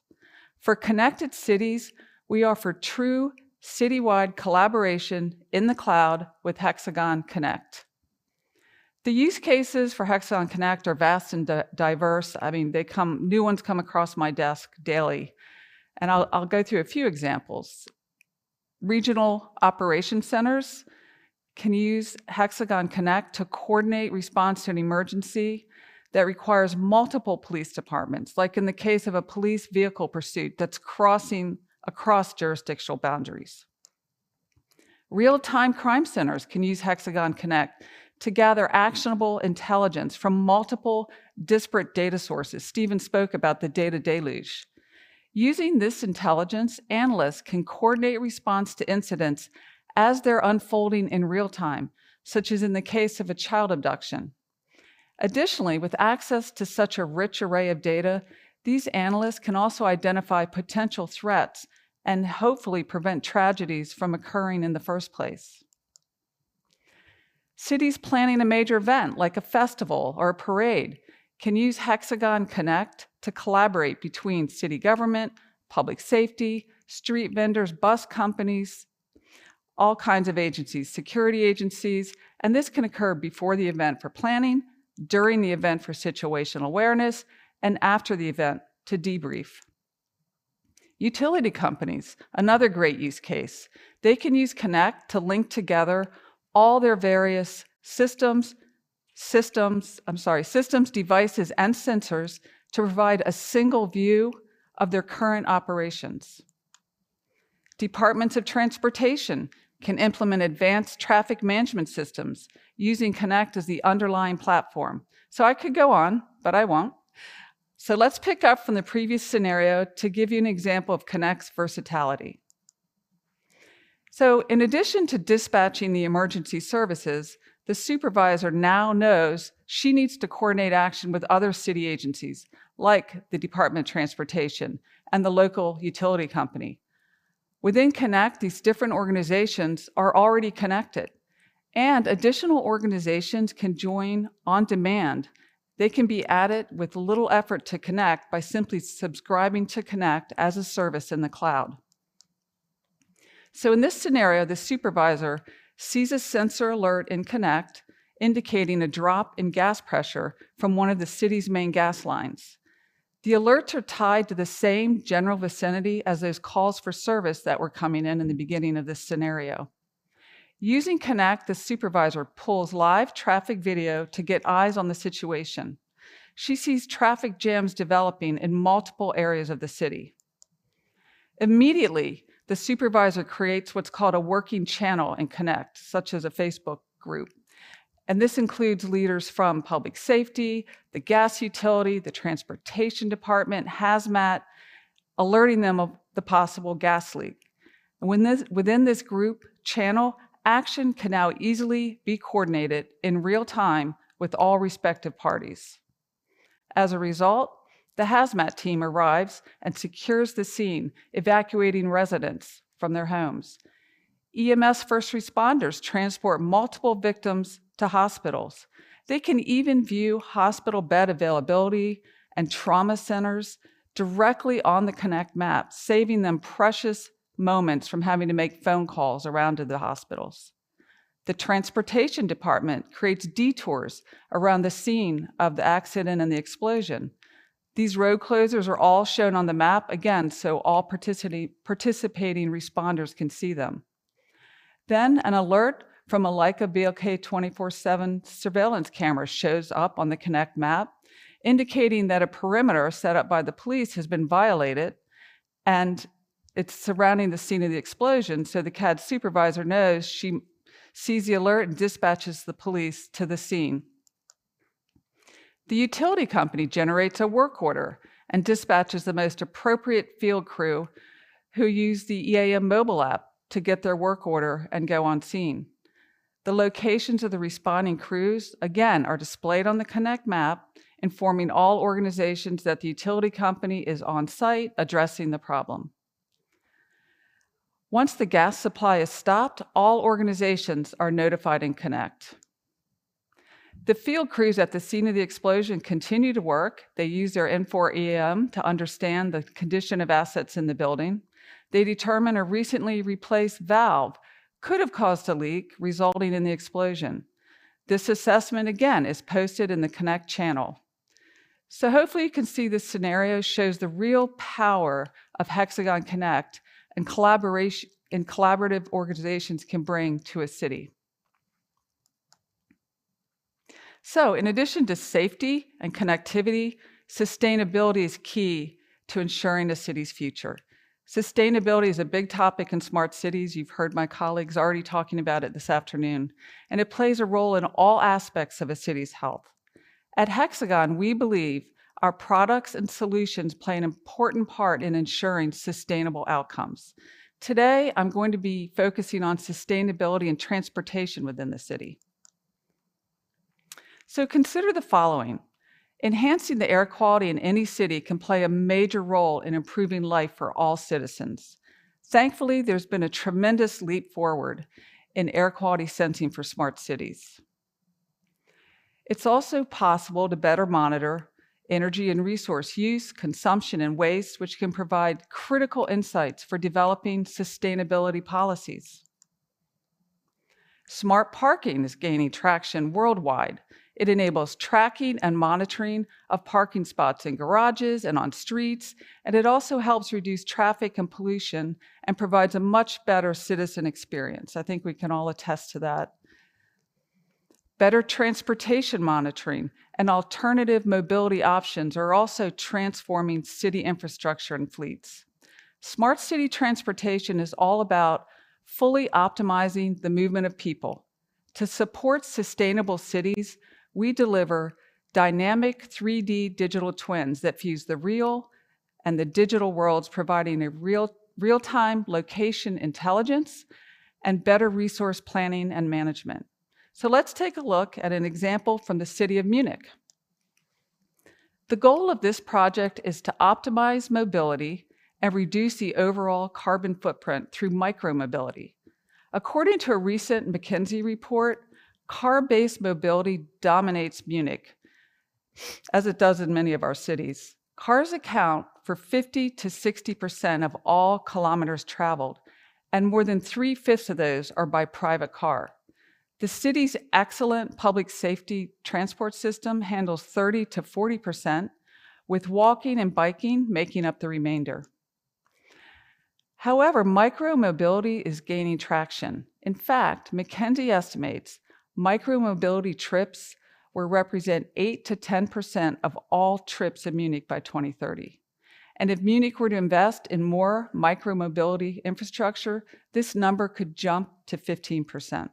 For connected cities, we offer true citywide collaboration in the cloud with HxGN Connect. The use cases for HxGN Connect are vast and diverse. New ones come across my desk daily, and I'll go through a few examples. Regional operation centers can use HxGN Connect to coordinate response to an emergency that requires multiple police departments, like in the case of a police vehicle pursuit that's crossing across jurisdictional boundaries. Real-time crime centers can use HxGN Connect to gather actionable intelligence from multiple disparate data sources. Steven spoke about the data deluge. Using this intelligence, analysts can coordinate response to incidents as they're unfolding in real time, such as in the case of a child abduction. Additionally, with access to such a rich array of data, these analysts can also identify potential threats and hopefully prevent tragedies from occurring in the first place. Cities planning a major event, like a festival or a parade, can use HxGN Connect to collaborate between city government, public safety, street vendors, bus companies, all kinds of agencies, security agencies. This can occur before the event for planning, during the event for Situational Awareness, and after the event to debrief. Utility companies, another great use case. They can use HxGN Connect to link together all their various systems, devices, and sensors to provide a single view of their current operations. Departments of transportation can implement advanced traffic management systems using HxGN Connect as the underlying platform. I could go on, but I won't. Let's pick up from the previous scenario to give you an example of HxGN Connect's versatility. In addition to dispatching the emergency services, the supervisor now knows she needs to coordinate action with other city agencies, like the Department of Transportation and the local utility company. Within HxGN Connect, these different organizations are already connected, and additional organizations can join on demand. They can be added with little effort to HxGN Connect by simply subscribing to HxGN Connect as a service in the cloud. In this scenario, the supervisor sees a sensor alert in HxGN Connect indicating a drop in gas pressure from one of the city's main gas lines. The alerts are tied to the same general vicinity as those calls for service that were coming in the beginning of this scenario. Using HxGN Connect, the supervisor pulls live traffic video to get eyes on the situation. She sees traffic jams developing in multiple areas of the city. Immediately, the supervisor creates what's called a working channel in Connect, such as a Facebook group. This includes leaders from public safety, the gas utility, the transportation department, HAZMAT, alerting them of the possible gas leak. Within this group channel, action can now easily be coordinated in real time with all respective parties. As a result, the HAZMAT team arrives and secures the scene, evacuating residents from their homes. EMS first responders transport multiple victims to hospitals. They can even view hospital bed availability and trauma centers directly on the Connect map, saving them precious moments from having to make phone calls around to the hospitals. The transportation department creates detours around the scene of the accident and the explosion. These road closures are all shown on the map, again, so all participating responders can see them. An alert from a Leica BLK247 surveillance camera shows up on the Connect map, indicating that a perimeter set up by the police has been violated, and it's surrounding the scene of the explosion. The CAD supervisor knows, she sees the alert and dispatches the police to the scene. The utility company generates a work order and dispatches the most appropriate field crew, who use the EAM mobile app to get their work order and go on scene. The locations of the responding crews, again, are displayed on the Connect map, informing all organizations that the utility company is on site addressing the problem. Once the gas supply is stopped, all organizations are notified in Connect. The field crews at the scene of the explosion continue to work. They use their HxGN EAM to understand the condition of assets in the building. They determine a recently replaced valve could have caused a leak, resulting in the explosion. This assessment, again, is posted in the HxGN Connect channel. Hopefully you can see this scenario shows the real power of HxGN Connect and collaborative organizations can bring to a city. In addition to safety and connectivity, sustainability is key to ensuring a city's future. Sustainability is a big topic in smart cities. You've heard my colleagues already talking about it this afternoon, and it plays a role in all aspects of a city's health. At Hexagon, we believe our products and solutions play an important part in ensuring sustainable outcomes. Today, I'm going to be focusing on sustainability and transportation within the city. Consider the following. Enhancing the air quality in any city can play a major role in improving life for all citizens. Thankfully, there's been a tremendous leap forward in air quality sensing for smart cities. It's also possible to better monitor energy and resource use, consumption, and waste, which can provide critical insights for developing sustainability policies. Smart parking is gaining traction worldwide. It enables tracking and monitoring of parking spots in garages and on streets, and it also helps reduce traffic and pollution and provides a much better citizen experience. I think we can all attest to that. Better transportation monitoring and alternative mobility options are also transforming city infrastructure and fleets. Smart city transportation is all about fully optimizing the movement of people. To support sustainable cities, we deliver dynamic 3D digital twins that fuse the real and the digital worlds, providing a real-time location intelligence and better resource planning and management. Let's take a look at an example from the city of Munich. The goal of this project is to optimize mobility and reduce the overall carbon footprint through micro-mobility. According to a recent McKinsey report, car-based mobility dominates Munich, as it does in many of our cities. Cars account for 50%-60% of all kilometers traveled, and more than three-fifths of those are by private car. The city's excellent public safety transport system handles 30%-40%, with walking and biking making up the remainder. However, micro-mobility is gaining traction. In fact, McKinsey estimates micro-mobility trips will represent 8%-10% of all trips in Munich by 2030. If Munich were to invest in more micro-mobility infrastructure, this number could jump to 15%.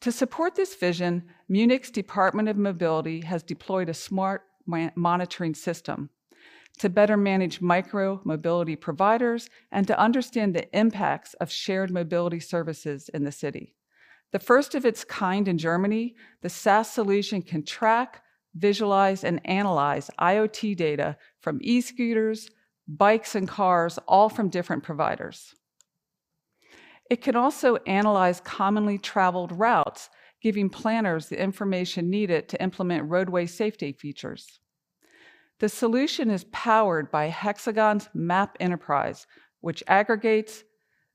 To support this vision, Munich's Department of Mobility has deployed a smart monitoring system to better manage micro-mobility providers and to understand the impacts of shared mobility services in the city. The first of its kind in Germany, the SaaS solution can track, visualize, and analyze IoT data from e-scooters, bikes, and cars, all from different providers. It can also analyze commonly traveled routes, giving planners the information needed to implement roadway safety features. The solution is powered by Hexagon's Map Enterprise, which aggregates,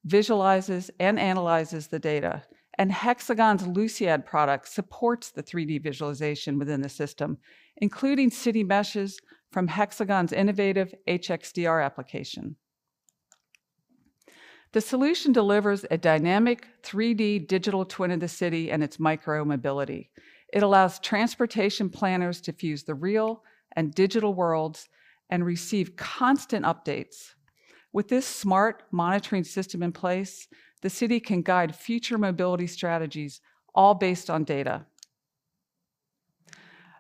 visualizes, and analyzes the data, and Hexagon's Luciad product supports the 3D visualization within the system, including city meshes from Hexagon's innovative HxDR application. The solution delivers a dynamic 3D digital twin of the city and its micro-mobility. It allows transportation planners to fuse the real and digital worlds and receive constant updates. With this smart monitoring system in place, the city can guide future mobility strategies, all based on data.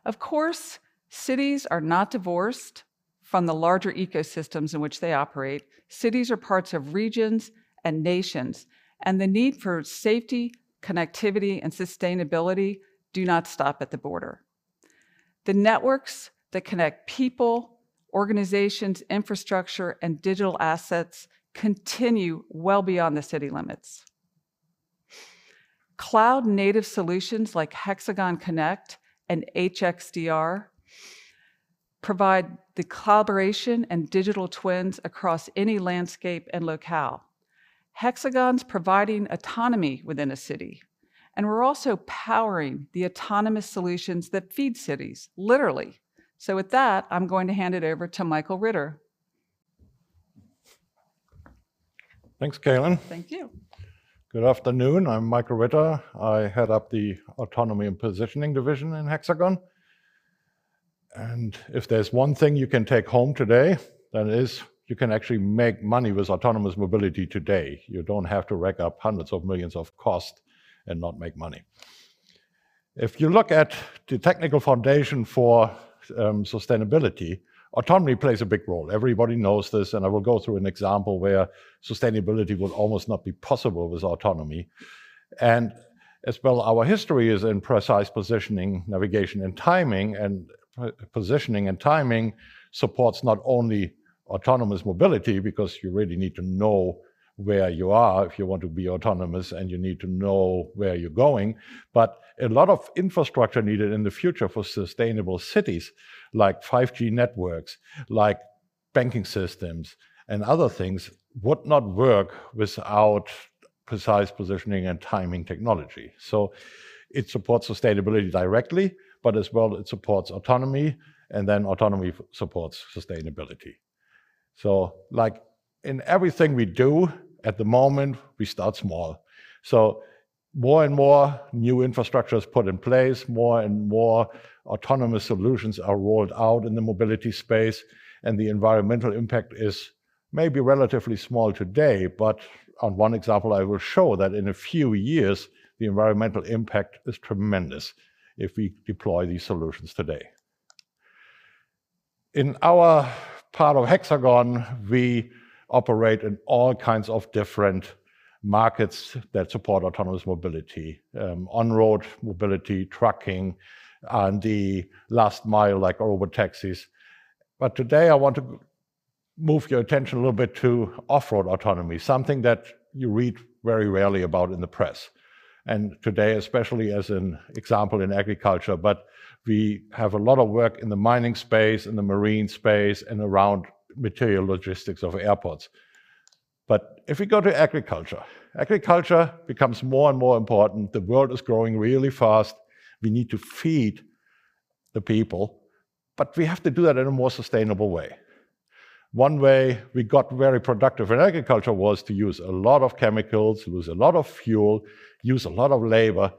Of course, cities are not divorced from the larger ecosystems in which they operate. Cities are parts of regions and nations, and the need for safety, connectivity, and sustainability do not stop at the border. The networks that connect people, organizations, infrastructure, and digital assets continue well beyond the city limits. Cloud-native solutions like HxGN Connect and HxDR provide the collaboration and digital twins across any landscape and locale. Hexagon's providing autonomy within a city, and we're also powering the autonomous solutions that feed cities, literally. With that, I'm going to hand it over to Michael Ritter Thanks, Kalyn. Thank you. Good afternoon. I'm Michael Ritter. I head up the Autonomy & Positioning division in Hexagon. If there's one thing you can take home today, that is you can actually make money with autonomous mobility today. You don't have to rack up hundreds of millions of cost and not make money. If you look at the technical foundation for sustainability, autonomy plays a big role. Everybody knows this. I will go through an example where sustainability would almost not be possible with autonomy. As well, our history is in precise positioning, navigation, and timing. Positioning and timing supports not only autonomous mobility, because you really need to know where you are if you want to be autonomous, and you need to know where you're going. A lot of infrastructure needed in the future for sustainable cities, like 5G networks, like banking systems, and other things, would not work without precise positioning and timing technology. It supports sustainability directly, but as well, it supports autonomy, and then autonomy supports sustainability. In everything we do at the moment, we start small. More and more new infrastructure is put in place, more and more autonomous solutions are rolled out in the mobility space, and the environmental impact is maybe relatively small today, but on one example I will show that in a few years, the environmental impact is tremendous if we deploy these solutions today. In our part of Hexagon, we operate in all kinds of different markets that support autonomous mobility. On-road mobility, trucking, R&D, last mile like Uber taxis. Today, I want to move your attention a little bit to off-road autonomy, something that you read very rarely about in the press. Today, especially as an example in agriculture, but we have a lot of work in the mining space, in the marine space, and around material logistics of airports. If we go to agriculture becomes more and more important. The world is growing really fast. We need to feed the people, but we have to do that in a more sustainable way. One way we got very productive in agriculture was to use a lot of chemicals, use a lot of fuel, use a lot of labor,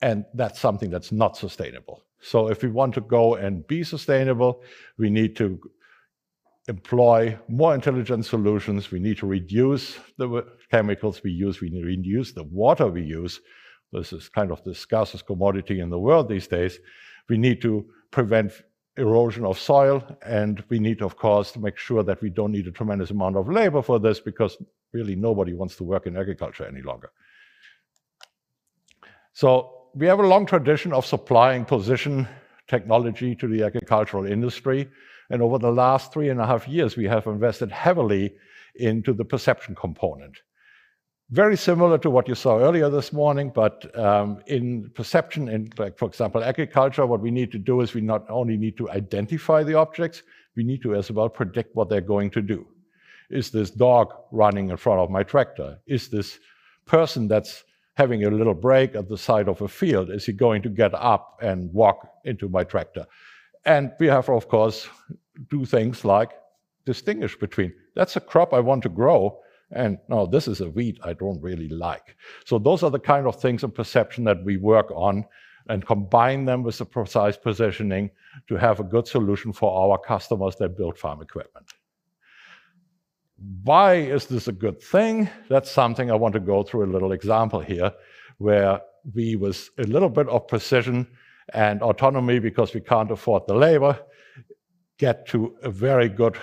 and that's something that's not sustainable. If we want to go and be sustainable, we need to employ more intelligent solutions. We need to reduce the chemicals we use. We need to reduce the water we use. This is kind of the scarcest commodity in the world these days. We need to prevent erosion of soil, and we need, of course, to make sure that we don't need a tremendous amount of labor for this, because really nobody wants to work in agriculture any longer. We have a long tradition of supplying position technology to the agricultural industry, and over the last three and a half years, we have invested heavily into the perception component. Very similar to what you saw earlier this morning, but in perception in, for example, agriculture, what we need to do is we not only need to identify the objects, we need to as well predict what they're going to do. Is this dog running in front of my tractor? Is this person that's having a little break at the side of a field, is he going to get up and walk into my tractor? We have, of course, do things like distinguish between, that's a crop I want to grow, and no, this is a weed I don't really like. Those are the kind of things in perception that we work on and combine them with the precise positioning to have a good solution for our customers that build farm equipment. Why is this a good thing? That's something I want to go through a little example here, where we, with a little bit of precision and autonomy because we can't afford the labor, get to a very good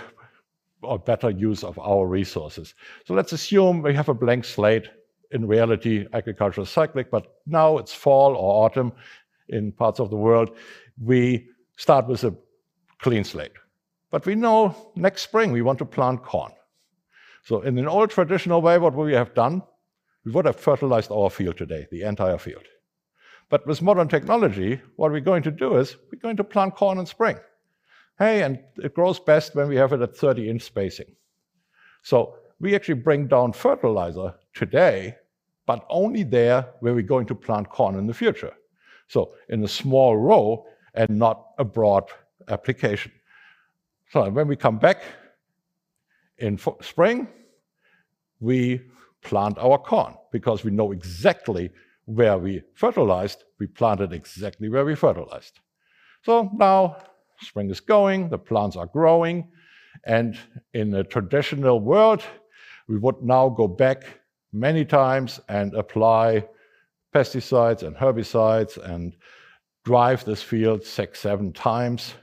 or better use of our resources. Let's assume we have a blank slate. In reality, agriculture is cyclic, but now it's fall or autumn in parts of the world. We start with a clean slate. We know next spring we want to plant corn. In an old traditional way, what would we have done? We would have fertilized our field today, the entire field. With modern technology, what we're going to do is we're going to plant corn in spring. Hey, it grows best when we have it at 30-inch spacing. We actually bring down fertilizer today, but only there where we're going to plant corn in the future. In a small row and not a broad application. When we come back in spring, we plant our corn because we know exactly where we fertilized. We planted exactly where we fertilized. Now spring is going, the plants are growing, in a traditional world, we would now go back many times and apply pesticides and herbicides and drive this field six, seven times.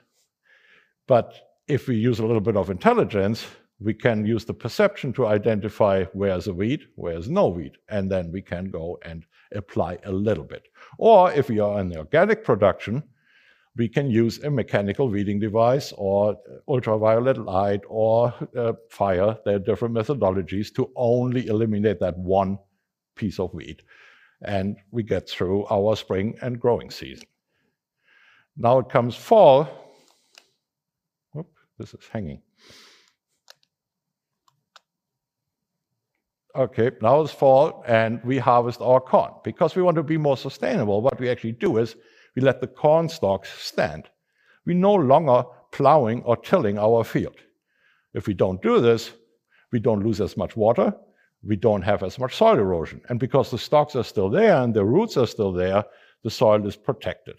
If we use a little bit of intelligence, we can use the perception to identify where is a weed, where is no weed, then we can go and apply a little bit. If we are in the organic production, we can use a mechanical weeding device or ultraviolet light or fire. There are different methodologies to only eliminate that one piece of weed. We get through our spring and growing season. Now it comes fall. Now it's fall, we harvest our corn. Because we want to be more sustainable, what we actually do is we let the corn stalks stand. We're no longer plowing or tilling our field. If we don't do this, we don't lose as much water, we don't have as much soil erosion, and because the stalks are still there and the roots are still there, the soil is protected.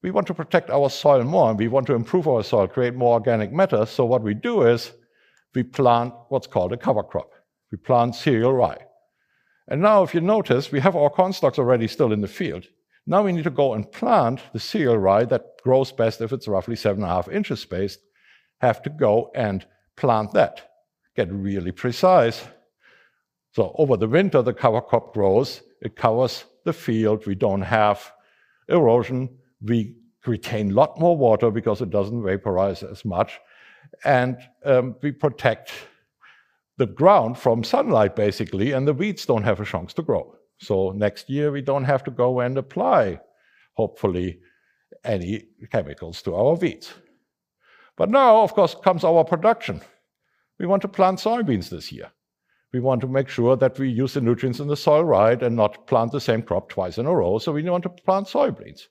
We want to protect our soil more, and we want to improve our soil, create more organic matter. What we do is we plant what's called a cover crop. We plant cereal rye. Now if you notice, we have our corn stalks already still in the field. Now we need to go and plant the cereal rye that grows best if it's roughly seven and a half inches spaced, have to go and plant that. Get really precise. Over the winter, the cover crop grows, it covers the field. We don't have erosion. We retain a lot more water because it doesn't vaporize as much. We protect the ground from sunlight basically, and the weeds don't have a chance to grow. Next year we don't have to go and apply, hopefully, any chemicals to our wheat. Now, of course, comes our production. We want to plant soybeans this year. We want to make sure that we use the nutrients in the soil right and not plant the same crop twice in a row. We want to plant soybeans.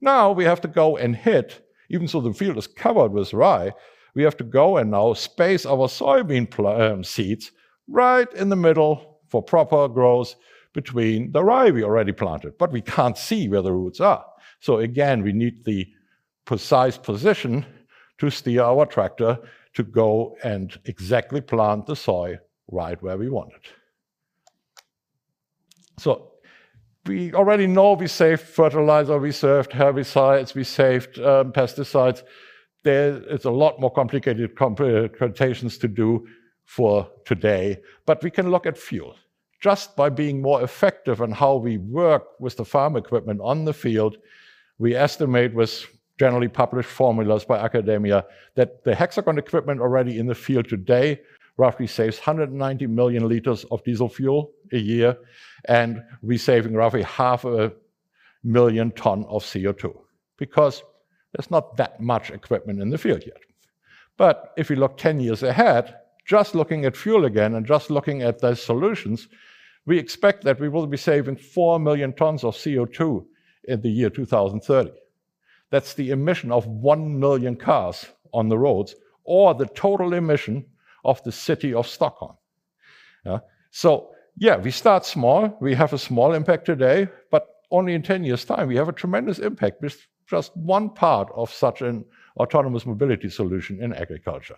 Now we have to go and hit, even so the field is covered with rye, we have to go and now space our soybean seeds right in the middle for proper growth between the rye we already planted. We can't see where the roots are. Again, we need the precise position to steer our tractor to go and exactly plant the soy right where we want it. We already know we saved fertilizer, we saved herbicides, we saved pesticides. There is a lot more complicated computations to do for today. We can look at fuel. Just by being more effective in how we work with the farm equipment on the field, we estimate with generally published formulas by academia that the Hexagon equipment already in the field today roughly saves 190 million liters of diesel fuel a year, and we're saving roughly half a million ton of CO2 because there's not that much equipment in the field yet. If you look 10 years ahead, just looking at fuel again and just looking at those solutions, we expect that we will be saving 4 million tons of CO2 in the year 2030. That's the emission of 1 million cars on the roads or the total emission of the city of Stockholm. Yeah, we start small. We have a small impact today, but only in 10 years' time we have a tremendous impact with just one part of such an autonomous mobility solution in agriculture.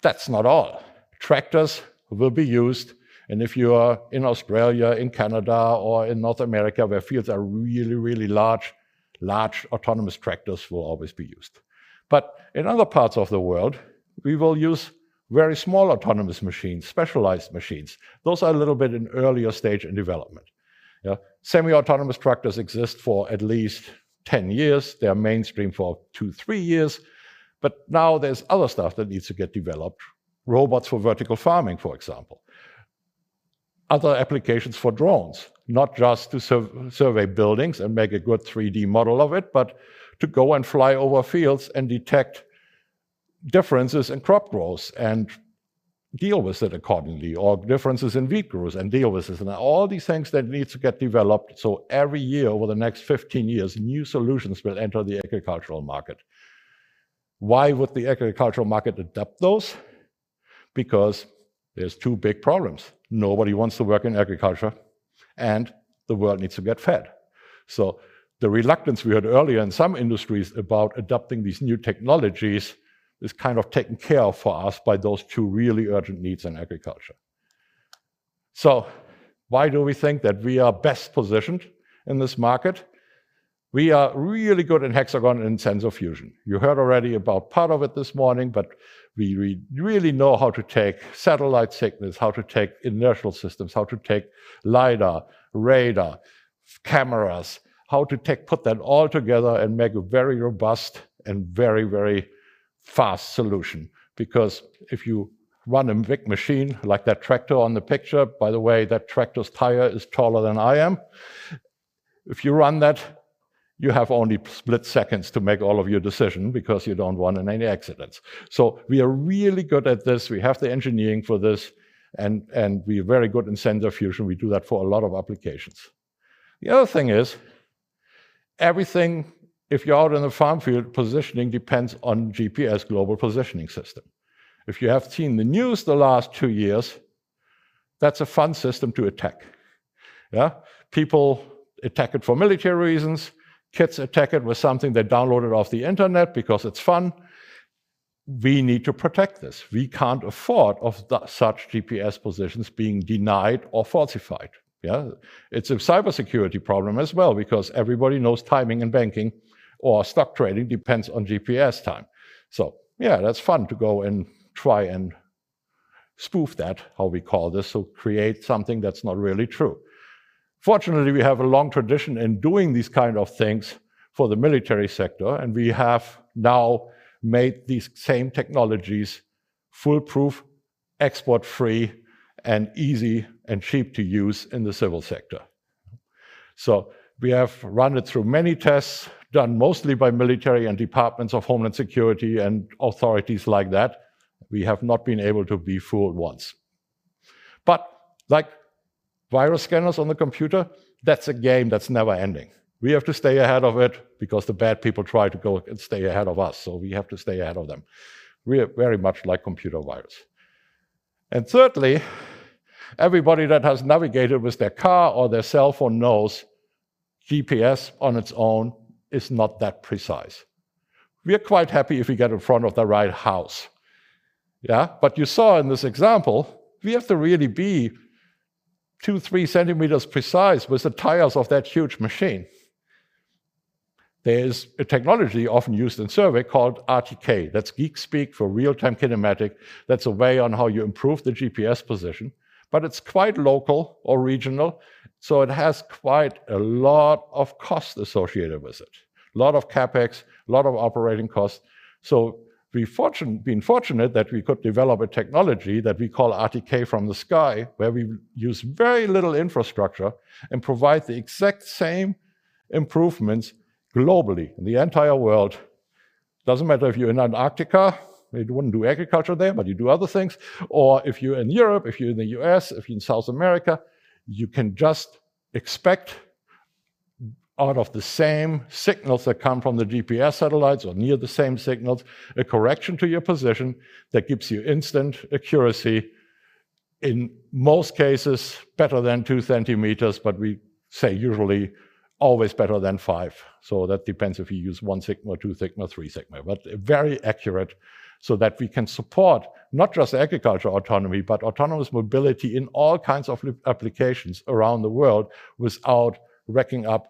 That's not all. Tractors will be used, and if you are in Australia, in Canada, or in North America where fields are really, really large autonomous tractors will always be used. In other parts of the world, we will use very small autonomous machines, specialized machines. Those are a little bit in earlier stage in development. Semi-autonomous tractors exist for at least 10 years. They are mainstream for two, three years. Now there's other stuff that needs to get developed. Robots for vertical farming, for example. Other applications for drones, not just to survey buildings and make a good 3D model of it, but to go and fly over fields and detect differences in crop growth and deal with it accordingly, or differences in weed growth and deal with this. All these things that need to get developed so every year over the next 15 years, new solutions will enter the agricultural market. Why would the agricultural market adopt those? There's two big problems. Nobody wants to work in agriculture, and the world needs to get fed. The reluctance we had earlier in some industries about adopting these new technologies is kind of taken care of for us by those two really urgent needs in agriculture. Why do we think that we are best positioned in this market? We are really good in Hexagon in sensor fusion. You heard already about part of it this morning, we really know how to take satellite signals, how to take inertial systems, how to take LIDAR, radar, cameras, how to put that all together and make a very robust and very, very fast solution. If you run a big machine like that tractor on the picture, by the way, that tractor's tire is taller than I am. If you run that, you have only split seconds to make all of your decision because you don't want any accidents. We are really good at this. We have the engineering for this, and we are very good in sensor fusion. We do that for a lot of applications. The other thing is everything, if you're out in the farm field, positioning depends on GPS, Global Positioning System. If you have seen the news the last two years, that's a fun system to attack. Yeah. People attack it for military reasons. Kids attack it with something they downloaded off the internet because it's fun. We need to protect this. We can't afford of such GPS positions being denied or falsified. Yeah. It's a cybersecurity problem as well because everybody knows timing and banking or stock trading depends on GPS time. Yeah, that's fun to go and try and spoof that, how we call this, create something that's not really true. Fortunately, we have a long tradition in doing these kind of things for the military sector, and we have now made these same technologies foolproof, export-free, and easy and cheap to use in the civil sector. We have run it through many tests done mostly by military and Department of Homeland Security and authorities like that. We have not been able to be fooled once. Like virus scanners on the computer, that's a game that's never-ending. We have to stay ahead of it because the bad people try to go and stay ahead of us, so we have to stay ahead of them. We are very much like computer virus. Thirdly, everybody that has navigated with their car or their cell phone knows GPS on its own is not that precise. We are quite happy if we get in front of the right house. Yeah? You saw in this example, we have to really be two, three centimeters precise with the tires of that huge machine. There's a technology often used in survey called RTK. That's geek speak for real-time kinematic. That's a way on how you improve the GPS position, but it's quite local or regional, so it has quite a lot of cost associated with it. A lot of CapEx, a lot of operating costs. We've been fortunate that we could develop a technology that we call RTK from the Sky, where we use very little infrastructure and provide the exact same improvements globally in the entire world. Doesn't matter if you're in Antarctica, you wouldn't do agriculture there, but you do other things. Or if you're in Europe, if you're in the U.S., if you're in South America, you can just expect out of the same signals that come from the GPS satellites or near the same signals, a correction to your position that gives you instant accuracy, in most cases better than two centimeters, but we say usually always better than five. That depends if you use one segment, two segment, three segment. Very accurate, so that we can support not just agricultural autonomy, but autonomous mobility in all kinds of applications around the world without racking up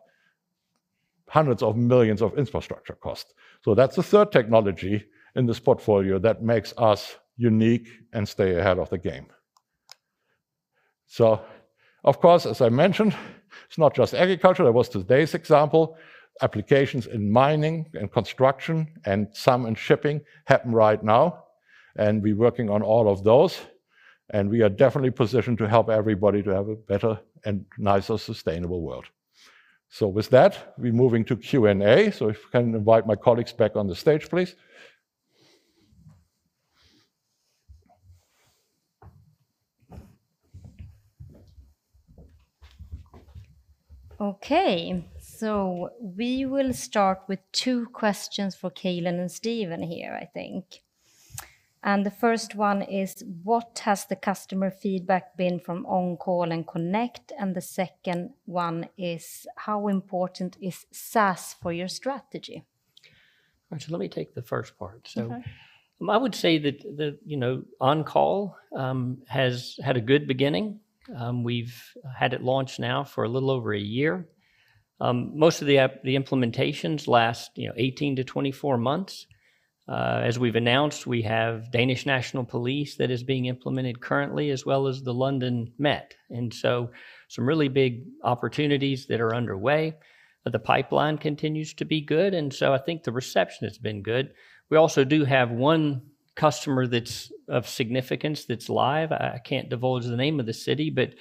hundreds of millions of infrastructure costs. That's the third technology in this portfolio that makes us unique and stay ahead of the game. Of course, as I mentioned, it's not just agriculture. That was today's example. Applications in mining and construction and some in shipping happen right now, and we're working on all of those, and we are definitely positioned to help everybody to have a better and nicer sustainable world. With that, we're moving to Q&A, so if we can invite my colleagues back on the stage, please. We will start with two questions for Kalyn and Steven here, I think. The first one is, "What has the customer feedback been from OnCall and Connect?" The second one is, "How important is SaaS for your strategy? Maria, let me take the first part. Okay. I would say that OnCall has had a good beginning. We've had it launched now for a little over a year. Most of the implementations last 18-24 months. As we've announced, we have Danish National Police that is being implemented currently, as well as the London Met. Some really big opportunities that are underway, but the pipeline continues to be good, I think the reception has been good. We also do have one customer that's of significance that's live. I can't divulge the name of the city, but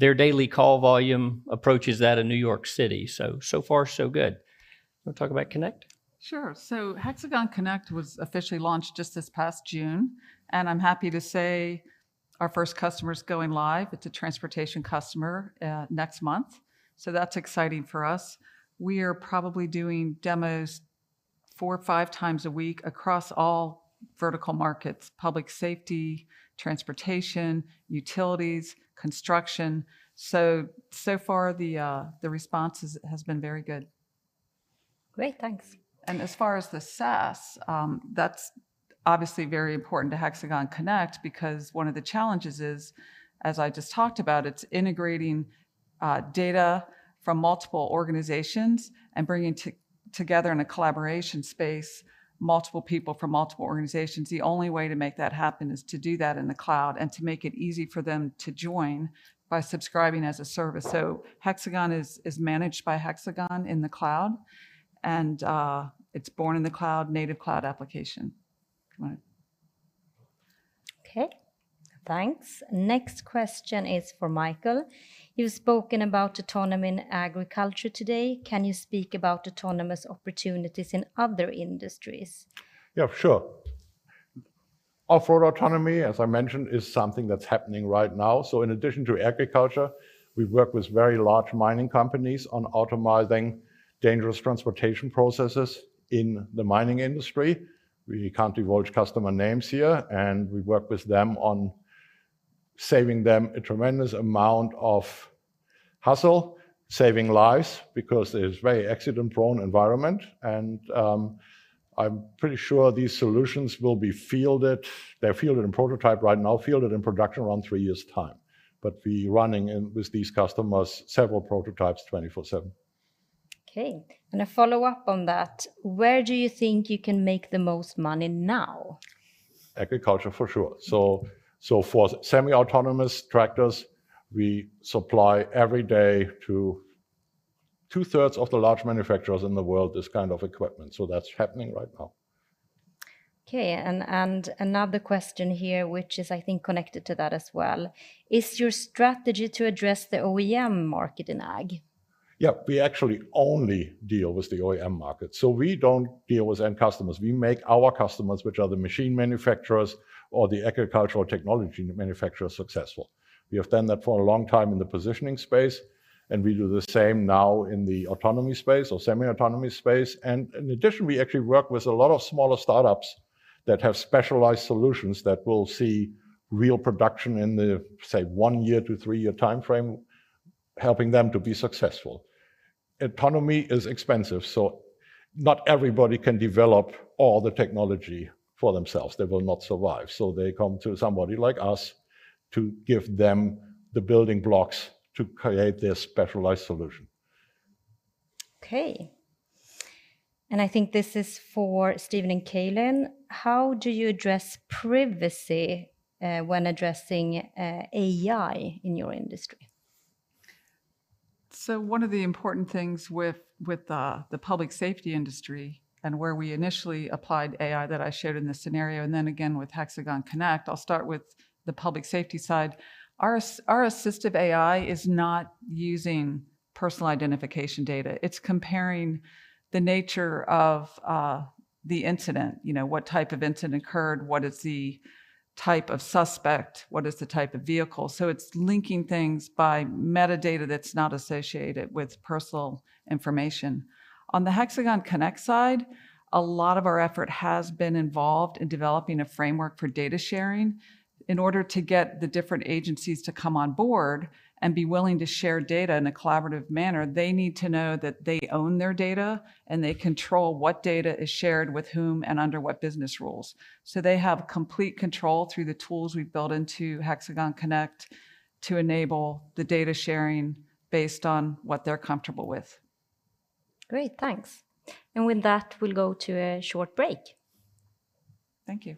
their daily call volume approaches that of New York City, so far so good. You want to talk about Connect? Sure. HxGN Connect was officially launched just this past June, and I'm happy to say our first customer's going live. It's a transportation customer, next month. That's exciting for us. We are probably doing demos four or five times a week across all vertical markets, public safety, transportation, utilities, construction. So far the response has been very good. Great. Thanks. As far as the SaaS, that's obviously very important to HxGN Connect because one of the challenges is, as I just talked about, it's integrating data from multiple organizations and bringing together in a collaboration space, multiple people from multiple organizations. The only way to make that happen is to do that in the cloud and to make it easy for them to join by subscribing as a service. Hexagon is managed by Hexagon in the cloud, and it's born in the cloud, native cloud application. Come on. Okay, thanks. Next question is for Michael. "You've spoken about autonomy in agriculture today. Can you speak about autonomous opportunities in other industries? Yeah, sure. Off-road autonomy, as I mentioned, is something that's happening right now. In addition to agriculture, we work with very large mining companies on automating dangerous transportation processes in the mining industry. We can't divulge customer names here, and we work with them on saving them a tremendous amount of hassle, saving lives, because it is very accident-prone environment. I'm pretty sure these solutions will be fielded. They're fielded in prototype right now, fielded in production around three years' time. We're running in with these customers several prototypes, 24/7. Okay. A follow-up on that, "Where do you think you can make the most money now? Agriculture, for sure. For semi-autonomous tractors, we supply every day to two-thirds of the large manufacturers in the world, this kind of equipment. That's happening right now. Okay. Another question here, which is, I think, connected to that as well. Is your strategy to address the OEM market in ag? Yeah, we actually only deal with the OEM market. We don't deal with end customers. We make our customers, which are the machine manufacturers or the agricultural technology manufacturers, successful. We have done that for a long time in the positioning space, and we do the same now in the autonomy space or semi-autonomy space. In addition, we actually work with a lot of smaller startups that have specialized solutions that will see real production in the, say, one-year to three-year timeframe, helping them to be successful. Autonomy is expensive, so not everybody can develop all the technology for themselves. They will not survive. They come to somebody like us to give them the building blocks to create their specialized solution. Okay. I think this is for Steven and Kalyn. How do you address privacy when addressing AI in your industry? One of the important things with the public safety industry and where we initially applied AI that I shared in the scenario, and then again with HxGN Connect, I'll start with the public safety side. Our assistive AI is not using personal identification data. It's comparing the nature of the incident. What type of incident occurred, what is the type of suspect, what is the type of vehicle? It's linking things by metadata that's not associated with personal information. On the HxGN Connect side, a lot of our effort has been involved in developing a framework for data sharing. In order to get the different agencies to come on board and be willing to share data in a collaborative manner, they need to know that they own their data and they control what data is shared with whom and under what business rules. They have complete control through the tools we've built into HxGN Connect to enable the data sharing based on what they're comfortable with. Great, thanks. With that, we'll go to a short break. Thank you.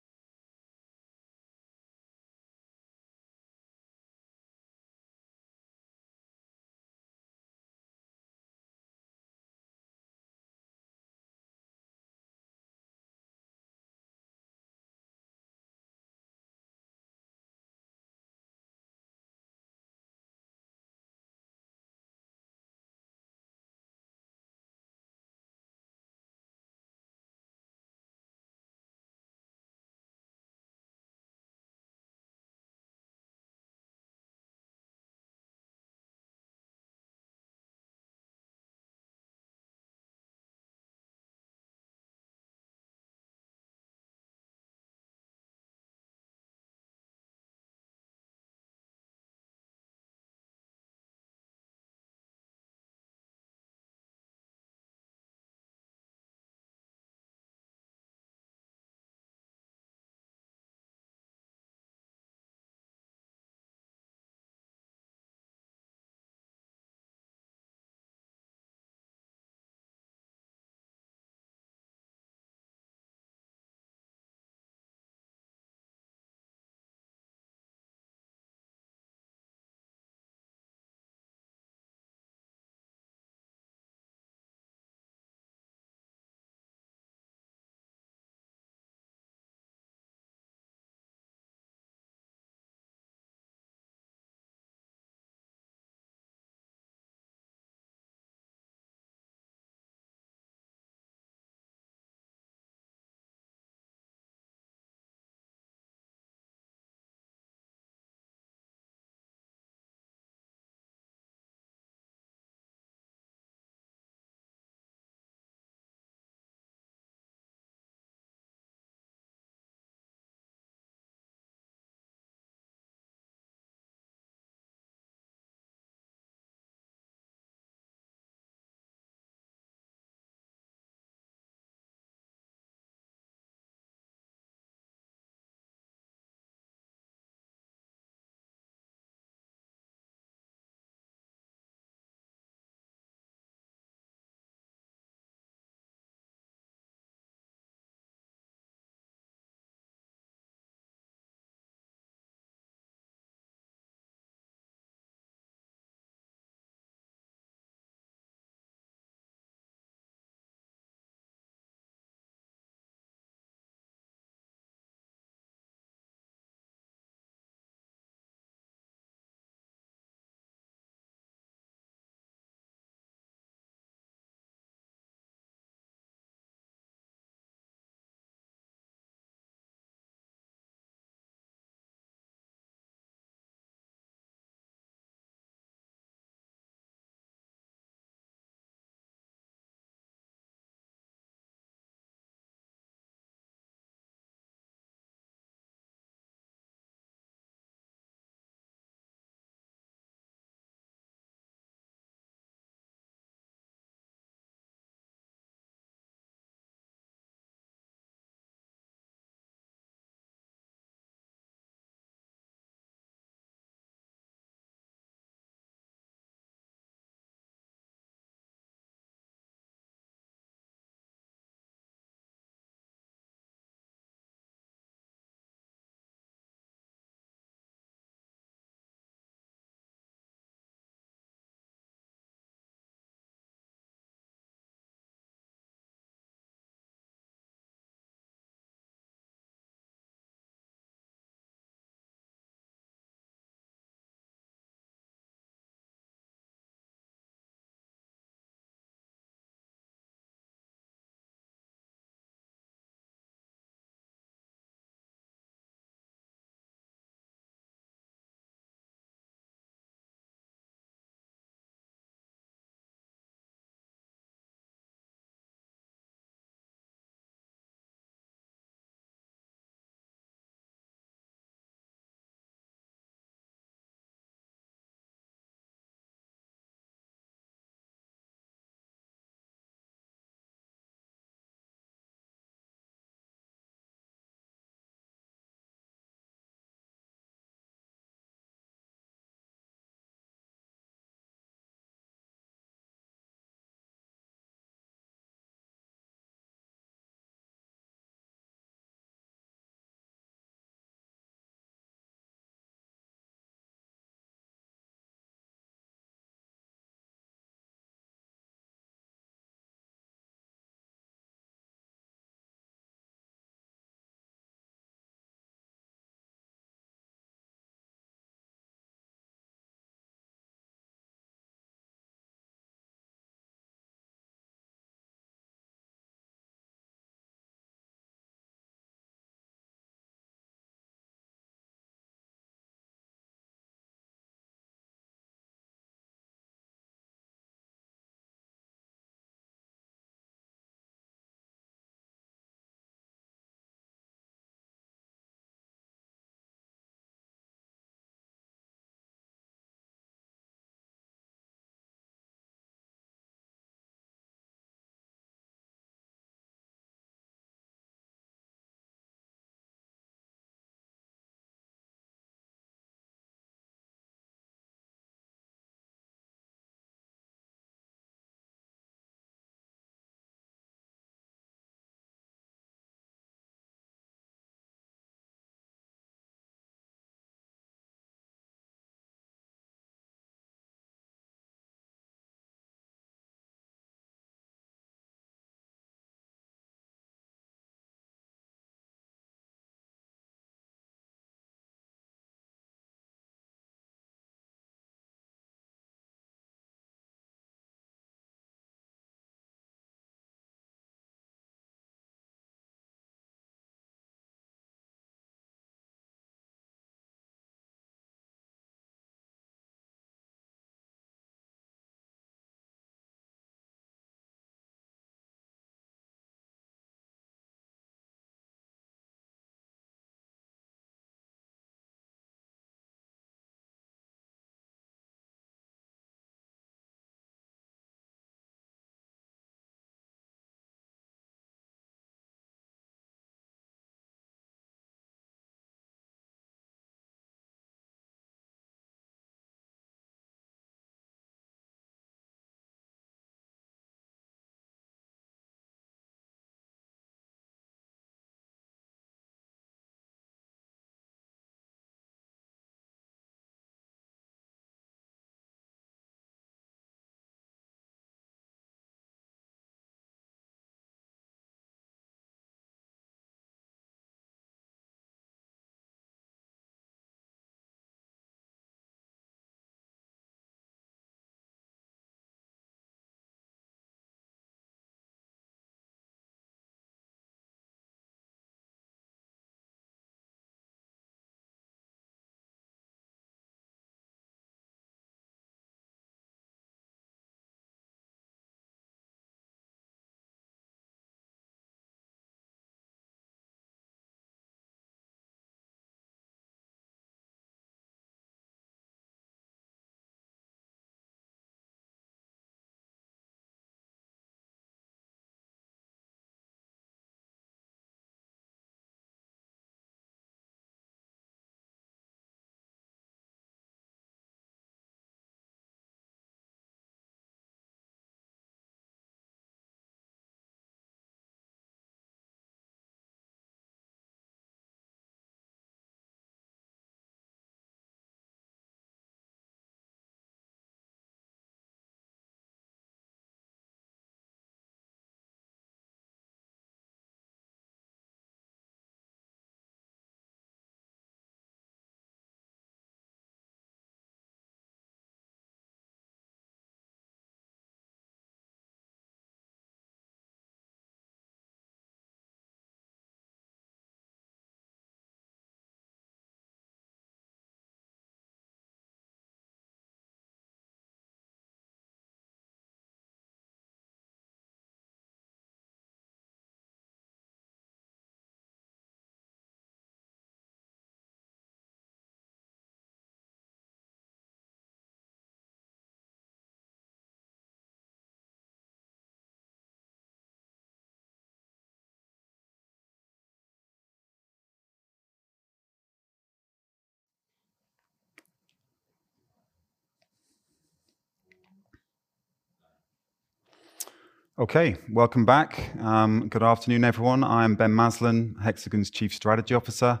Okay, welcome back. Good afternoon, everyone. I'm Ben Maslen, Hexagon's Chief Strategy Officer.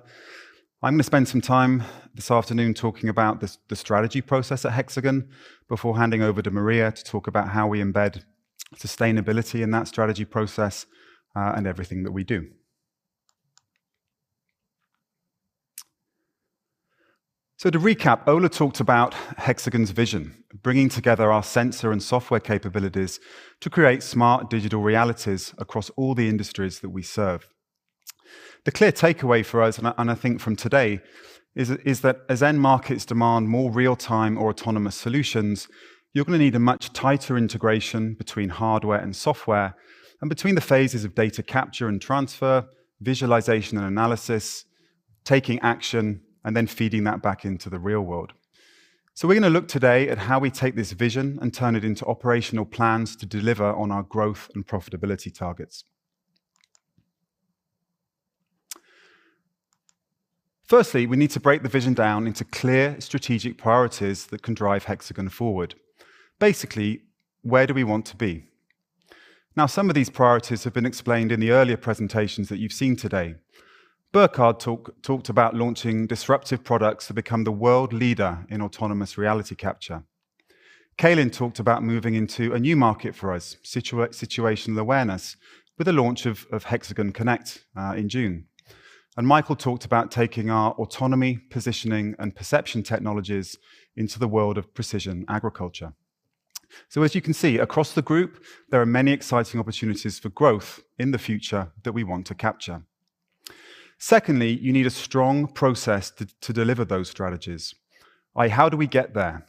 I'm going to spend some time this afternoon talking about the strategy process at Hexagon before handing over to Maria Luthström to talk about how we embed sustainability in that strategy process and everything that we do. To recap, Ola talked about Hexagon's vision, bringing together our sensor and software capabilities to create smart digital realities across all the industries that we serve. The clear takeaway for us, and I think from today, is that as end markets demand more real-time or autonomous solutions, you're going to need a much tighter integration between hardware and software, and between the phases of data capture and transfer, visualization and analysis, taking action, and then feeding that back into the real world. We're going to look today at how we take this vision and turn it into operational plans to deliver on our growth and profitability targets. Firstly, we need to break the vision down into clear strategic priorities that can drive Hexagon forward. Basically, where do we want to be? Now, some of these priorities have been explained in the earlier presentations that you've seen today. Burkhard talked about launching disruptive products to become the world leader in autonomous reality capture. Kalyn talked about moving into a new market for us, Situational Awareness, with the launch of HxGN Connect in June. Michael talked about taking our autonomy, positioning, and perception technologies into the world of precision agriculture. As you can see, across the group, there are many exciting opportunities for growth in the future that we want to capture. Secondly, you need a strong process to deliver those strategies. How do we get there?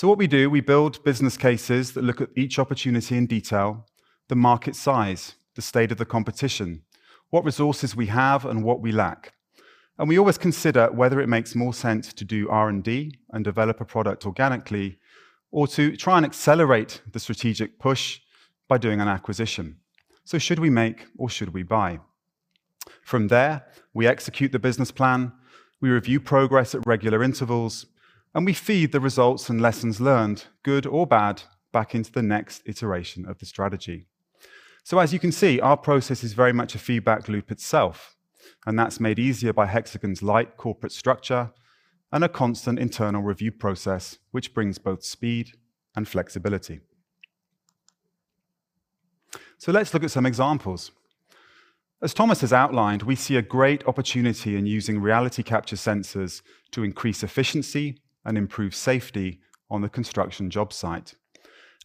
What we do, we build business cases that look at each opportunity in detail, the market size, the state of the competition, what resources we have, and what we lack. We always consider whether it makes more sense to do R&D and develop a product organically or to try and accelerate the strategic push by doing an acquisition. Should we make or should we buy? From there, we execute the business plan, we review progress at regular intervals, and we feed the results and lessons learned, good or bad, back into the next iteration of the strategy. As you can see, our process is very much a feedback loop itself, and that's made easier by Hexagon's light corporate structure and a constant internal review process, which brings both speed and flexibility. Let's look at some examples. As Thomas has outlined, we see a great opportunity in using reality capture sensors to increase efficiency and improve safety on the construction job site,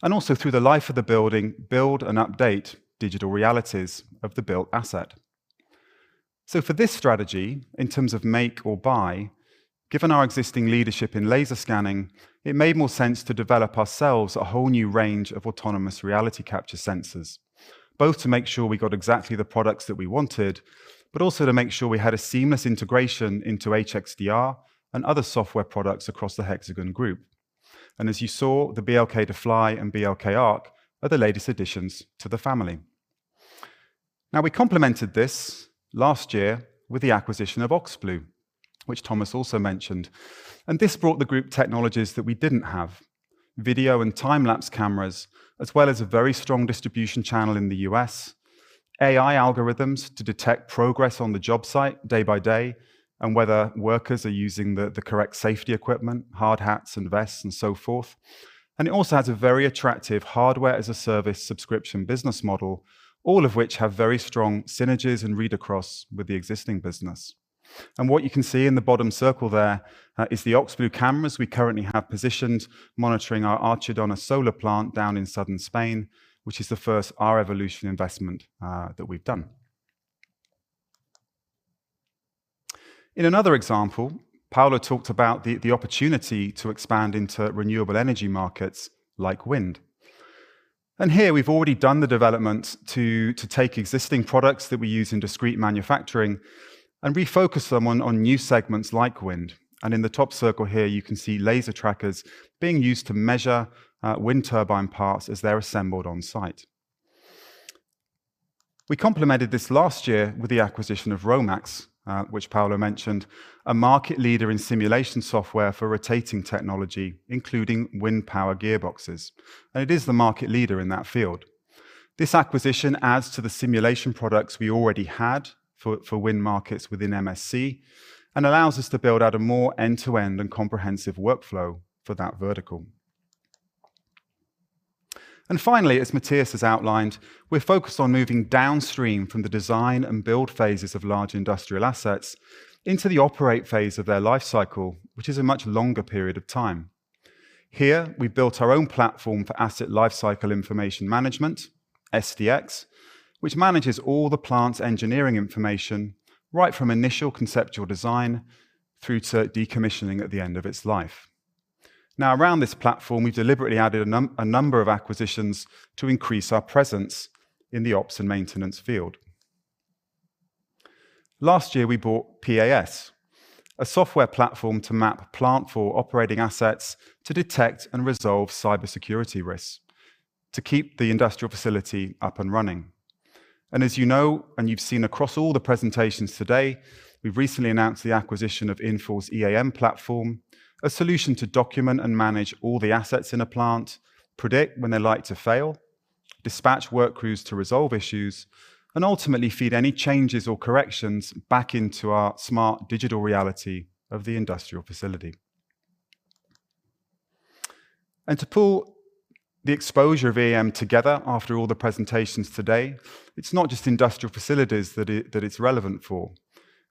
and also through the life of the building, build and update digital realities of the built asset. For this strategy, in terms of make or buy, given our existing leadership in laser scanning, it made more sense to develop ourselves a whole new range of autonomous reality capture sensors, both to make sure we got exactly the products that we wanted, but also to make sure we had a seamless integration into HxDR and other software products across the Hexagon group. As you saw, the BLK2FLY and BLK ARC are the latest additions to the family. We complemented this last year with the acquisition of OxBlue, which Thomas also mentioned, and this brought the group technologies that we didn't have, video and time-lapse cameras, as well as a very strong distribution channel in the U.S., AI algorithms to detect progress on the job site day by day, and whether workers are using the correct safety equipment, hard hats and vests and so forth. It also has a very attractive hardware-as-a-service subscription business model, all of which have very strong synergies and read-across with the existing business. What you can see in the bottom circle there is the OxBlue cameras we currently have positioned monitoring our Archidona solar plant down in southern Spain, which is the first R-evolution investment that we've done. In another example, Paolo talked about the opportunity to expand into renewable energy markets like wind. Here we've already done the development to take existing products that we use in discrete manufacturing and refocus them on new segments like wind. In the top circle here, you can see laser trackers being used to measure wind turbine parts as they're assembled on-site. We complemented this last year with the acquisition of Romax, which Paolo mentioned, a market leader in simulation software for rotating technology, including wind power gearboxes, and it is the market leader in that field. This acquisition adds to the simulation products we already had for wind markets within MSC and allows us to build out a more end-to-end and comprehensive workflow for that vertical. Finally, as Mattias has outlined, we're focused on moving downstream from the design and build phases of large industrial assets into the operate phase of their lifecycle, which is a much longer period of time. Here, we've built our own platform for asset lifecycle information management, HxGN SDx, which manages all the plant's engineering information right from initial conceptual design through to decommissioning at the end of its life. Around this platform, we've deliberately added a number of acquisitions to increase our presence in the ops and maintenance field. Last year, we bought PAS, a software platform to map plant for operating assets to detect and resolve cybersecurity risks, to keep the industrial facility up and running. As you know, you've seen across all the presentations today, we've recently announced the acquisition of Infor EAM platform, a solution to document and manage all the assets in a plant, predict when they're like to fail, dispatch work crews to resolve issues, and ultimately feed any changes or corrections back into our smart digital reality of the industrial facility. To pull the exposure of EAM together after all the presentations today, it's not just industrial facilities that it's relevant for.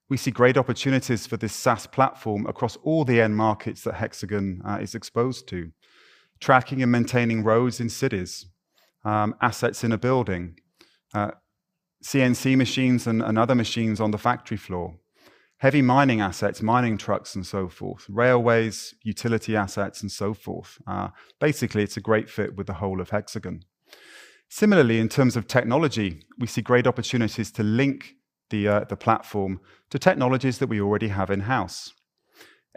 We see great opportunities for this SaaS platform across all the end markets that Hexagon is exposed to. Tracking and maintaining roads in cities, assets in a building, CNC machines and other machines on the factory floor, heavy mining assets, mining trucks and so forth, railways, utility assets, and so forth. Basically, it's a great fit with the whole of Hexagon. Similarly, in terms of technology, we see great opportunities to link the platform to technologies that we already have in-house.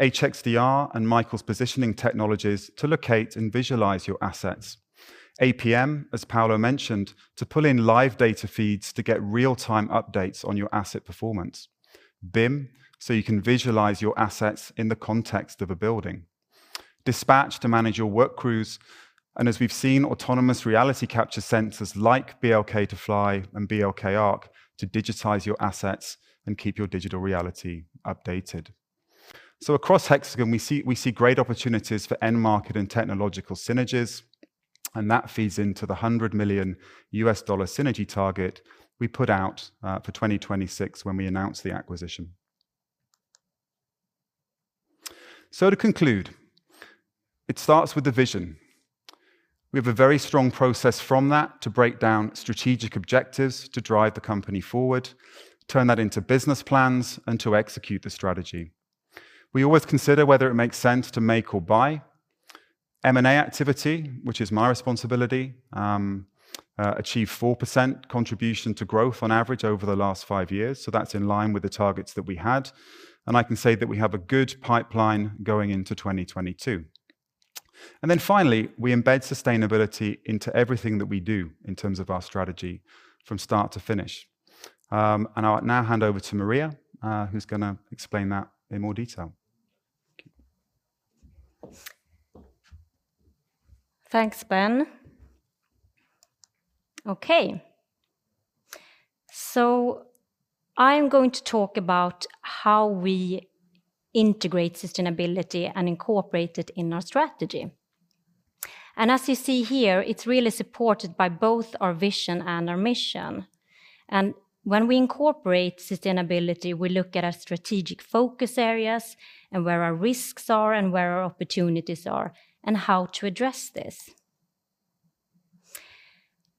HxDR and Autonomy & Positioning technologies to locate and visualize your assets. APM, as Paolo mentioned, to pull in live data feeds to get real-time updates on your asset performance. BIM, you can visualize your assets in the context of a building. Dispatch to manage your work crews, as we've seen, autonomous reality capture sensors like BLK2FLY and BLK ARC to digitize your assets and keep your digital reality updated. Across Hexagon, we see great opportunities for end market and technological synergies, that feeds into the $100 million synergy target we put out for 2026 when we announced the acquisition. To conclude, it starts with the vision. We have a very strong process from that to break down strategic objectives to drive the company forward, turn that into business plans, and to execute the strategy. M&A activity, which is my responsibility, achieved 4% contribution to growth on average over the last five years. That's in line with the targets that we had. I can say that we have a good pipeline going into 2022. Finally, we embed sustainability into everything that we do in terms of our strategy from start to finish. I'll now hand over to Maria, who's going to explain that in more detail. Thanks, Ben. Okay. I'm going to talk about how we integrate sustainability and incorporate it in our strategy. As you see here, it's really supported by both our vision and our mission. When we incorporate sustainability, we look at our strategic focus areas and where our risks are and where our opportunities are, and how to address this.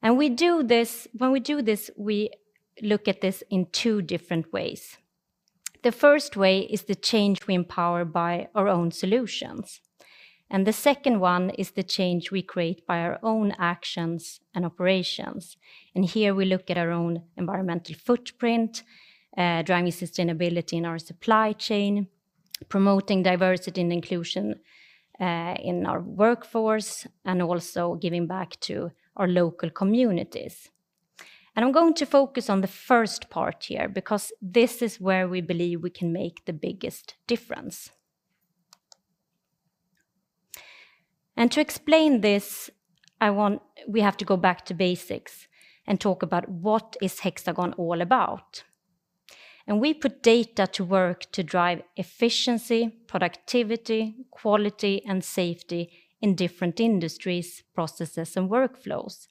When we do this, we look at this in two different ways. The first way is the change we empower by our own solutions, and the second one is the change we create by our own actions and operations. Here we look at our own environmental footprint, driving sustainability in our supply chain, promoting diversity and inclusion in our workforce, and also giving back to our local communities. I'm going to focus on the first part here because this is where we believe we can make the biggest difference. To explain this, we have to go back to basics and talk about what is Hexagon all about. We put data to work to drive efficiency, productivity, quality, and safety in different industries, processes, and workflows.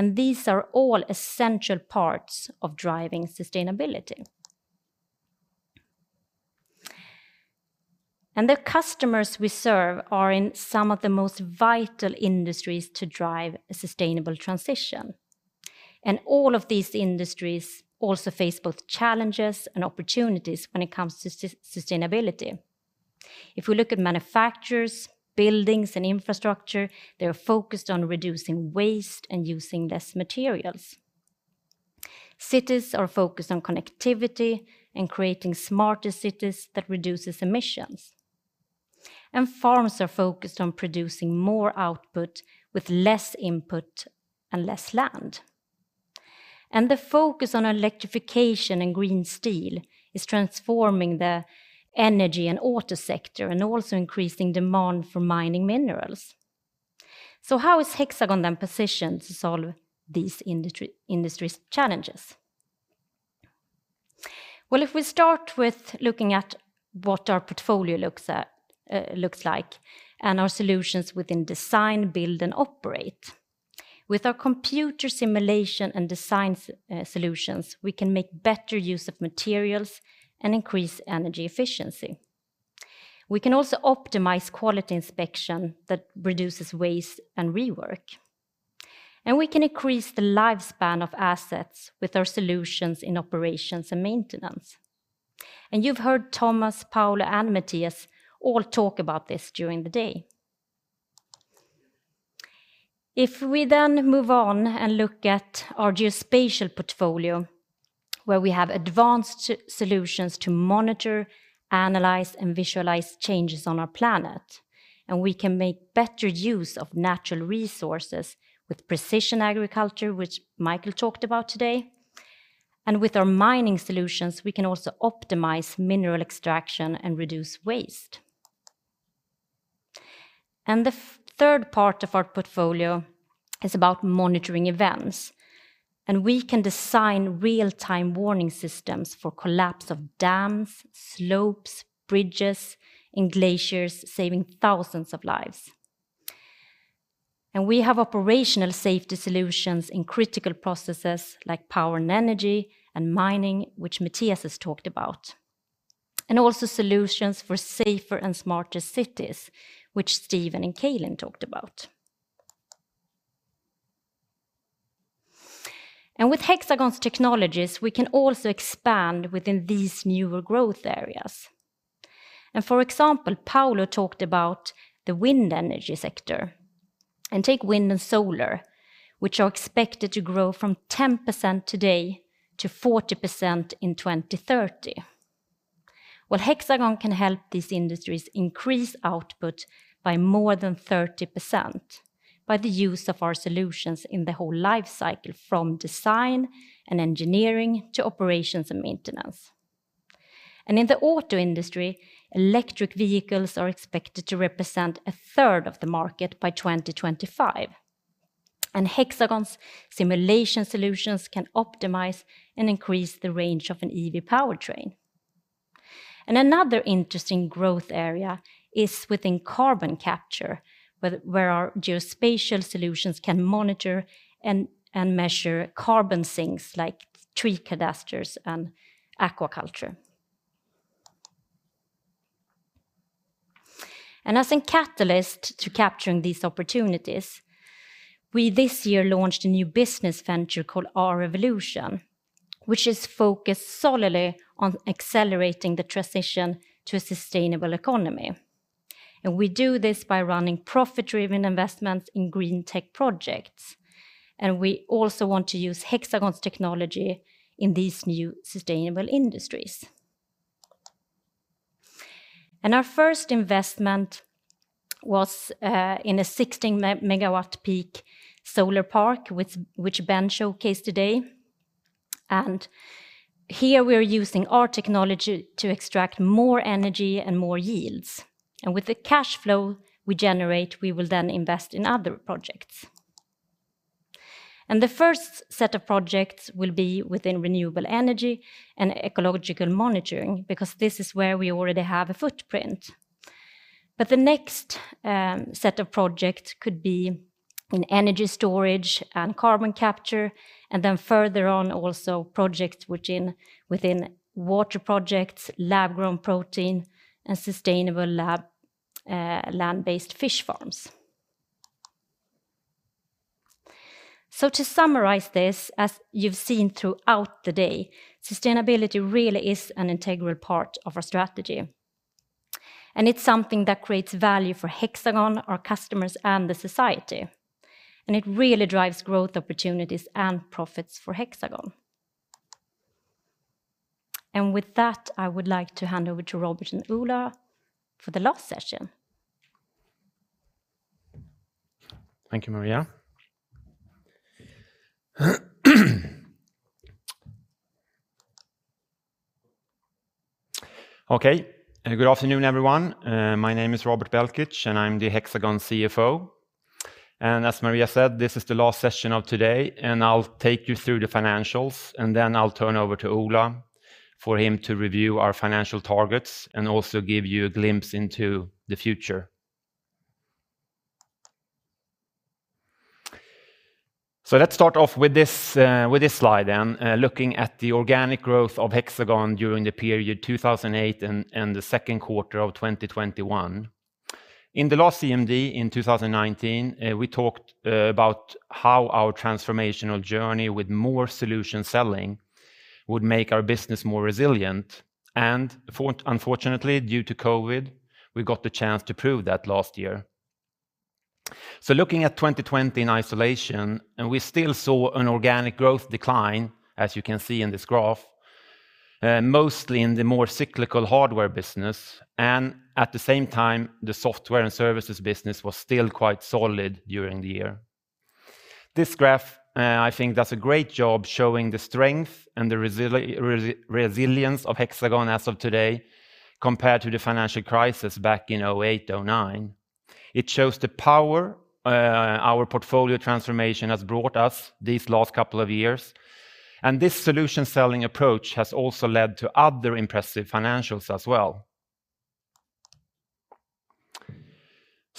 These are all essential parts of driving sustainability. The customers we serve are in some of the most vital industries to drive a sustainable transition. All of these industries also face both challenges and opportunities when it comes to sustainability. If we look at manufacturers, buildings, and infrastructure, they are focused on reducing waste and using less materials. Cities are focused on connectivity and creating smarter cities that reduces emissions. Farms are focused on producing more output with less input and less land. The focus on electrification and green steel is transforming the energy and auto sector and also increasing demand for mining minerals. How is Hexagon positioned to solve these industries' challenges? If we start with looking at what our portfolio looks like and our solutions within design, build, and operate. With our computer simulation and design solutions, we can make better use of materials and increase energy efficiency. We can also optimize quality inspection that reduces waste and rework. We can increase the lifespan of assets with our solutions in operations and maintenance. You've heard Thomas, Paolo, and Mattias all talk about this during the day. If we move on and look at our geospatial portfolio, where we have advanced solutions to monitor, analyze, and visualize changes on our planet, we can make better use of natural resources with precision agriculture, which Michael Ritter talked about today. With our Hexagon Mining solutions, we can also optimize mineral extraction and reduce waste. The third part of our portfolio. It's about monitoring events. We can design real-time warning systems for collapse of dams, slopes, bridges, and glaciers, saving thousands of lives. We have operational safety solutions in critical processes like power and energy and mining, which Mattias Stenberg has talked about, and also solutions for safer and smarter cities, which Steven Cost and Kalyn Sims talked about. With Hexagon's technologies, we can also expand within these newer growth areas. For example, Paolo Guglielmini talked about the wind energy sector. Take wind and solar, which are expected to grow from 10% today to 40% in 2030. Hexagon can help these industries increase output by more than 30% by the use of our solutions in the whole life cycle, from design and engineering to operations and maintenance. In the auto industry, electric vehicles are expected to represent a third of the market by 2025. Hexagon's simulation solutions can optimize and increase the range of an EV powertrain. Another interesting growth area is within carbon capture, where our geospatial solutions can monitor and measure carbon sinks like tree cadastres and aquaculture. As a catalyst to capturing these opportunities, we this year launched a new business venture called R-evolution, which is focused solely on accelerating the transition to a sustainable economy, and we do this by running profit-driven investments in green tech projects. We also want to use Hexagon's technology in these new sustainable industries. Our first investment was in a 16-megawatt peak solar park, which Ben showcased today, and here we are using our technology to extract more energy and more yields. With the cash flow we generate, we will then invest in other projects. The first set of projects will be within renewable energy and ecological monitoring because this is where we already have a footprint. The next set of projects could be in energy storage and carbon capture, and then further on, also projects within water projects, lab-grown protein, and sustainable land-based fish farms. To summarize this, as you've seen throughout the day, sustainability really is an integral part of our strategy, and it's something that creates value for Hexagon, our customers, and the society, and it really drives growth opportunities and profits for Hexagon. With that, I would like to hand over to Robert and Ola for the last session. Thank you, Maria. Okay. Good afternoon, everyone. My name is Robert Belkic, I'm the Hexagon CFO. As Maria said, this is the last session of today, I'll take you through the financials, I'll turn over to Ola for him to review our financial targets and also give you a glimpse into the future. Let's start off with this slide, looking at the organic growth of Hexagon during the period 2008 and the second quarter of 2021. In the last CMD in 2019, we talked about how our transformational journey with more solution selling would make our business more resilient, unfortunately, due to COVID, we got the chance to prove that last year. Looking at 2020 in isolation, we still saw an organic growth decline, as you can see in this graph, mostly in the more cyclical hardware business, and at the same time, the software and services business was still quite solid during the year. This graph I think does a great job showing the strength and the resilience of Hexagon as of today compared to the financial crisis back in 2008, 2009. It shows the power our portfolio transformation has brought us these last couple of years. This solution selling approach has also led to other impressive financials as well.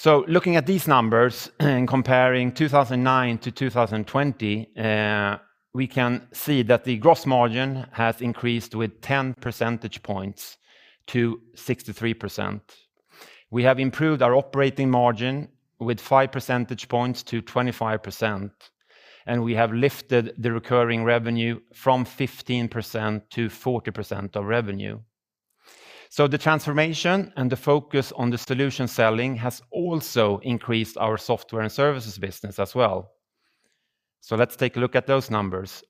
Looking at these numbers and comparing 2009 to 2020, we can see that the gross margin has increased with 10 percentage points to 63%. We have improved our operating margin with five percentage points to 25%. We have lifted the recurring revenue from 15% to 40% of revenue. The transformation and the focus on the solution selling has also increased our software and services business as well. Let's take a look at those numbers.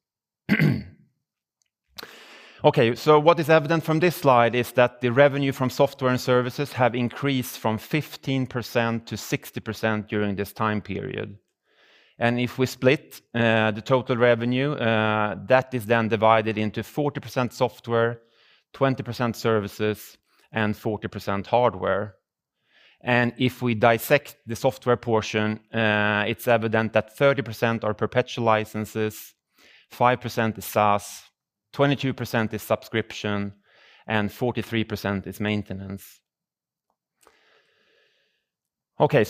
What is evident from this slide is that the revenue from software and services have increased from 15% to 60% during this time period. If we split the total revenue, that is divided into 40% software, 20% services, and 40% hardware. If we dissect the software portion, it's evident that 30% are perpetual licenses, 5% is SaaS, 22% is subscription, and 43% is maintenance.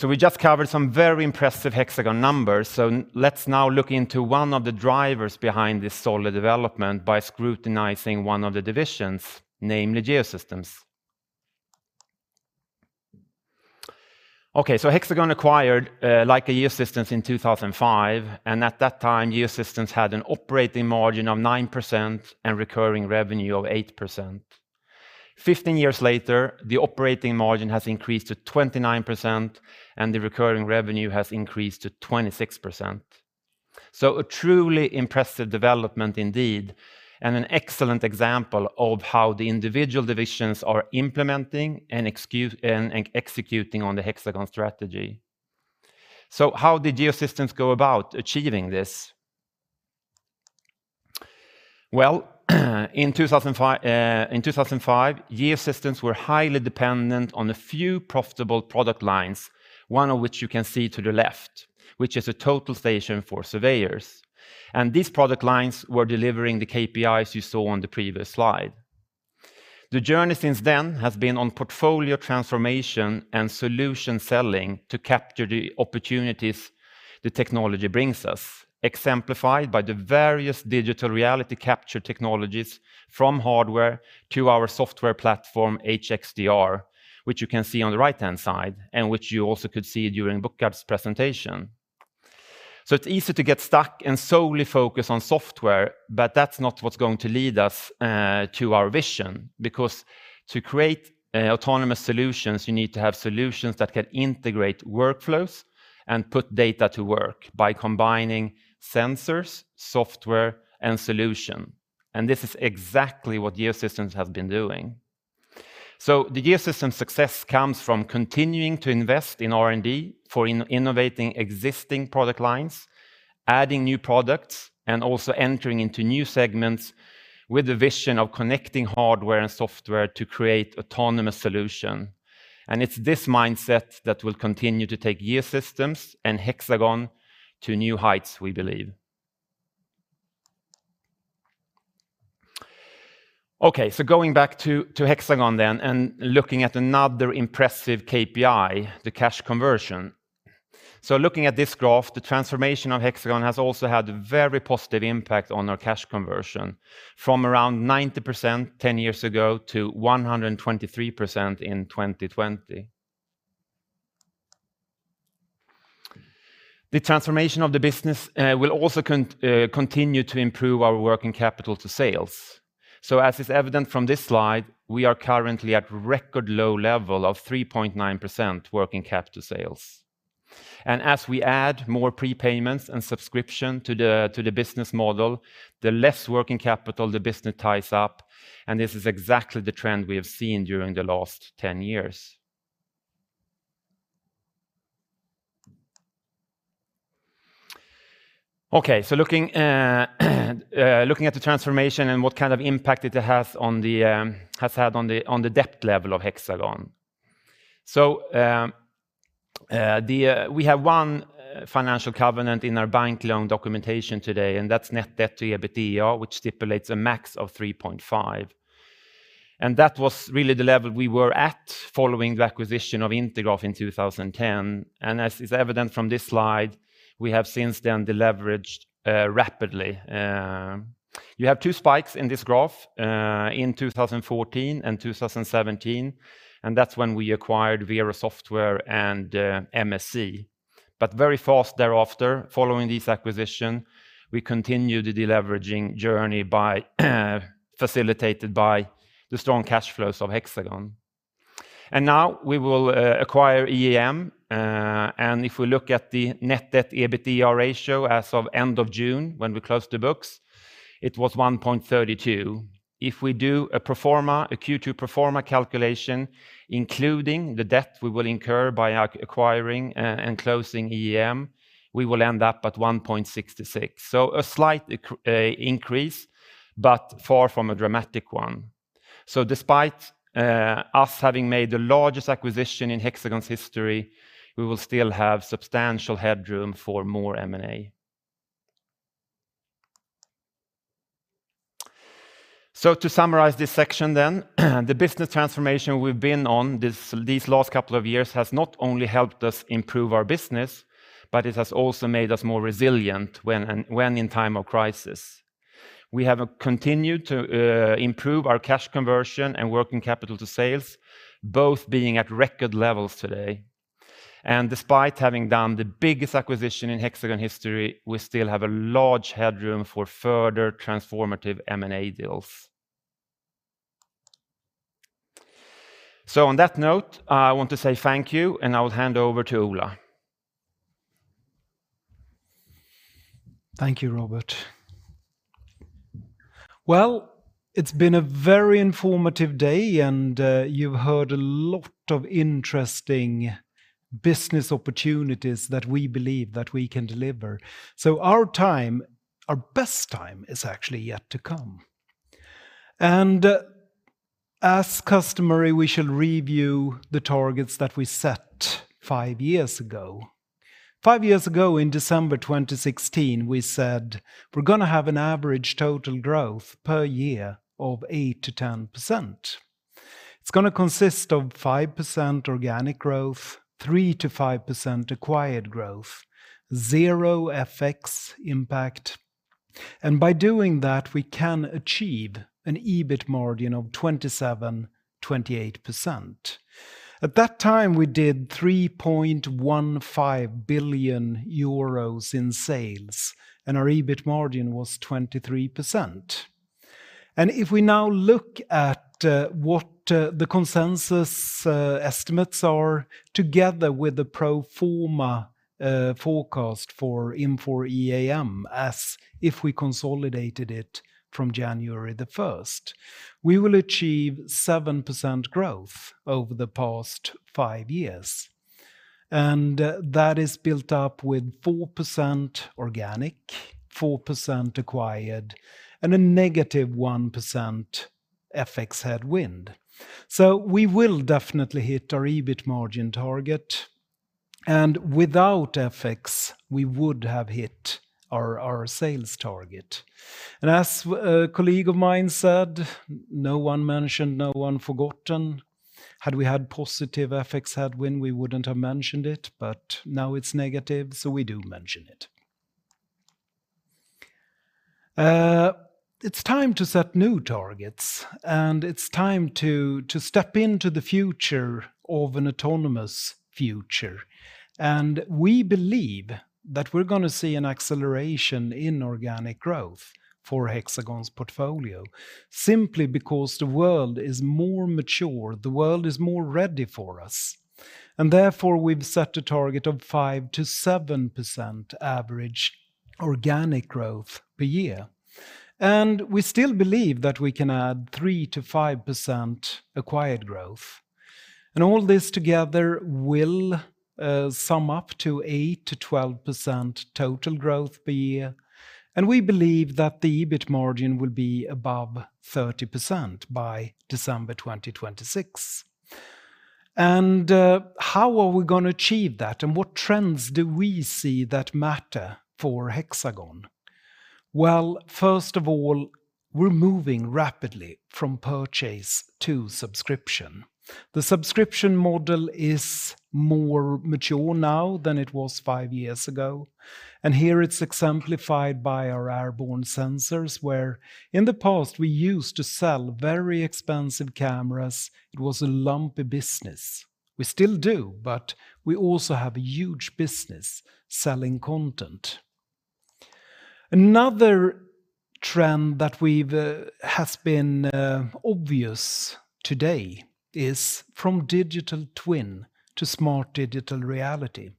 We just covered some very impressive Hexagon numbers. Let's now look into one of the drivers behind this solid development by scrutinizing one of the divisions, namely Geosystems. Hexagon acquired Leica Geosystems in 2005, and at that time, Geosystems had an operating margin of 9% and recurring revenue of 8%. 15 years later, the operating margin has increased to 29%, and the recurring revenue has increased to 26%. A truly impressive development indeed, and an excellent example of how the individual divisions are implementing and executing on the Hexagon strategy. How did Geosystems go about achieving this? In 2005, Geosystems were highly dependent on a few profitable product lines, one of which you can see to the left, which is a total station for surveyors. These product lines were delivering the KPIs you saw on the previous slide. The journey since then has been on portfolio transformation and solution selling to capture the opportunities the technology brings us, exemplified by the various digital reality capture technologies from hardware to our software platform, HxDR, which you can see on the right-hand side and which you also could see during Burkhard Boeckem's presentation. It's easy to get stuck and solely focus on software, but that's not what's going to lead us to our vision, because to create autonomous solutions, you need to have solutions that can integrate workflows and put data to work by combining sensors, software, and solution. This is exactly what Geosystems has been doing. The Geosystems success comes from continuing to invest in R&D for innovating existing product lines, adding new products, and also entering into new segments with the vision of connecting hardware and software to create autonomous solution. It's this mindset that will continue to take Geosystems and Hexagon to new heights, we believe. Going back to Hexagon, looking at another impressive KPI, the cash conversion. Looking at this graph, the transformation of Hexagon has also had a very positive impact on our cash conversion, from around 90% 10 years ago to 123% in 2020. The transformation of the business will also continue to improve our working capital to sales. As is evident from this slide, we are currently at record low level of 3.9% working capital sales. As we add more prepayments and subscription to the business model, the less working capital the business ties up, this is exactly the trend we have seen during the last 10 years. Looking at the transformation and what kind of impact it has had on the debt level of Hexagon. We have one financial covenant in our bank loan documentation today, and that's net debt to EBITDA, which stipulates a max of 3.5. That was really the level we were at following the acquisition of Intergraph in 2010. As is evident from this slide, we have since then leveraged rapidly. You have two spikes in this graph, in 2014 and 2017, and that's when we acquired Vero Software and MSC. Very fast thereafter, following this acquisition, we continued the deleveraging journey facilitated by the strong cash flows of Hexagon. Now we will acquire EAM. If we look at the net debt EBITDA ratio as of end of June when we closed the books, it was 1.32. We do a Q2 pro forma calculation, including the debt we will incur by acquiring and closing EAM, we will end up at 1.66. A slight increase, but far from a dramatic one. Despite us having made the largest acquisition in Hexagon's history, we will still have substantial headroom for more M&A. To summarize this section, the business transformation we've been on these last couple of years has not only helped us improve our business, but it has also made us more resilient when in time of crisis. We have continued to improve our cash conversion and working capital to sales, both being at record levels today. Despite having done the biggest acquisition in Hexagon history, we still have a large headroom for further transformative M&A deals. On that note, I want to say thank you, and I'll hand over to Ola. Thank you, Robert. Well, it's been a very informative day, and you've heard a lot of interesting business opportunities that we believe that we can deliver. Our best time is actually yet to come. As customary, we shall review the targets that we set five years ago. Five years ago, in December 2016, we said we're going to have an average total growth per year of 8%-10%. It's going to consist of 5% organic growth, 3%-5% acquired growth, 0 FX impact. By doing that, we can achieve an EBIT margin of 27%-28%. At that time, we did 3.15 billion euros in sales, and our EBIT margin was 23%. If we now look at what the consensus estimates are together with the pro forma forecast for Infor EAM as if we consolidated it from January 1st, we will achieve 7% growth over the past five years. That is built up with 4% organic, 4% acquired, and a negative 1% FX headwind. We will definitely hit our EBIT margin target. Without FX, we would have hit our sales target. As a colleague of mine said, "No one mentioned, no one forgotten." Had we had positive FX headwind, we wouldn't have mentioned it, but now it's negative, so we do mention it. It's time to set new targets, and it's time to step into the future of an autonomous future. We believe that we're going to see an acceleration in organic growth for Hexagon's portfolio, simply because the world is more mature. The world is more ready for us. Therefore, we've set a target of 5%-7% average organic growth per year. We still believe that we can add 3%-5% acquired growth. All this together will sum up to 8%-12% total growth per year. We believe that the EBIT margin will be above 30% by December 2026. How are we going to achieve that? What trends do we see that matter for Hexagon? Well, first of all, we're moving rapidly from purchase to subscription. The subscription model is more mature now than it was five years ago. Here it's exemplified by our airborne sensors where, in the past, we used to sell very expensive cameras. It was a lumpy business. We still do, but we also have a huge business selling content. Another trend that has been obvious today is from digital twin to smart digital reality.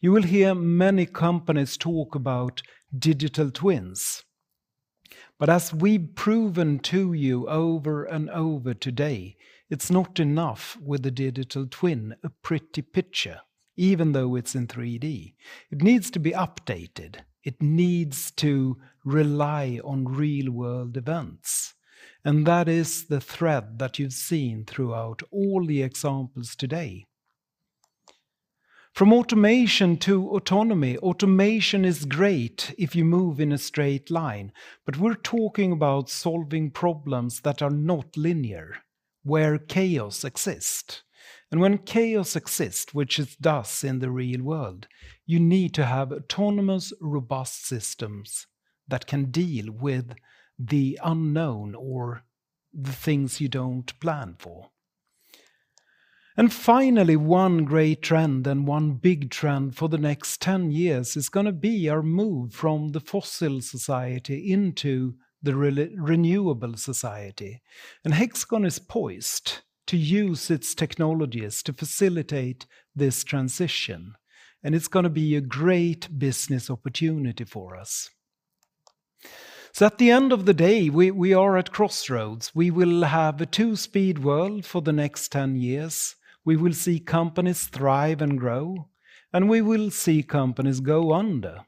You will hear many companies talk about digital twins. As we've proven to you over and over today, it's not enough with the digital twin, a pretty picture, even though it's in 3D. It needs to be updated. It needs to rely on real-world events. That is the thread that you've seen throughout all the examples today. From automation to autonomy, automation is great if you move in a straight line. We're talking about solving problems that are not linear, where chaos exists. When chaos exists, which it does in the real world, you need to have autonomous, robust systems that can deal with the unknown or the things you don't plan for. Finally, one great trend and one big trend for the next 10 years is going to be our move from the fossil society into the renewable society. Hexagon is poised to use its technologies to facilitate this transition, and it's going to be a great business opportunity for us. At the end of the day, we are at crossroads. We will have a two-speed world for the next 10 years. We will see companies thrive and grow, and we will see companies go under.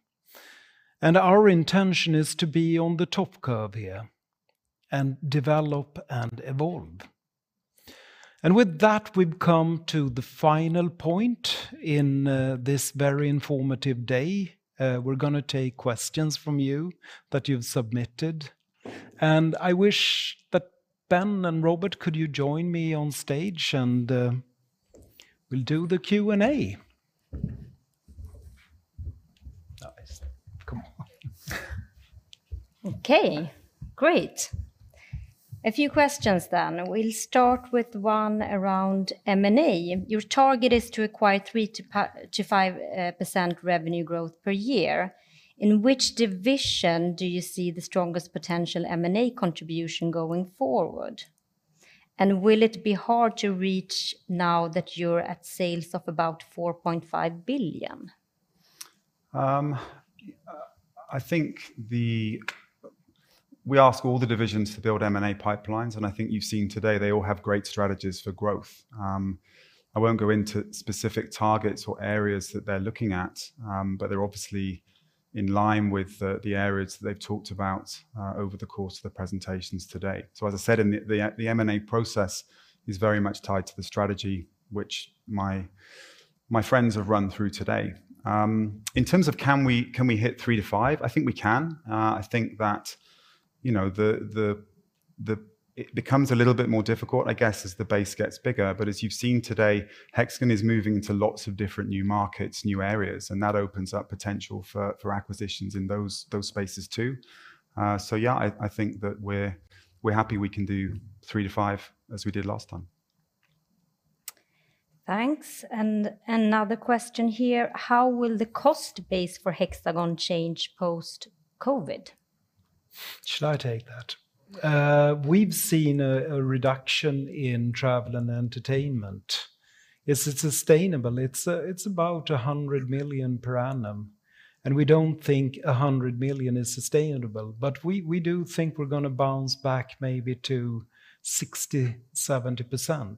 Our intention is to be on the top curve here and develop and evolve. With that, we've come to the final point in this very informative day. We're going to take questions from you that you've submitted. I wish that Ben and Robert, could you join me on stage, and we'll do the Q&A. Nice. Come on. Okay, great. A few questions then. We'll start with one around M&A. Your target is to acquire 3%-5% revenue growth per year. In which division do you see the strongest potential M&A contribution going forward? Will it be hard to reach now that you're at sales of about 4.5 billion? I think we ask all the divisions to build M&A pipelines, and I think you've seen today they all have great strategies for growth. I won't go into specific targets or areas that they're looking at, but they're obviously in line with the areas that they've talked about over the course of the presentations today. As I said, the M&A process is very much tied to the strategy which my friends have run through today. In terms of can we hit three to five? I think we can. I think that it becomes a little bit more difficult, I guess, as the base gets bigger. As you've seen today, Hexagon is moving into lots of different new markets, new areas, and that opens up potential for acquisitions in those spaces too. Yeah, I think that we're happy we can do 3-5 as we did last time. Thanks. Another question here, how will the cost base for Hexagon change post-COVID? Should I take that? We've seen a reduction in travel and entertainment. Is it sustainable? It's about 100 million per annum. We don't think 100 million is sustainable. We do think we're going to bounce back maybe to 60%-70%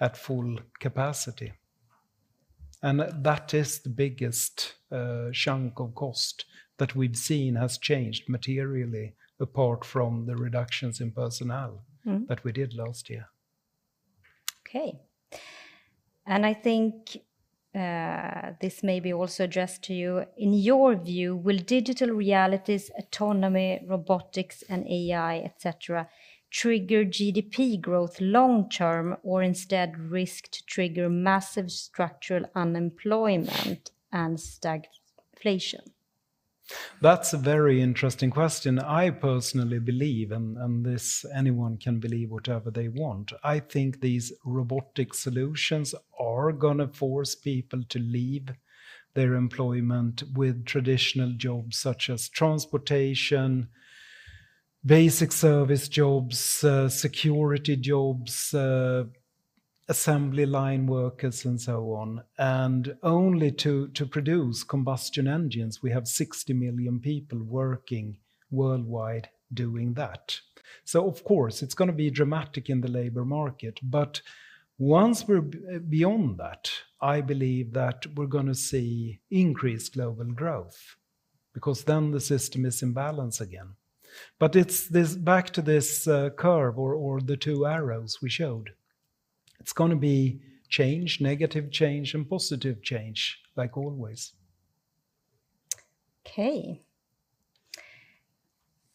at full capacity. That is the biggest chunk of cost that we've seen has changed materially, apart from the reductions in personnel that we did last year. Okay. I think, this may be also addressed to you. In your view, will digital realities, autonomy, robotics, and AI, et cetera, trigger GDP growth long term, or instead risk to trigger massive structural unemployment and stagflation? That's a very interesting question. I personally believe, and anyone can believe whatever they want, I think these robotic solutions are going to force people to leave their employment with traditional jobs such as transportation, basic service jobs, security jobs, assembly line workers, and so on. Only to produce combustion engines, we have 60 million people working worldwide doing that. Of course, it's going to be dramatic in the labor market. Once we're beyond that, I believe that we're going to see increased global growth because then the system is in balance again. It's back to this curve or the two arrows we showed. It's going to be change, negative change and positive change like always. Okay.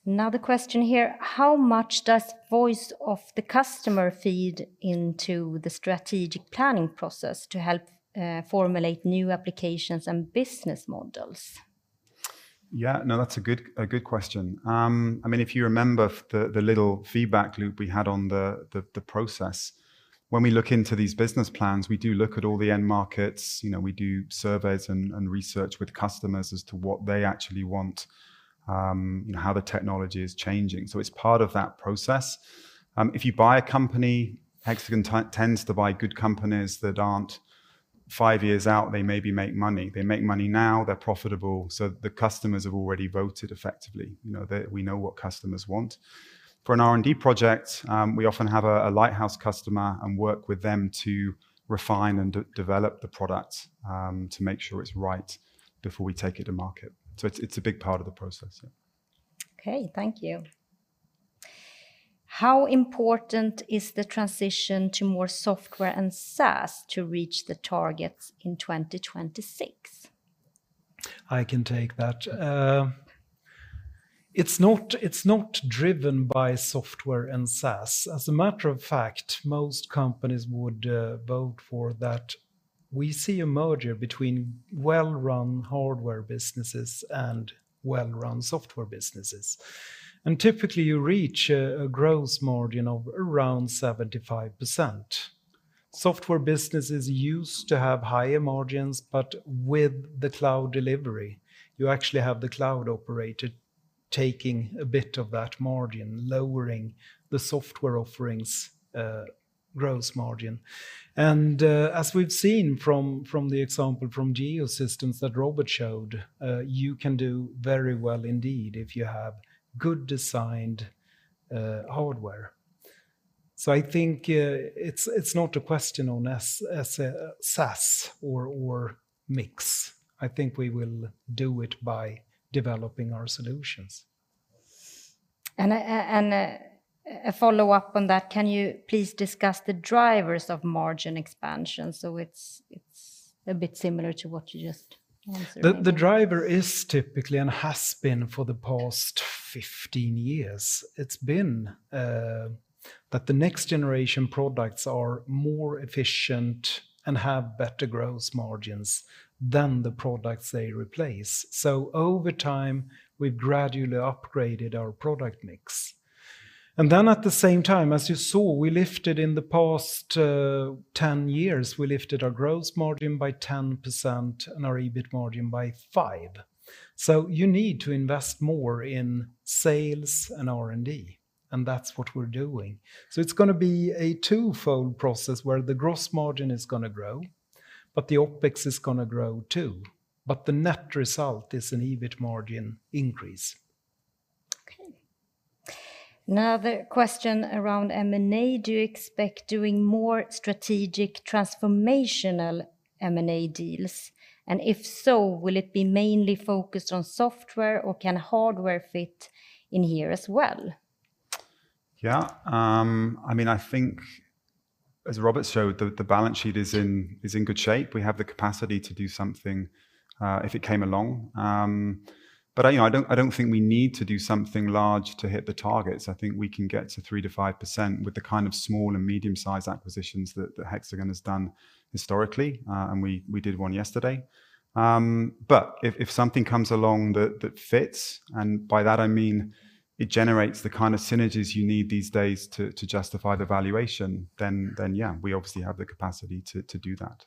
Another question here, how much does voice of the customer feed into the strategic planning process to help formulate new applications and business models? Yeah, no, that's a good question. If you remember the little feedback loop we had on the process, when we look into these business plans, we do look at all the end markets. We do surveys and research with customers as to what they actually want, how the technology is changing. It's part of that process. If you buy a company, Hexagon tends to buy good companies that aren't five years out. They maybe make money. They make money now. They're profitable. The customers have already voted effectively. We know what customers want. For an R&D project, we often have a lighthouse customer and work with them to refine and develop the product to make sure it's right before we take it to market. It's a big part of the process, yeah. Okay. Thank you. How important is the transition to more software and SaaS to reach the targets in 2026? I can take that. It's not driven by software and SaaS. As a matter of fact, most companies would vote for that we see a merger between well-run hardware businesses and well-run software businesses. Typically, you reach a gross margin of around 75%. Software businesses used to have higher margins, with the cloud delivery, you actually have the cloud operator taking a bit of that margin, lowering the software offering's gross margin. As we've seen from the example from Geosystems that Robert showed, you can do very well indeed if you have good designed hardware. I think it's not a question on SaaS or mix. I think we will do it by developing our solutions. A follow-up on that, can you please discuss the drivers of margin expansion? It's a bit similar to what you just answered. The driver is typically, and has been for the past 15 years, it's been that the next generation products are more efficient and have better gross margins than the products they replace. Over time, we've gradually upgraded our product mix. At the same time, as you saw, we lifted in the past 10 years, we lifted our gross margin by 10% and our EBIT margin by 5%. You need to invest more in sales and R&D. That's what we're doing. It's going to be a twofold process where the gross margin is going to grow, but the OpEx is going to grow too. The net result is an EBIT margin increase. Okay. Another question around M&A. Do you expect doing more strategic transformational M&A deals? If so, will it be mainly focused on software, or can hardware fit in here as well? Yeah. I think as Robert showed, the balance sheet is in good shape. We have the capacity to do something if it came along. I don't think we need to do something large to hit the targets. I think we can get to 3%-5% with the kind of small and medium-sized acquisitions that Hexagon has done historically, and we did one yesterday. If something comes along that fits, and by that I mean it generates the kind of synergies you need these days to justify the valuation, then yeah, we obviously have the capacity to do that.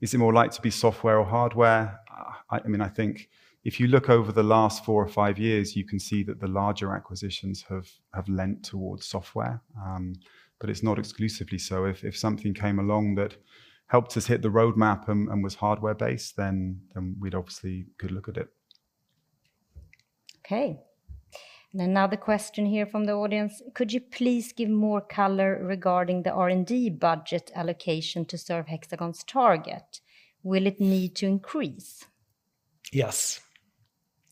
Is it more like to be software or hardware? I think if you look over the last four or five years, you can see that the larger acquisitions have lent towards software, but it's not exclusively so. If something came along that helped us hit the roadmap and was hardware-based, then we'd obviously, could look at it. Okay. Another question here from the audience. Could you please give more color regarding the R&D budget allocation to serve Hexagon's target? Will it need to increase? Yes.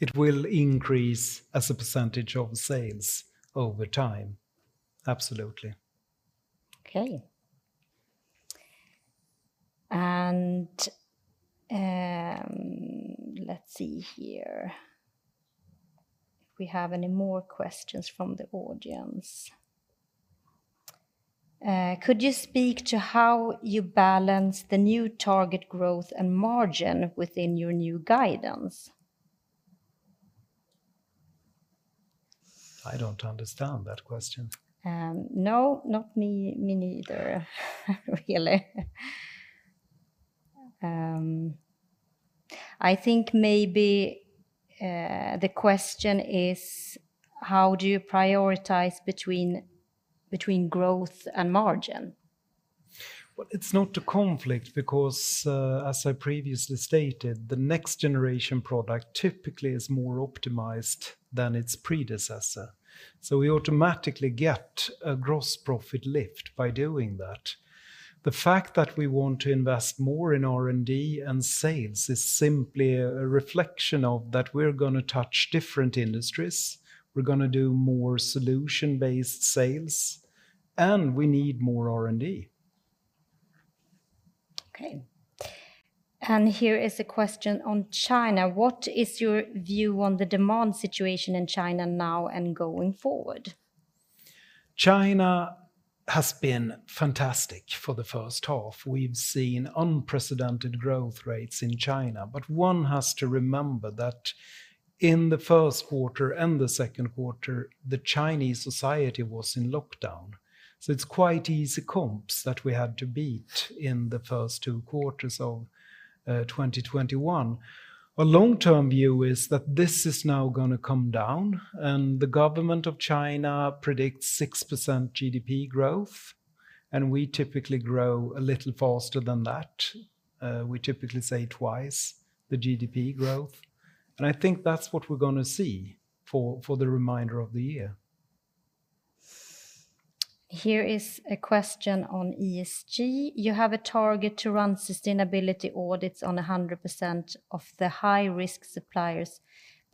It will increase as a % of sales over time. Absolutely. Okay. Let's see here if we have any more questions from the audience. Could you speak to how you balance the new target growth and margin within your new guidance? I don't understand that question. No, not me neither, really. I think maybe the question is how do you prioritize between growth and margin? Well, it's not a conflict because, as I previously stated, the next generation product typically is more optimized than its predecessor. We automatically get a gross profit lift by doing that. The fact that we want to invest more in R&D and sales is simply a reflection of that we're going to touch different industries, we're going to do more solution-based sales, and we need more R&D. Okay. Here is a question on China. What is your view on the demand situation in China now and going forward? China has been fantastic for the first half. We've seen unprecedented growth rates in China. One has to remember that in the first quarter and the second quarter, the Chinese society was in lockdown. It's quite easy comps that we had to beat in the first two quarters of 2021. A long-term view is that this is now going to come down, and the government of China predicts 6% GDP growth, and we typically grow a little faster than that. We typically say 2x the GDP growth. I think that's what we're going to see for the remainder of the year. Here is a question on ESG. You have a target to run sustainability audits on 100% of the high-risk suppliers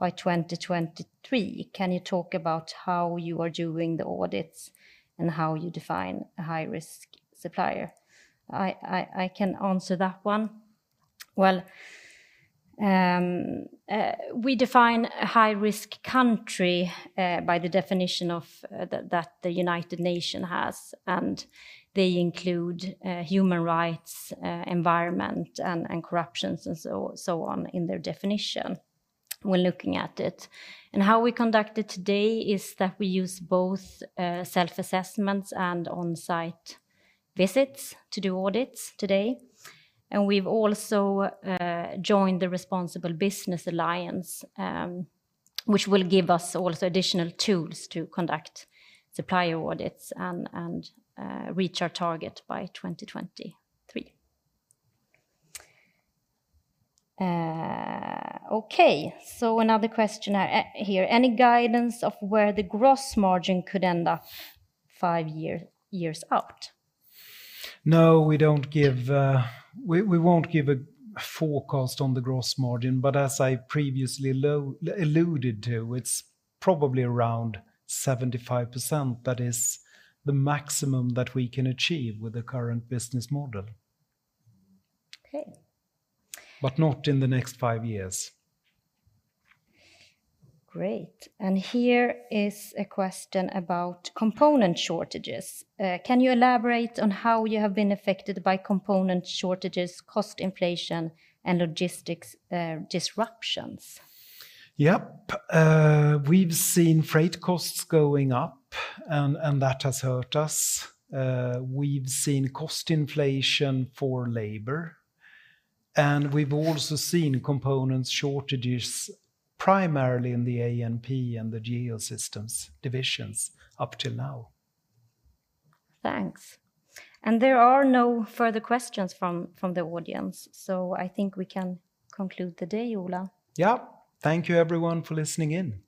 by 2023. Can you talk about how you are doing the audits and how you define a high-risk supplier? I can answer that one. Well, we define a high-risk country by the definition that the United Nations has. They include human rights, environment, and corruptions, and so on in their definition when looking at it. How we conduct it today is that we use both self-assessments and on-site visits to do audits today. We've also joined the Responsible Business Alliance, which will give us also additional tools to conduct supplier audits and reach our target by 2023. Okay. Another question here. Any guidance of where the gross margin could end up five years out? We won't give a forecast on the gross margin, but as I previously alluded to, it's probably around 75%. That is the maximum that we can achieve with the current business model. Okay. Not in the next five years. Great. Here is a question about component shortages. Can you elaborate on how you have been affected by component shortages, cost inflation, and logistics disruptions? Yep. We've seen freight costs going up, and that has hurt us. We've seen cost inflation for labor, and we've also seen components shortages, primarily in the A&P and the Geosystems divisions up till now. Thanks. There are no further questions from the audience, so I think we can conclude the day, Ola. Thank you, everyone, for listening in.